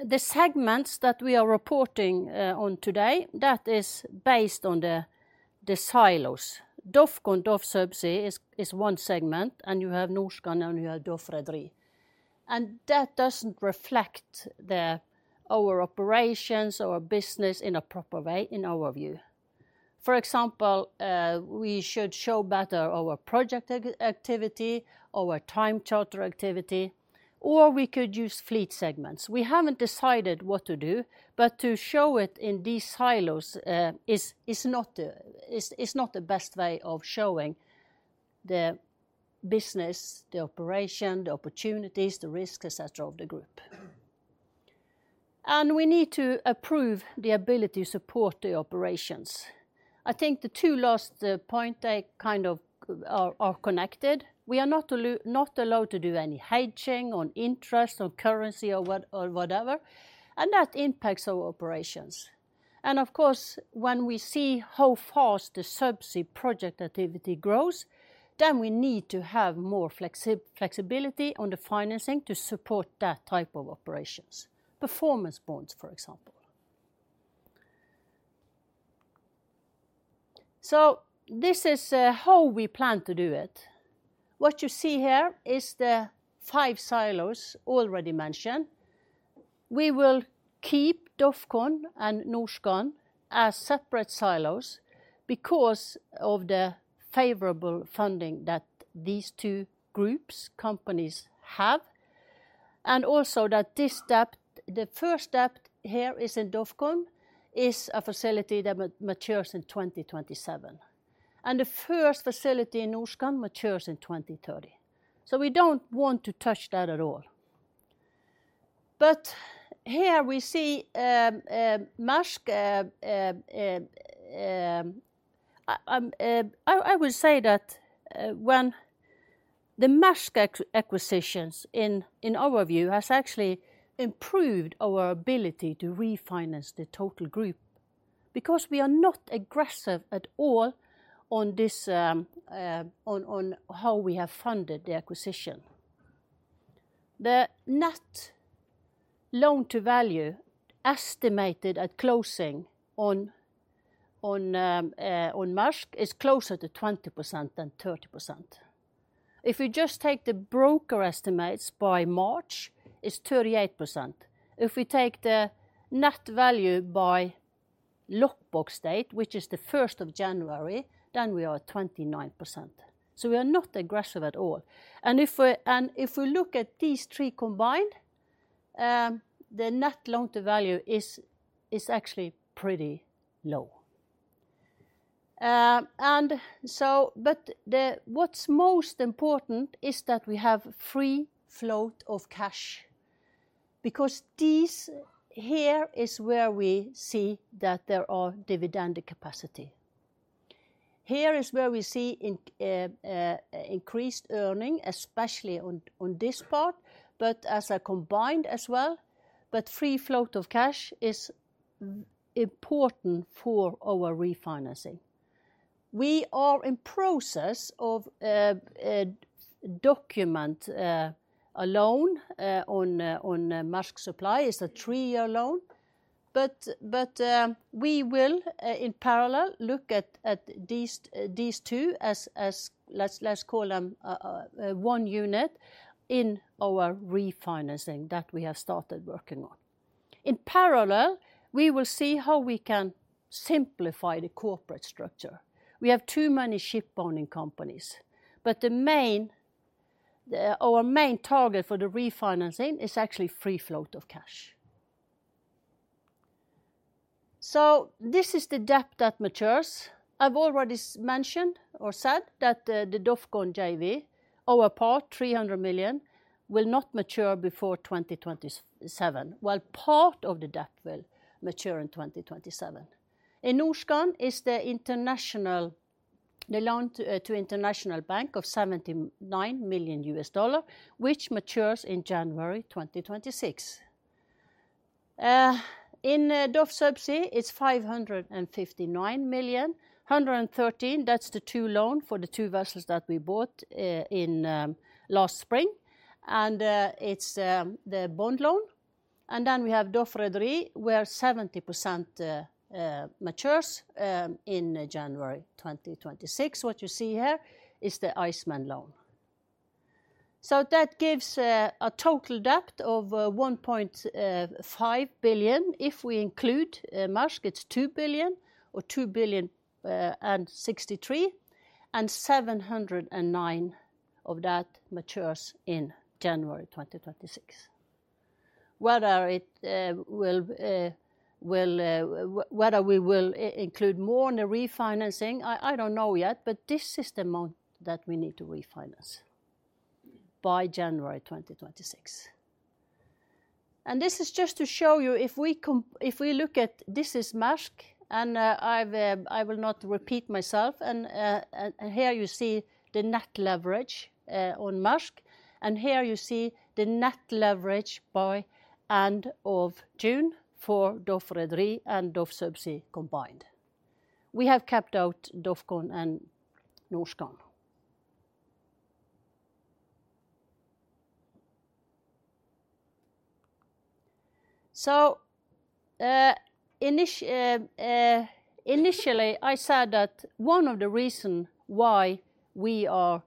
the segments that we are reporting on today, that is based on the silos. DOF Con, DOF Subsea is one segment, and you have Norskan, and you have DOF Rederi. And that doesn't reflect our operations or business in a proper way, in our view. For example, we should show better our project activity, our time charter activity, or we could use fleet segments. We haven't decided what to do, but to show it in these silos is not the best way of showing the business, the operation, the opportunities, the risk, et cetera, of the group. And we need to approve the ability to support the operations. I think the two last point, they kind of are connected. We are not allowed to do any hedging on interest, on currency, or whatever, and that impacts our operations. And of course, when we see how fast the subsea project activity grows, then we need to have more flexibility on the financing to support that type of operations. Performance bonds, for example. So this is how we plan to do it. What you see here is the five silos already mentioned. We will keep Dofcon and Norskan as separate silos because of the favorable funding that these two groups, companies have, and also that this debt, the first debt here is in Dofcon, is a facility that matures in 2027, and the first facility in Norskan matures in 2030. So we don't want to touch that at all. But here we see Maersk. I would say that when the Maersk acquisitions, in our view, has actually improved our ability to refinance the total group, because we are not aggressive at all on this, on how we have funded the acquisition. The net loan to value estimated at closing on Maersk is closer to 20% than 30%. If you just take the broker estimates by March, it's 38%. If we take the net value by lock box date, which is the first of January, then we are at 29%. So we are not aggressive at all. And if we look at these three combined, the net loan to value is actually pretty low. And so but what's most important is that we have free float of cash, because these, here is where we see that there are dividend capacity. Here is where we see increased earning, especially on this part, but as a combined as well, but free float of cash is important for our refinancing. We are in process of documenting a loan on Maersk Supply. It's a three-year loan, but we will in parallel look at these two as let's call them one unit in our refinancing that we have started working on. In parallel, we will see how we can simplify the corporate structure. We have too many shipowning companies, but the main, our main target for the refinancing is actually free float of cash. So this is the debt that matures. I've already mentioned or said that the DOF Group JV, our part, $300 million, will not mature before 2027, while part of the debt will mature in 2027. In Norskan is the international loan to the international bank of $79 million, which matures in January 2026. In DOF Subsea, it's $559 million. 113, that's the $2 loan for the two vessels that we bought in last spring, and it's the bond loan. And then we have Dovre Rederi, where 70% matures in January 2026. What you see here is the Iceman loan. So that gives a total debt of $1.5 billion. If we include Maersk, it's $2 billion or $2.063 billion, and $709 million of that matures in January 2026. Whether we will include more in the refinancing, I don't know yet, but this is the amount that we need to refinance by January 2026. And this is just to show you, if we look at this is Maersk, and I will not repeat myself. Here you see the net leverage on Maersk, and here you see the net leverage by end of June for DOF Rederi and DOF Subsea combined. We have kept out DOF Group and Norskan. Initially, I said that one of the reason why we are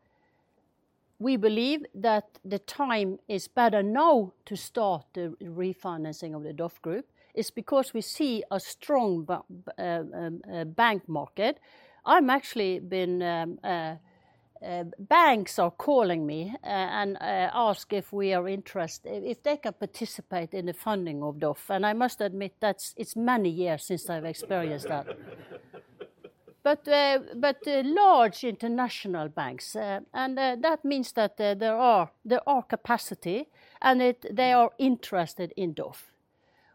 we believe that the time is better now to start the refinancing of the DOF Group, is because we see a strong bank market. I'm actually been. Banks are calling me and ask if we are interested if they can participate in the funding of DOF. And I must admit, that's it's many years since I've experienced that. Large international banks, and that means that there are capacity, and they are interested in DOF.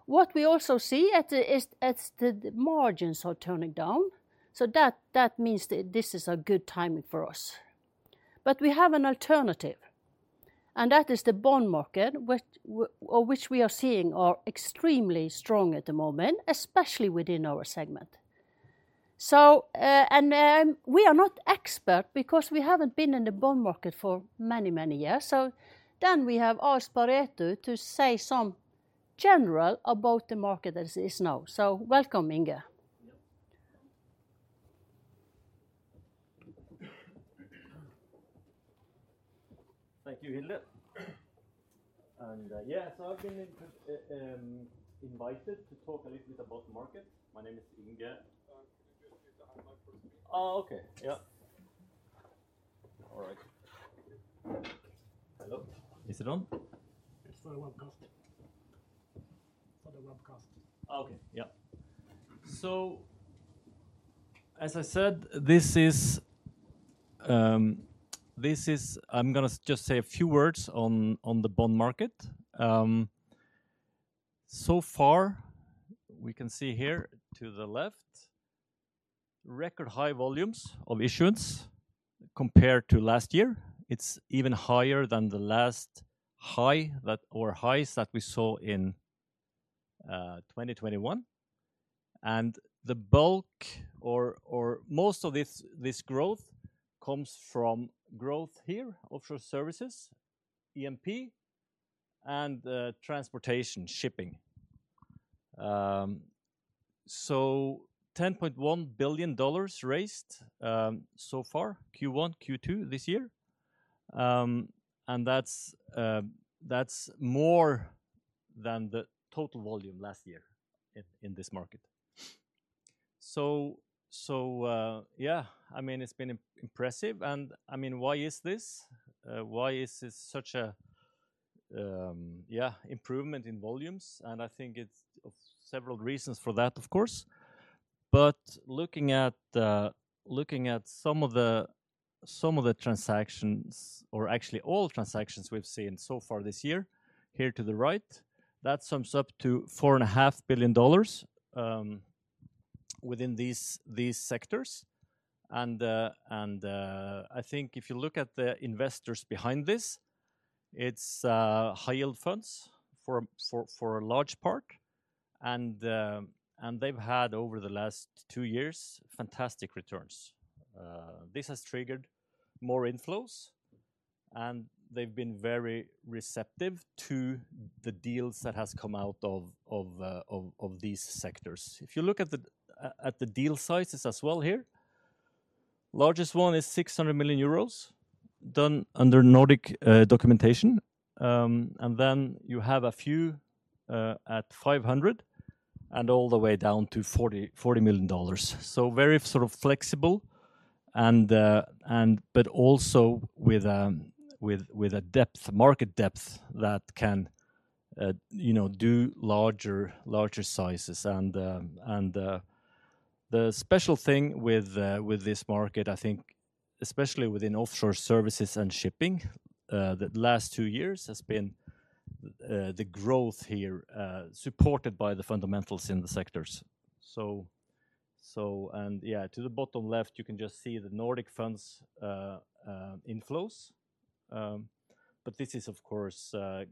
What we also see is the margins are turning down, so that means that this is a good timing for us. But we have an alternative, and that is the bond market, which we are seeing are extremely strong at the moment, especially within our segment. We are not expert because we haven't been in the bond market for many, many years. So then we have asked Pareto to say something general about the market as is now. So welcome, Inge. Thank you, Hilde. And yeah, so I've been invited to talk a little bit about the market. My name is Inge. Could you just get the hand mic for speaker? Oh, okay. Yeah. All right. Hello, is it on? It's for the webcast. For the webcast. Okay. Yeah. So as I said, I'm gonna just say a few words on the bond market. So far, we can see here to the left, record high volumes of issuance compared to last year. It's even higher than the last high that, or highs that we saw in 2021. And the bulk or most of this growth comes from growth here, offshore services, EMP, and transportation, shipping. So $10.1 billion raised so far, Q1, Q2 this year. And that's more than the total volume last year in this market. Yeah, I mean, it's been impressive, and I mean, why is this such an improvement in volumes? And I think it's of several reasons for that, of course. Looking at some of the transactions, or actually all transactions we've seen so far this year, here to the right, that sums up to $4.5 billion within these sectors. I think if you look at the investors behind this, it's high-yield funds for a large part. They've had, over the last two years, fantastic returns. This has triggered more inflows, and they've been very receptive to the deals that has come out of these sectors. If you look at the deal sizes as well here, largest one is 600 million euros, done under Nordic documentation. Then you have a few at 500, and all the way down to $40 million. So very sort of flexible and but also with a depth, market depth that can, you know, do larger sizes. And the special thing with this market, I think especially within offshore services and shipping, the last two years has been the growth here supported by the fundamentals in the sectors. So and yeah, to the bottom left, you can just see the Nordic funds' inflows. But this is of course the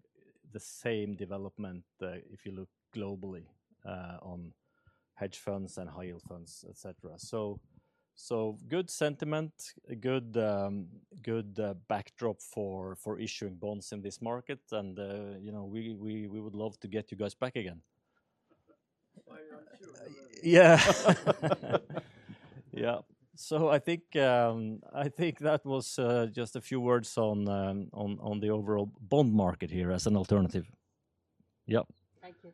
same development if you look globally on hedge funds and high yield funds, et cetera. So good sentiment, a good backdrop for issuing bonds in this market. And you know, we would love to get you guys back again. I am sure. Yeah. Yeah. So I think that was just a few words on the overall bond market here as an alternative. Yep. Thank you.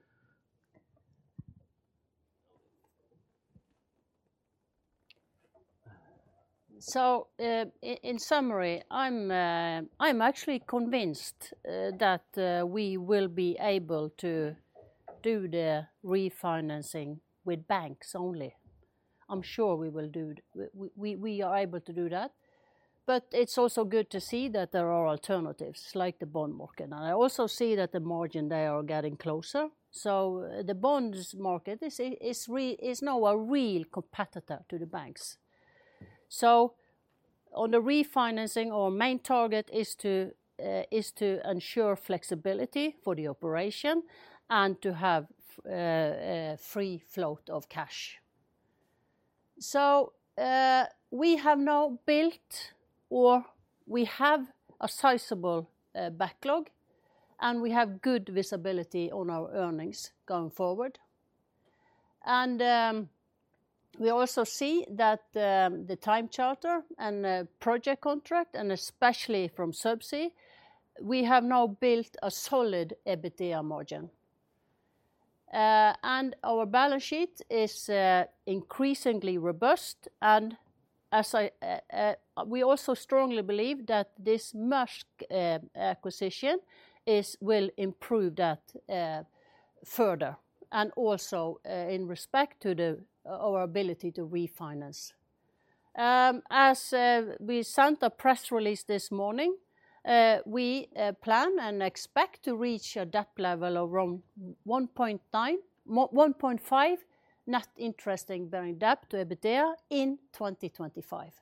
So, in summary, I'm actually convinced that we will be able to do the refinancing with banks only. I'm sure we will do. We are able to do that, but it's also good to see that there are alternatives, like the bond market. And I also see that the margin there are getting closer. So the bonds market is now a real competitor to the banks. So on the refinancing, our main target is to ensure flexibility for the operation and to have free flow of cash. So, we have now built, or we have a sizable backlog, and we have good visibility on our earnings going forward. We also see that the time charter and project contract, and especially from subsea, we have now built a solid EBITDA margin. Our balance sheet is increasingly robust. We also strongly believe that this Maersk acquisition will improve that further, and also in respect to our ability to refinance. As we sent a press release this morning, we plan and expect to reach a debt level of around 1.9 or 1.5 net interest-bearing debt to EBITDA in 2025.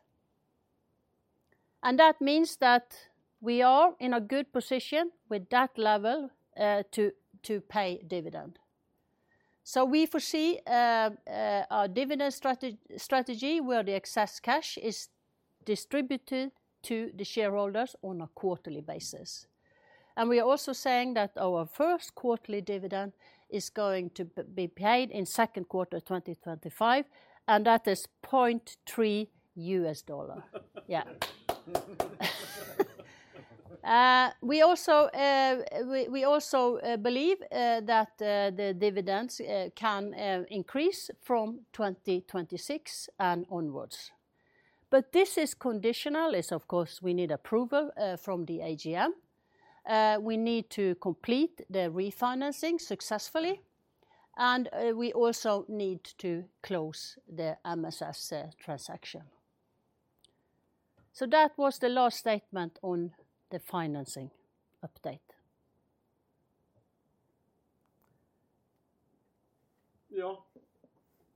That means that we are in a good position with that level to pay dividend. We foresee a dividend strategy where the excess cash is distributed to the shareholders on a quarterly basis. We are also saying that our first quarterly dividend is going to be paid in second quarter 2025, and that is $0.3. Yeah. We also believe that the dividends can increase from 2026 and onwards. But this is conditional, of course. We need approval from the AGM. We need to complete the refinancing successfully, and we also need to close the MSS transaction. That was the last statement on the financing update. Yeah.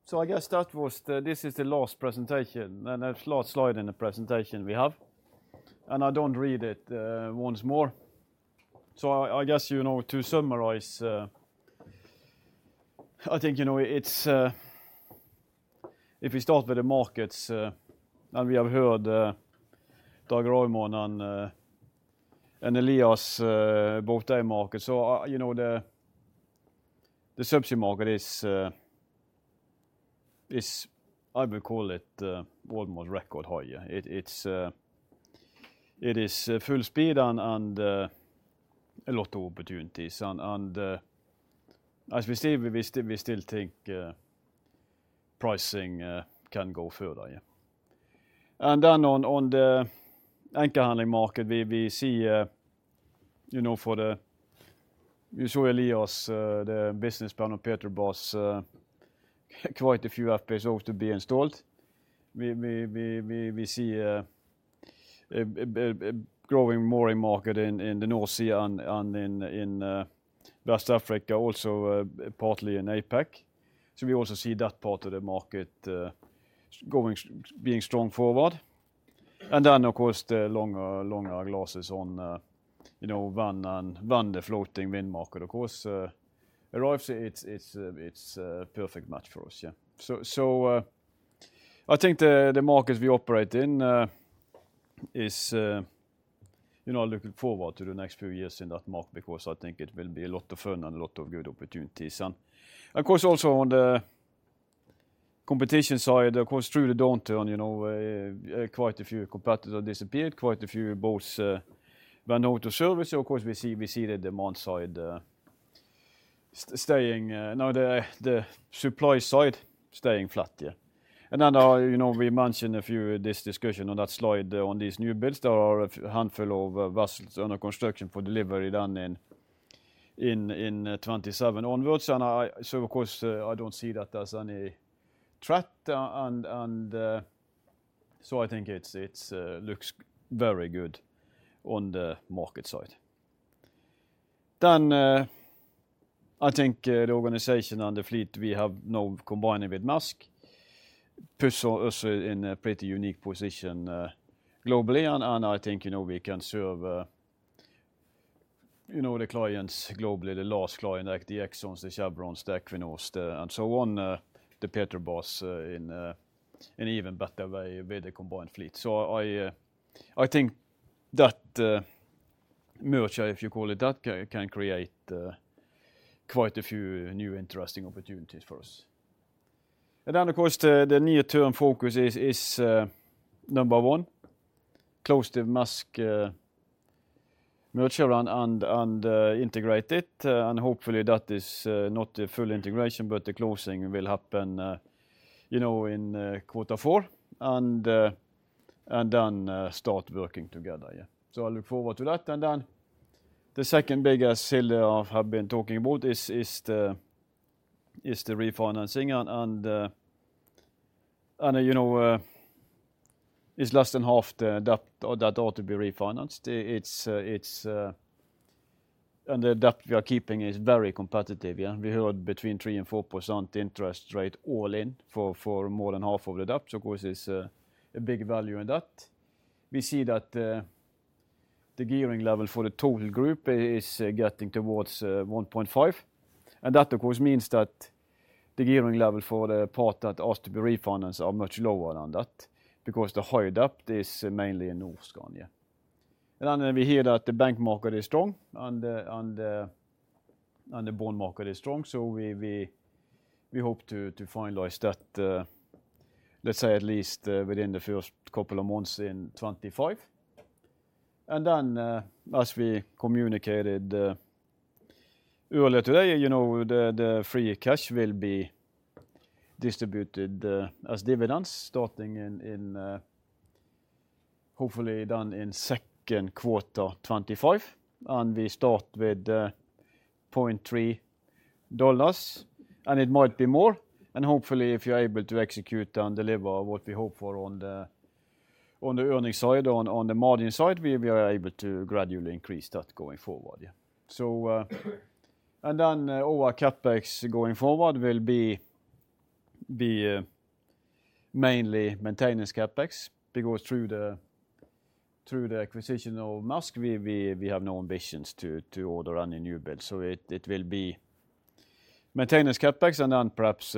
So I guess that was the... This is the last presentation, and the last slide in the presentation we have, and I don't read it once more. So I guess, you know, to summarize, I think, you know, it's if we start with the markets, and we have heard Dag Lilletvedt and Elias about their market. So you know, the subsea market is, I would call it, almost record high. Yeah, it's full speed and a lot of opportunities. And as we see, we still think pricing can go further. Yeah. And then on the anchor handling market, we see, you know, for the... You saw Elias, the business plan, and Petrobras, quite a few FPSOs to be installed. We see a growing mooring market in the North Sea and in West Africa, also partly in APAC, so we also see that part of the market going, being strong forward, and then, of course, the longer glasses on, you know, van and van, the floating wind market, of course, arrives. It's a perfect match for us. Yeah, so I think the markets we operate in is, you know, looking forward to the next few years in that market, because I think it will be a lot of fun and a lot of good opportunities. And, of course, also on the competition side, of course, through the downturn, you know, quite a few competitors disappeared, quite a few boats went out of service. So of course, we see the demand side staying, no, the supply side staying flat, yeah. And then, you know, we mentioned a few this discussion on that slide on these new builds. There are a handful of vessels under construction for delivery due in 2027 onwards. And so of course, I don't see that as any threat, and so I think it looks very good on the market side. Then, I think the organization and the fleet we have now combining with Maersk puts us in a pretty unique position globally. I think, you know, we can serve, you know, the clients globally, the likes of the Exxons, the Chevrons, the Equinors, and so on, the Petrobras, in even better way with the combined fleet. I think that merger, if you call it that, can create quite a few new interesting opportunities for us. Of course, the near-term focus is number one, close the Maersk merger and integrate it. Hopefully, that is not the full integration, but the closing will happen, you know, in quarter four. Then start working together, yeah. I look forward to that. And then the second biggest hill I have been talking about is the refinancing and, you know, it's less than half the debt that ought to be refinanced. And the debt we are keeping is very competitive, yeah. We heard between 3%-4% interest rate all in for more than half of the debt. So of course, it's a big value in that. We see that the gearing level for the total group is getting towards 1.5, and that, of course, means that the gearing level for the part that has to be refinanced are much lower than that, because the high debt is mainly in North Sea. And then we hear that the bank market is strong, and the bond market is strong, so we hope to finalize that, let's say at least within the first couple of months in 2025. And then, as we communicated earlier today, you know, the free cash will be distributed as dividends starting in, hopefully done in second quarter 2025. And we start with $0.3, and it might be more. And hopefully, if you're able to execute and deliver what we hope for on the earnings side, on the margin side, we are able to gradually increase that going forward, yeah. Our CapEx going forward will be mainly maintenance CapEx, because through the acquisition of Maersk, we have no ambitions to order any new builds. It will be maintenance CapEx, and then perhaps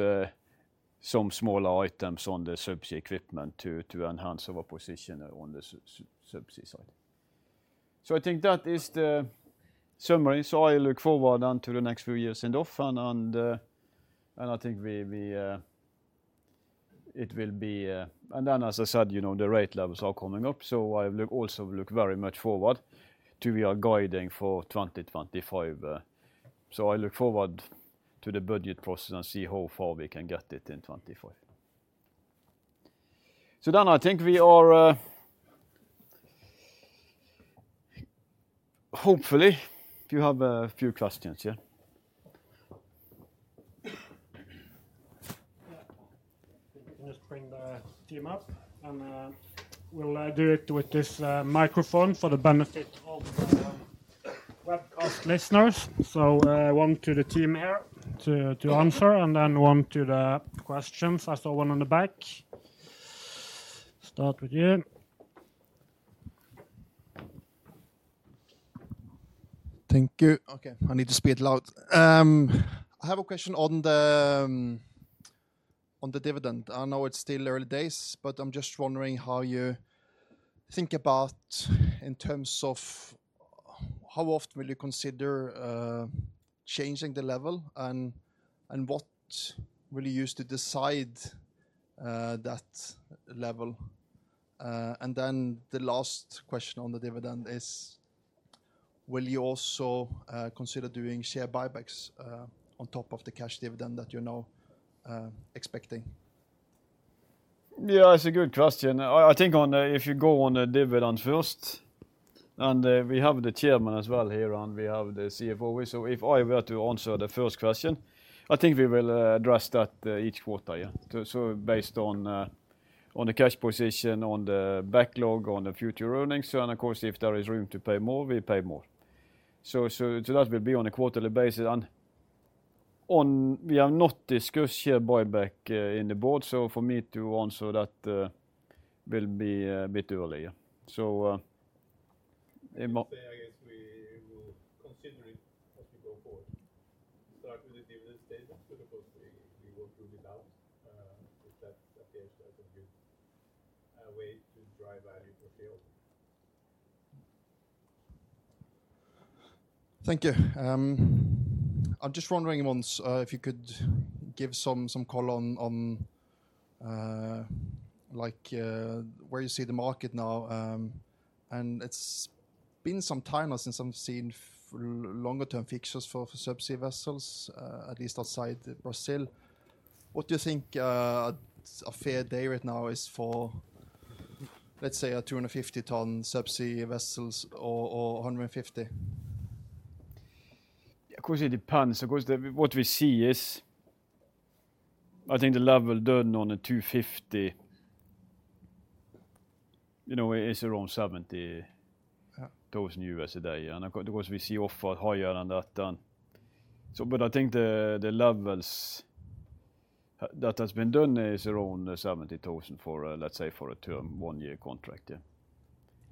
some smaller items on the subsea equipment to enhance our position on the subsea side. I think that is the summary. I look forward to the next few years in offshore, and I think it will be. As I said, you know, the rate levels are coming up, so I also look very much forward to we are guiding for 2025. I look forward to the budget process and see how far we can get it in 2025. So then I think we are, hopefully, if you have a few questions, yeah. Yeah. I think we can just bring the team up, and we'll do it with this microphone for the benefit of the-Webcast listeners. So, one to the team here to answer, and then one to the questions. I saw one on the back. Start with you. Thank you. Okay, I need to speak loud. I have a question on the dividend. I know it's still early days, but I'm just wondering how you think about in terms of how often will you consider changing the level, and what will you use to decide that level? And then the last question on the dividend is: will you also consider doing share buybacks on top of the cash dividend that you're now expecting? Yeah, it's a good question. I think on the... If you go on the dividend first, and we have the chairman as well here, and we have the CFO. So if I were to answer the first question, I think we will address that each quarter, yeah. So based on the cash position, on the backlog, on the future earnings, and of course, if there is room to pay more, we pay more. So to that will be on a quarterly basis, and on, we have not discussed share buyback in the board, so for me to answer that will be a bit early, yeah. So in my- So, I guess we will consider it as we go forward. Start with the dividend statement, but of course, we will rule it in, if it appears that that will be a way to drive value for yield. Thank you. I'm just wondering, Mons, if you could give some call on, like, where you see the market now. And it's been some time now since I've seen longer term fixtures for subsea vessels, at least outside Brazil. What do you think a fair day right now is for, let's say, a two hundred and fifty ton subsea vessels or a hundred and fifty? Of course, it depends. Of course, the, what we see is, I think the level done on the two fifty, you know, is around seventy- Yeah... $1,000 a day. And of course, we see offers higher than that. So but I think the levels that has been done is around $70,000 for, let's say, for a term one-year contract, yeah.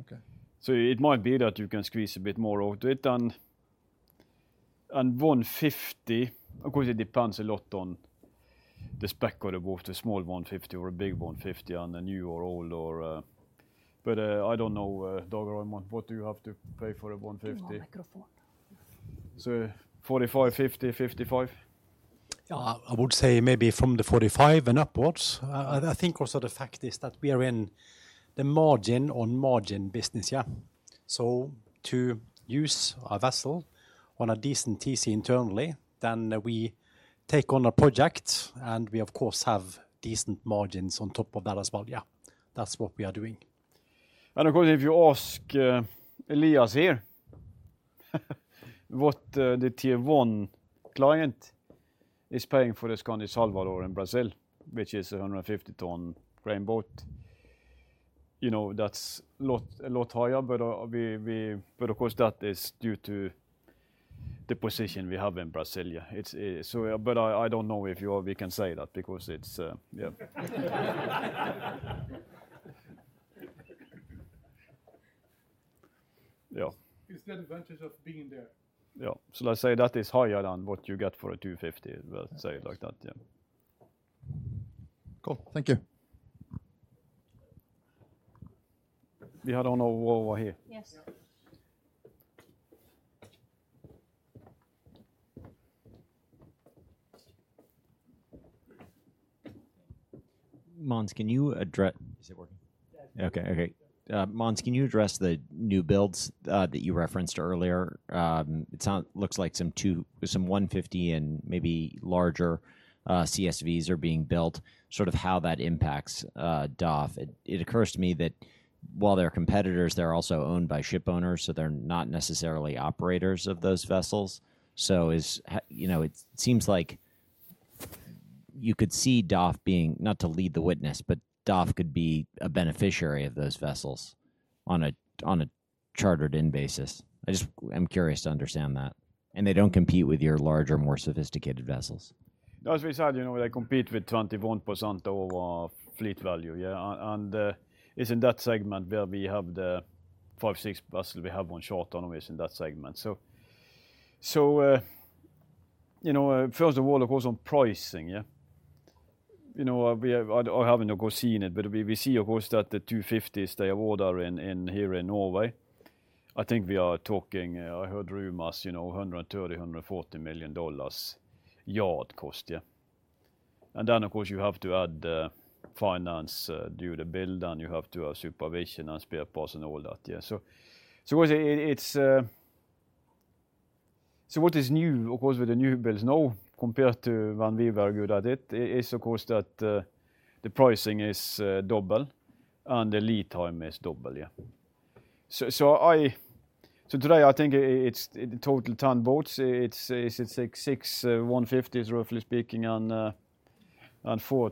Okay. So it might be that you can squeeze a bit more out to it, and one fifty, of course, it depends a lot on the spec of the boat, a small one fifty or a big one fifty, and a new or old or. But I don't know, Dag Rasch, what do you have to pay for a one fifty? Give him a microphone. So forty-five, fifty, fifty-five? I would say maybe from the forty-five and upwards. I think also the fact is that we are in the margin on margin business, yeah? So to use a vessel on a decent TC internally, then we take on a project, and we, of course, have decent margins on top of that as well. Yeah, that's what we are doing. And of course, if you ask Elias here, what the tier one client is paying for the Skandi Salvador in Brazil, which is a hundred and fifty ton crane boat. You know, that's a lot higher, but but of course, that is due to the position we have in Brazil, yeah. It's so but I don't know if you, we can say that because it's yeah. Yeah. It's the advantage of being there. Yeah, so let's say that is higher than what you get for a two fifty. We'll say it like that, yeah. Cool. Thank you. We had on over here. Yes. Mons, can you address? Is it working? Yes. Okay, okay. Mons, can you address the new builds that you referenced earlier? It looks like some 200, some 150 and maybe larger CSVs are being built, sort of how that impacts DOF. It occurs to me that while they're competitors, they're also owned by shipowners, so they're not necessarily operators of those vessels. So you know, it seems like you could see DOF being, not to lead the witness, but DOF could be a beneficiary of those vessels on a chartered-in basis. I just, I'm curious to understand that, and they don't compete with your larger, more sophisticated vessels. As we said, you know, they compete with 21% of our fleet value, yeah, and it's in that segment where we have the five, six vessel, we have on charter always in that segment. So you know, first of all, of course, on pricing, yeah, you know, we have, I haven't of course seen it, but we see, of course, that the two fifties, they are ordering in here in Norway. I think we are talking, I heard rumors, you know, $130-$140 million yard cost, yeah. And then, of course, you have to add finance, do the build, and you have to have supervision and spare parts and all that, yeah. So it, it's... So what is new, of course, with the new builds now, compared to when we were good at it, is, of course, that the pricing is double, and the lead time is double, yeah. So today, I think it's the total ton boats. It's like six 150s, roughly speaking, and four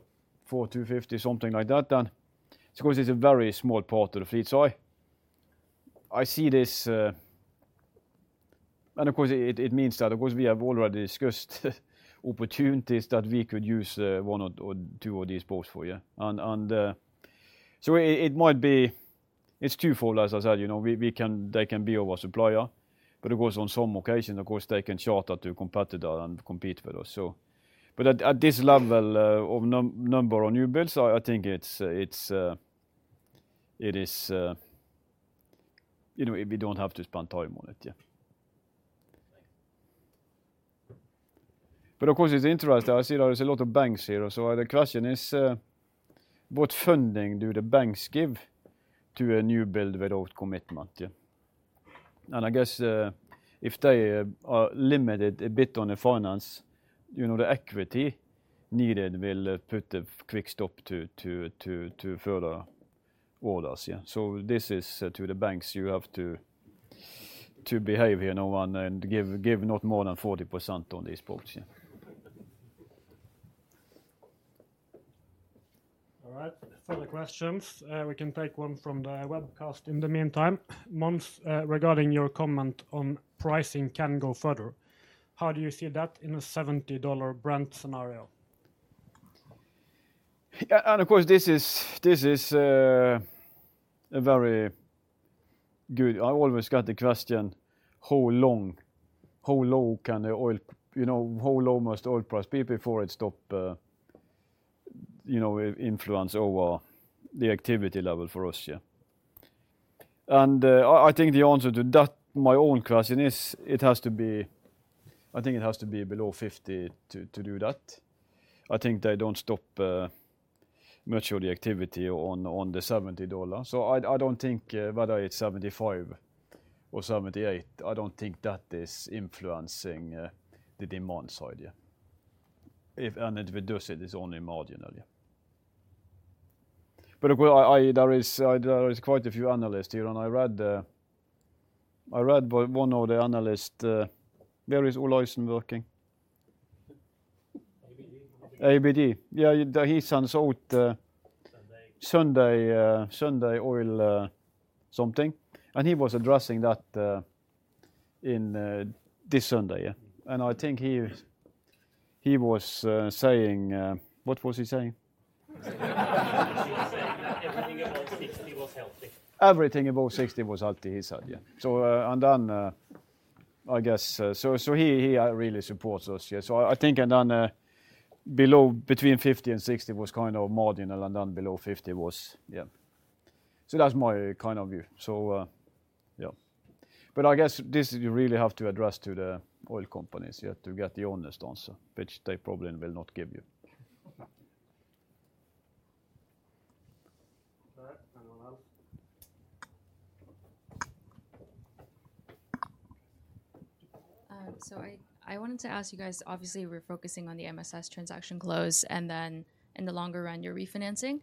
250s, something like that. And of course, it's a very small part of the fleet. So I see this. And of course, it means that, of course, we have already discussed opportunities that we could use one or two of these boats for, yeah. It might be twofold, as I said. You know, we can, they can be our supplier, but of course, on some occasions, of course, they can charter to competitor and compete with us. But at this level of number of new builds, I think it is, you know, we don't have to spend time on it, yeah. Thank you. But of course, it's interesting. I see there is a lot of banks here, so the question is, what funding do the banks give to a new build without commitment, yeah? And I guess, if they are limited a bit on the finance, you know, the equity needed will put a quick stop to further orders, yeah. So this is to the banks, you have to behave, you know, and give not more than 40% on these boats, yeah.... All right, further questions? We can take one from the webcast in the meantime. Mons, regarding your comment on pricing can go further, how do you see that in a $70 Brent scenario? Yeah, and of course, this is a very good. I always got the question, how low can the oil, you know, how low must oil price be before it stop, you know, influence over the activity level for us, yeah? And, I think the answer to that, my own question is, it has to be, I think it has to be below $50 to do that. I think they don't stop much of the activity on the $70. So I don't think whether it's $75 or $78, I don't think that is influencing the demand side, yeah. If and if it does, it is only marginally. But of course, I... There is quite a few analysts, you know, and I read one of the analyst, where is Olausen working? ABG. Sundal Collier. Yeah, he sends out. Sunday. Sunday, Sunday oil, something, and he was addressing that in this Sunday, yeah. And I think he was saying... What was he saying? He was saying that everything above sixty was healthy. Everything above 60 was healthy, he said, yeah, so and then I guess he really supports us. Yeah, so I think and then below, between 50 and 60 was kind of marginal, and then below 50 was, yeah. That's my kind of view. Yeah. But I guess this, you really have to address to the oil companies, yeah, to get the honest answer, which they probably will not give you. All right, anyone else? I wanted to ask you guys, obviously, we're focusing on the MSS transaction close, and then in the longer run, you're refinancing.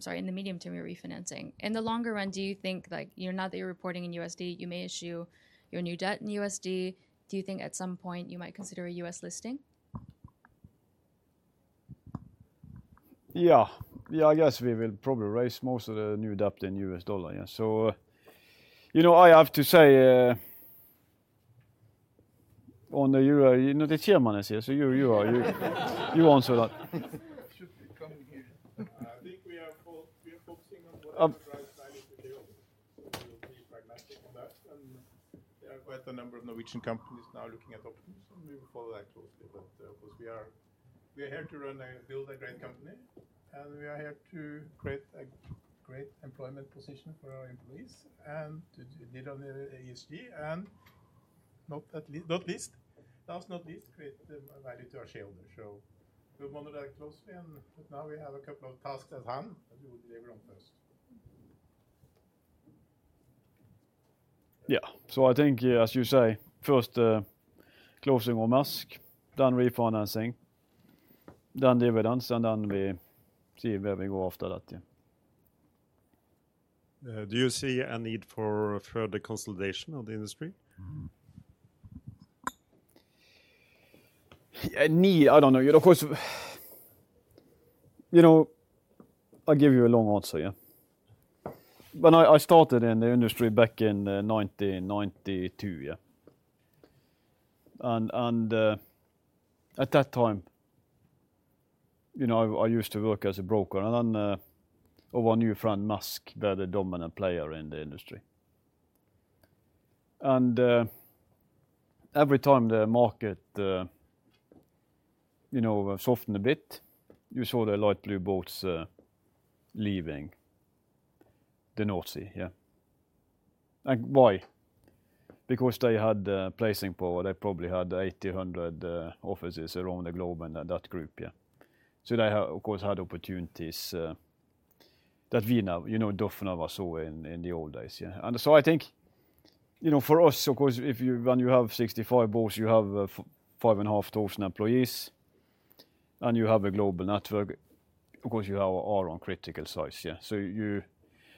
Sorry, in the medium term, you're refinancing. In the longer run, do you think, like, you know, now that you're reporting in USD, you may issue your new debt in USD? Do you think at some point you might consider a U.S. listing? Yeah. Yeah, I guess we will probably raise most of the new debt in US dollar, yeah. So, you know, I have to say, on the euro, you know, the chairman is here, so you answer that. I should be coming here. I think we are focusing on what our drive value to do. So we will be pragmatic on that, and there are quite a number of Norwegian companies now looking at options, and we will follow that closely. But, of course, we are here to run and build a great company, and we are here to create a great employment position for our employees and to deliver on the ESG, and last but not least, create the value to our shareholders. So we'll monitor that closely, but now we have a couple of tasks at hand that we will deliver on first. Yeah. So I think, as you say, first, closing on Maersk, then refinancing, then dividends, and then we see where we go after that, yeah. Do you see a need for further consolidation of the industry? Mm-hmm. I don't know. You know, of course. You know, I'll give you a long answer, yeah. When I started in the industry back in nineteen ninety-two, yeah, and at that time, you know, I used to work as a broker, and then our new friend, Maersk, were the dominant player in the industry. Every time the market, you know, softened a bit, you saw the light blue boats leaving the North Sea, yeah. Why? Because they had pricing power. They probably had eighty to a hundred offices around the globe in that group, yeah. So they of course had opportunities that we now, you know, definitely never saw in the old days, yeah. And so I think, you know, for us, of course, if you—when you have 65 boats, you have 5,500 employees, and you have a global network, of course, you are on critical size. Yeah, so you...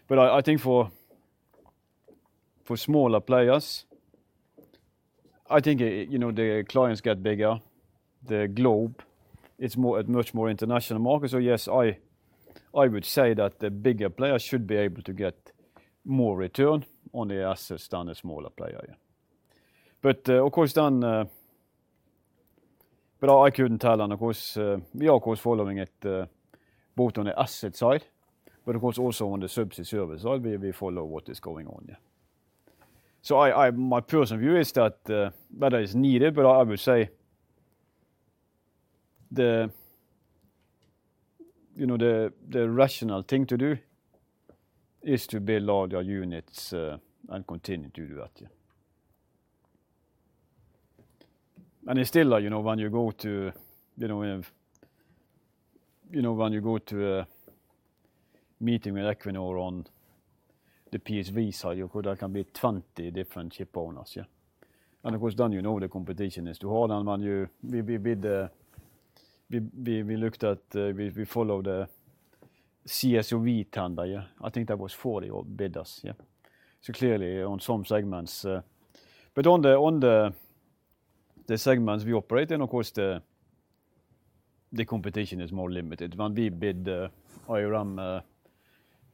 But I think for smaller players, I think, you know, the clients get bigger. The globe is a much more international market. So yes, I would say that the bigger players should be able to get more return on the assets than a smaller player. Yeah. But, of course, then... But I couldn't tell, and of course, we are following it, both on the asset side, but of course, also on the subsea service side, we follow what is going on, yeah. So I... My personal view is that whether it's needed, but I would say the, you know, the rational thing to do is to build larger units and continue to do that, yeah. And it's still, you know, when you go to a meeting with Equinor on the PSV side, there can be 20 different ship owners, yeah. And of course, then you know the competition is to hold on. When we bid, we looked at, we follow the CSOV tender, yeah. I think there was 40 bidders, yeah. So clearly on some segments. But on the segments we operate in, of course, the competition is more limited. When we bid IMR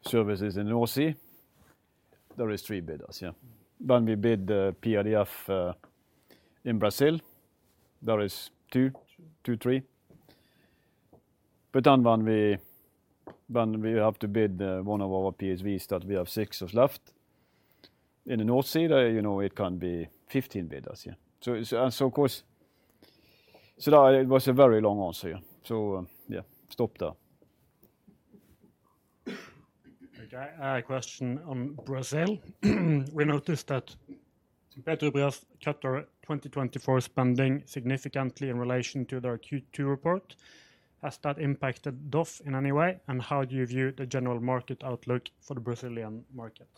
services in the North Sea, there is 3 bidders, yeah. When we bid PIDF in Brazil, there is two, two, three. But then when we have to bid one of our PSVs that we have six of left, in the North Sea, there, you know, it can be 15 bidders, yeah. So, so and so of course. So that, it was a very long answer, yeah. So, yeah, stop there. Okay, I have a question on Brazil. We noticed that Petrobras cut their 2024 spending significantly in relation to their Q2 report. Has that impacted DOF in any way, and how do you view the general market outlook for the Brazilian market?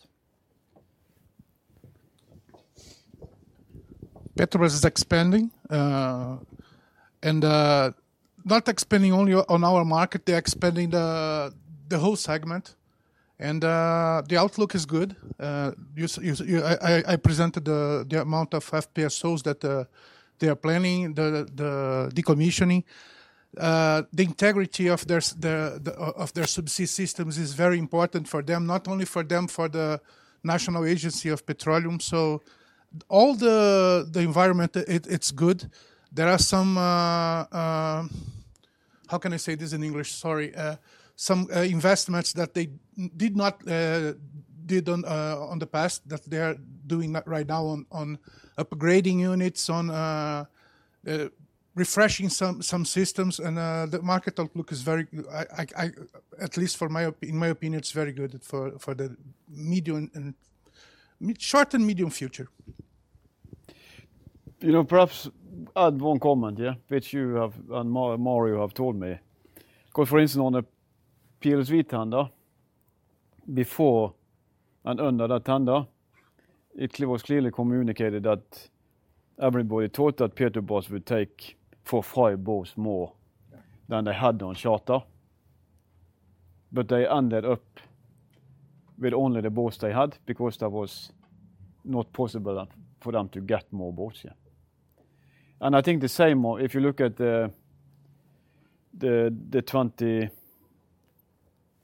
Petrobras is expanding, and not expanding only on our market, they are expanding the whole segment. The outlook is good. I presented the amount of FPSOs that they are planning, the decommissioning. The integrity of their subsea systems is very important for them, not only for them, for the National Agency of Petroleum. So all the environment, it's good. There are some... How can I say this in English? Sorry. Some investments that they did not do in the past, that they are doing right now on upgrading units, on refreshing some systems. The market outlook is very good, at least in my opinion, for the short and medium future. You know, perhaps add one comment, yeah, which you have and Mario have told me. Because for instance, on a PSV tender, before and under that tender, it was clearly communicated that everybody thought that Petrobras would take four, five boats more- Yeah... than they had on charter. But they ended up with only the boats they had because that was not possible for them to get more boats, yeah. And I think the same, if you look at the 2023,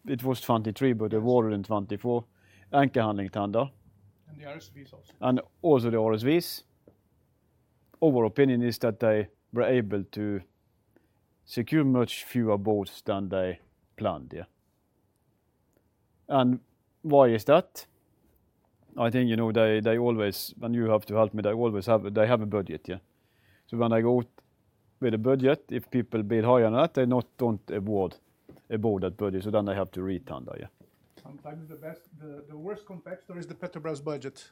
it was 2023, but they were in 2024, anchor handling tug. And the RSVs also. And also the RSVs. Our opinion is that they were able to secure much fewer boats than they planned, yeah. And why is that? I think, you know, they always have a budget, yeah. So when they go out with a budget, if people bid higher than that, they don't award that budget, so then they have to re-tender, yeah. Sometimes the best, the worst competitor is the Petrobras budget.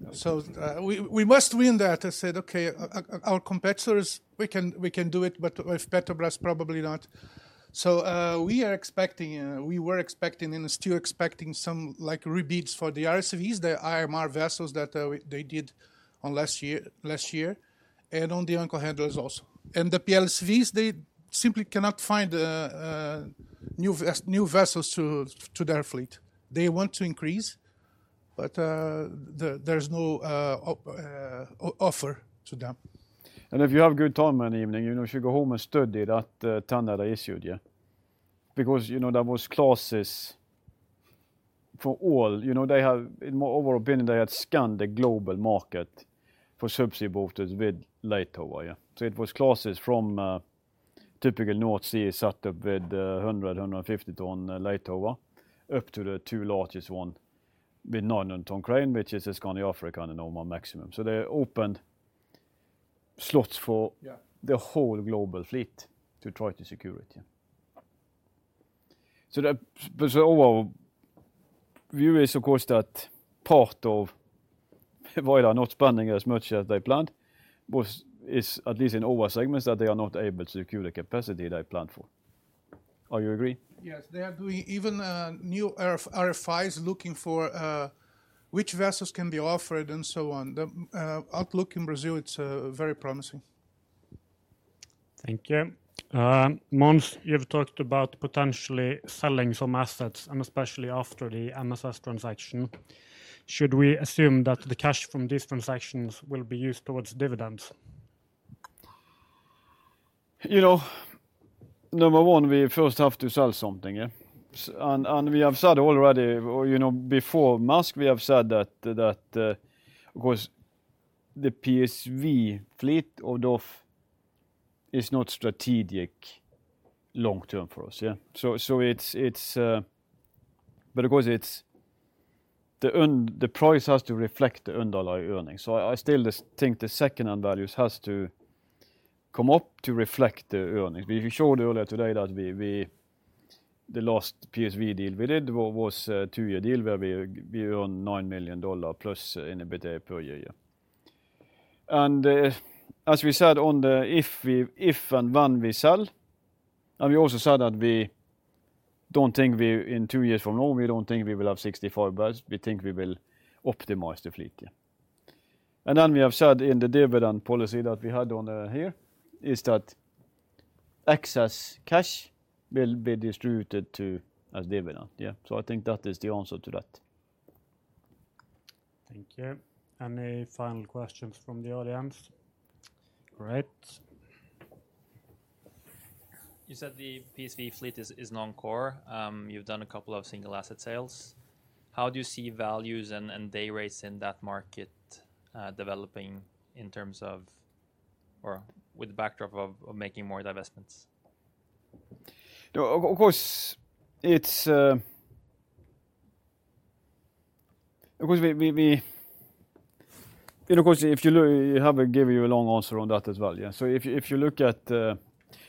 Yeah. So, we must win that. I said, "Okay, our competitors, we can do it, but with Petrobras, probably not." So, we are expecting, we were expecting and still expecting some, like, re-bids for the RSVs, the IMR vessels that they did last year, last year, and on the anchor handlers also. And the PLSVs, they simply cannot find new vessels to their fleet. They want to increase, but the, there's no offer to them. And if you have good time in the evening, you know, you should go home and study that tender they issued, yeah. Because, you know, there was clauses for all. You know, they have... In my overall opinion, they had scanned the global market for subsea boats with light tower, yeah. So it was clauses from typical North Sea setup with 100- and 150-ton light tower, up to the two largest one with 900-ton crane, which is a Skandi Africa and Normand Maximum. So they opened slots for- Yeah... the whole global fleet to try to secure it, yeah. So, but the overall view is, of course, that part of why they are not spending as much as they planned was, is at least in our segments, that they are not able to secure the capacity they planned for. Are you agree? Yes. They are doing even new RFIs, looking for which vessels can be offered and so on. The outlook in Brazil, it's very promising. Thank you. Mogens, you've talked about potentially selling some assets, and especially after the MSS transaction. Should we assume that the cash from these transactions will be used towards dividends? You know, number one, we first have to sell something, yeah? And we have said already, you know, before Maersk, we have said that of course, the PSV fleet of DOF is not strategic long term for us, yeah? So it's... But of course, it's the price has to reflect the underlying earnings. So I still just think the second-hand values has to come up to reflect the earnings. We showed earlier today that the last PSV deal we did was a two-year deal, where we earn $9 million plus in EBITDA per year, yeah. And as we said, if we, if and when we sell, and we also said that we don't think in two years from now we will have 64 vessels. We think we will optimize the fleet, yeah. And then we have said in the dividend policy that we had on here is that excess cash will be distributed to as dividend, yeah. So I think that is the answer to that.... Thank you. Any final questions from the audience? Great. You said the PSV fleet is non-core. You've done a couple of single asset sales. How do you see values and day rates in that market developing in terms of or with the backdrop of making more divestments? You know, of course, it's of course, we and of course, if you look, I have to give you a long answer on that as well, yeah. So if you look at.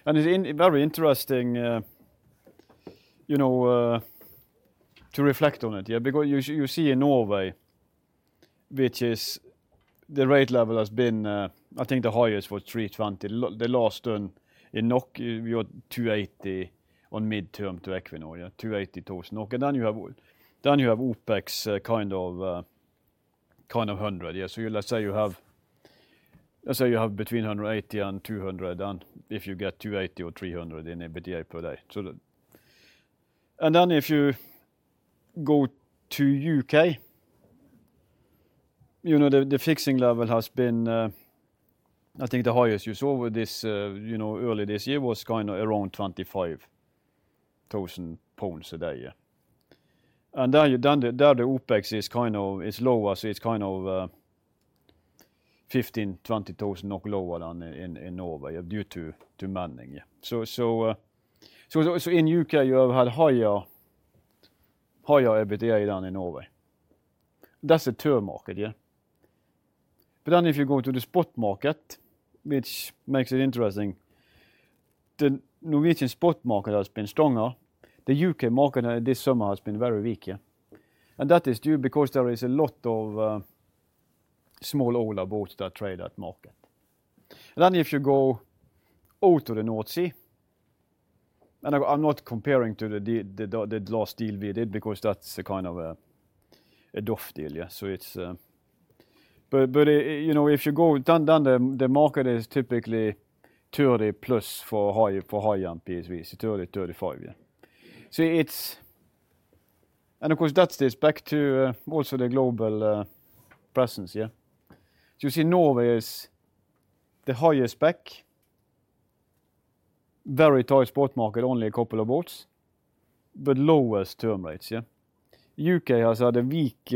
And it's very interesting, you know, to reflect on it, yeah, because you see in Norway, which is the rate level has been, I think the highest was 320. The last turn in NOK, you are 280 on midterm to Equinor, yeah, 280,000. And then you have OpEx, kind of hundred. Yeah, so let's say you have between 180 and 200, and if you get 280 or 300 in EBITDA per day. And then if you go to the U.K., you know, the fixing level has been. I think the highest you saw with this, you know, early this year was kind of around 25,000 pounds a day, yeah. And then the OpEx is kind of lower, so it's kind of 15,000-20,000 NOK lower than in Norway due to manning, yeah. So in the U.K., you have had higher EBITDA than in Norway. That's the term market, yeah? But then if you go to the spot market, which makes it interesting, the Norwegian spot market has been stronger. The U.K. market this summer has been very weak, yeah. And that is due because there is a lot of small older boats that trade that market. And then if you go out to the North Sea, and I, I'm not comparing to the last deal we did, because that's a kind of a dovish deal, yeah. So it's. But you know, if you go down to the market is typically 30 plus for high-end PSVs, 30, 35, yeah. So it's. And of course, that's ties back to also the global presence, yeah? You see Norway is the highest spec, very tight spot market, only a couple of boats, but lowest term rates, yeah? U.K. has had a weak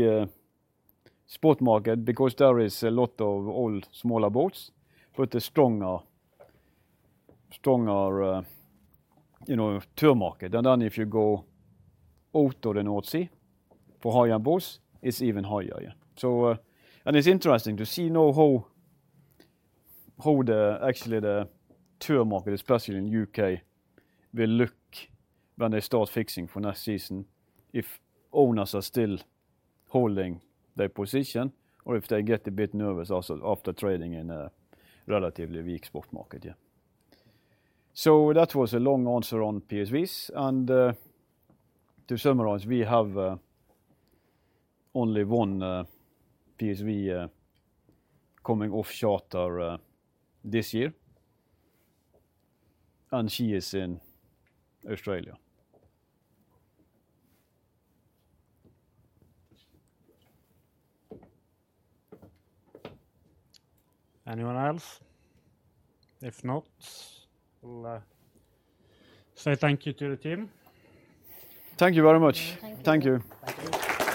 spot market because there is a lot of old, smaller boats, but a stronger, you know, term market. And then if you go out to the North Sea for hire boats, it's even higher, yeah. And it's interesting to see now how actually the term market, especially in the U.K., will look when they start fixing for next season, if owners are still holding their position or if they get a bit nervous also after trading in a relatively weak spot market, yeah. That was a long answer on PSVs, and to summarize, we have only one PSV coming off charter this year, and she is in Australia. Anyone else? If not, we'll say thank you to the team. Thank you very much. Thank you. Thank you. Thank you.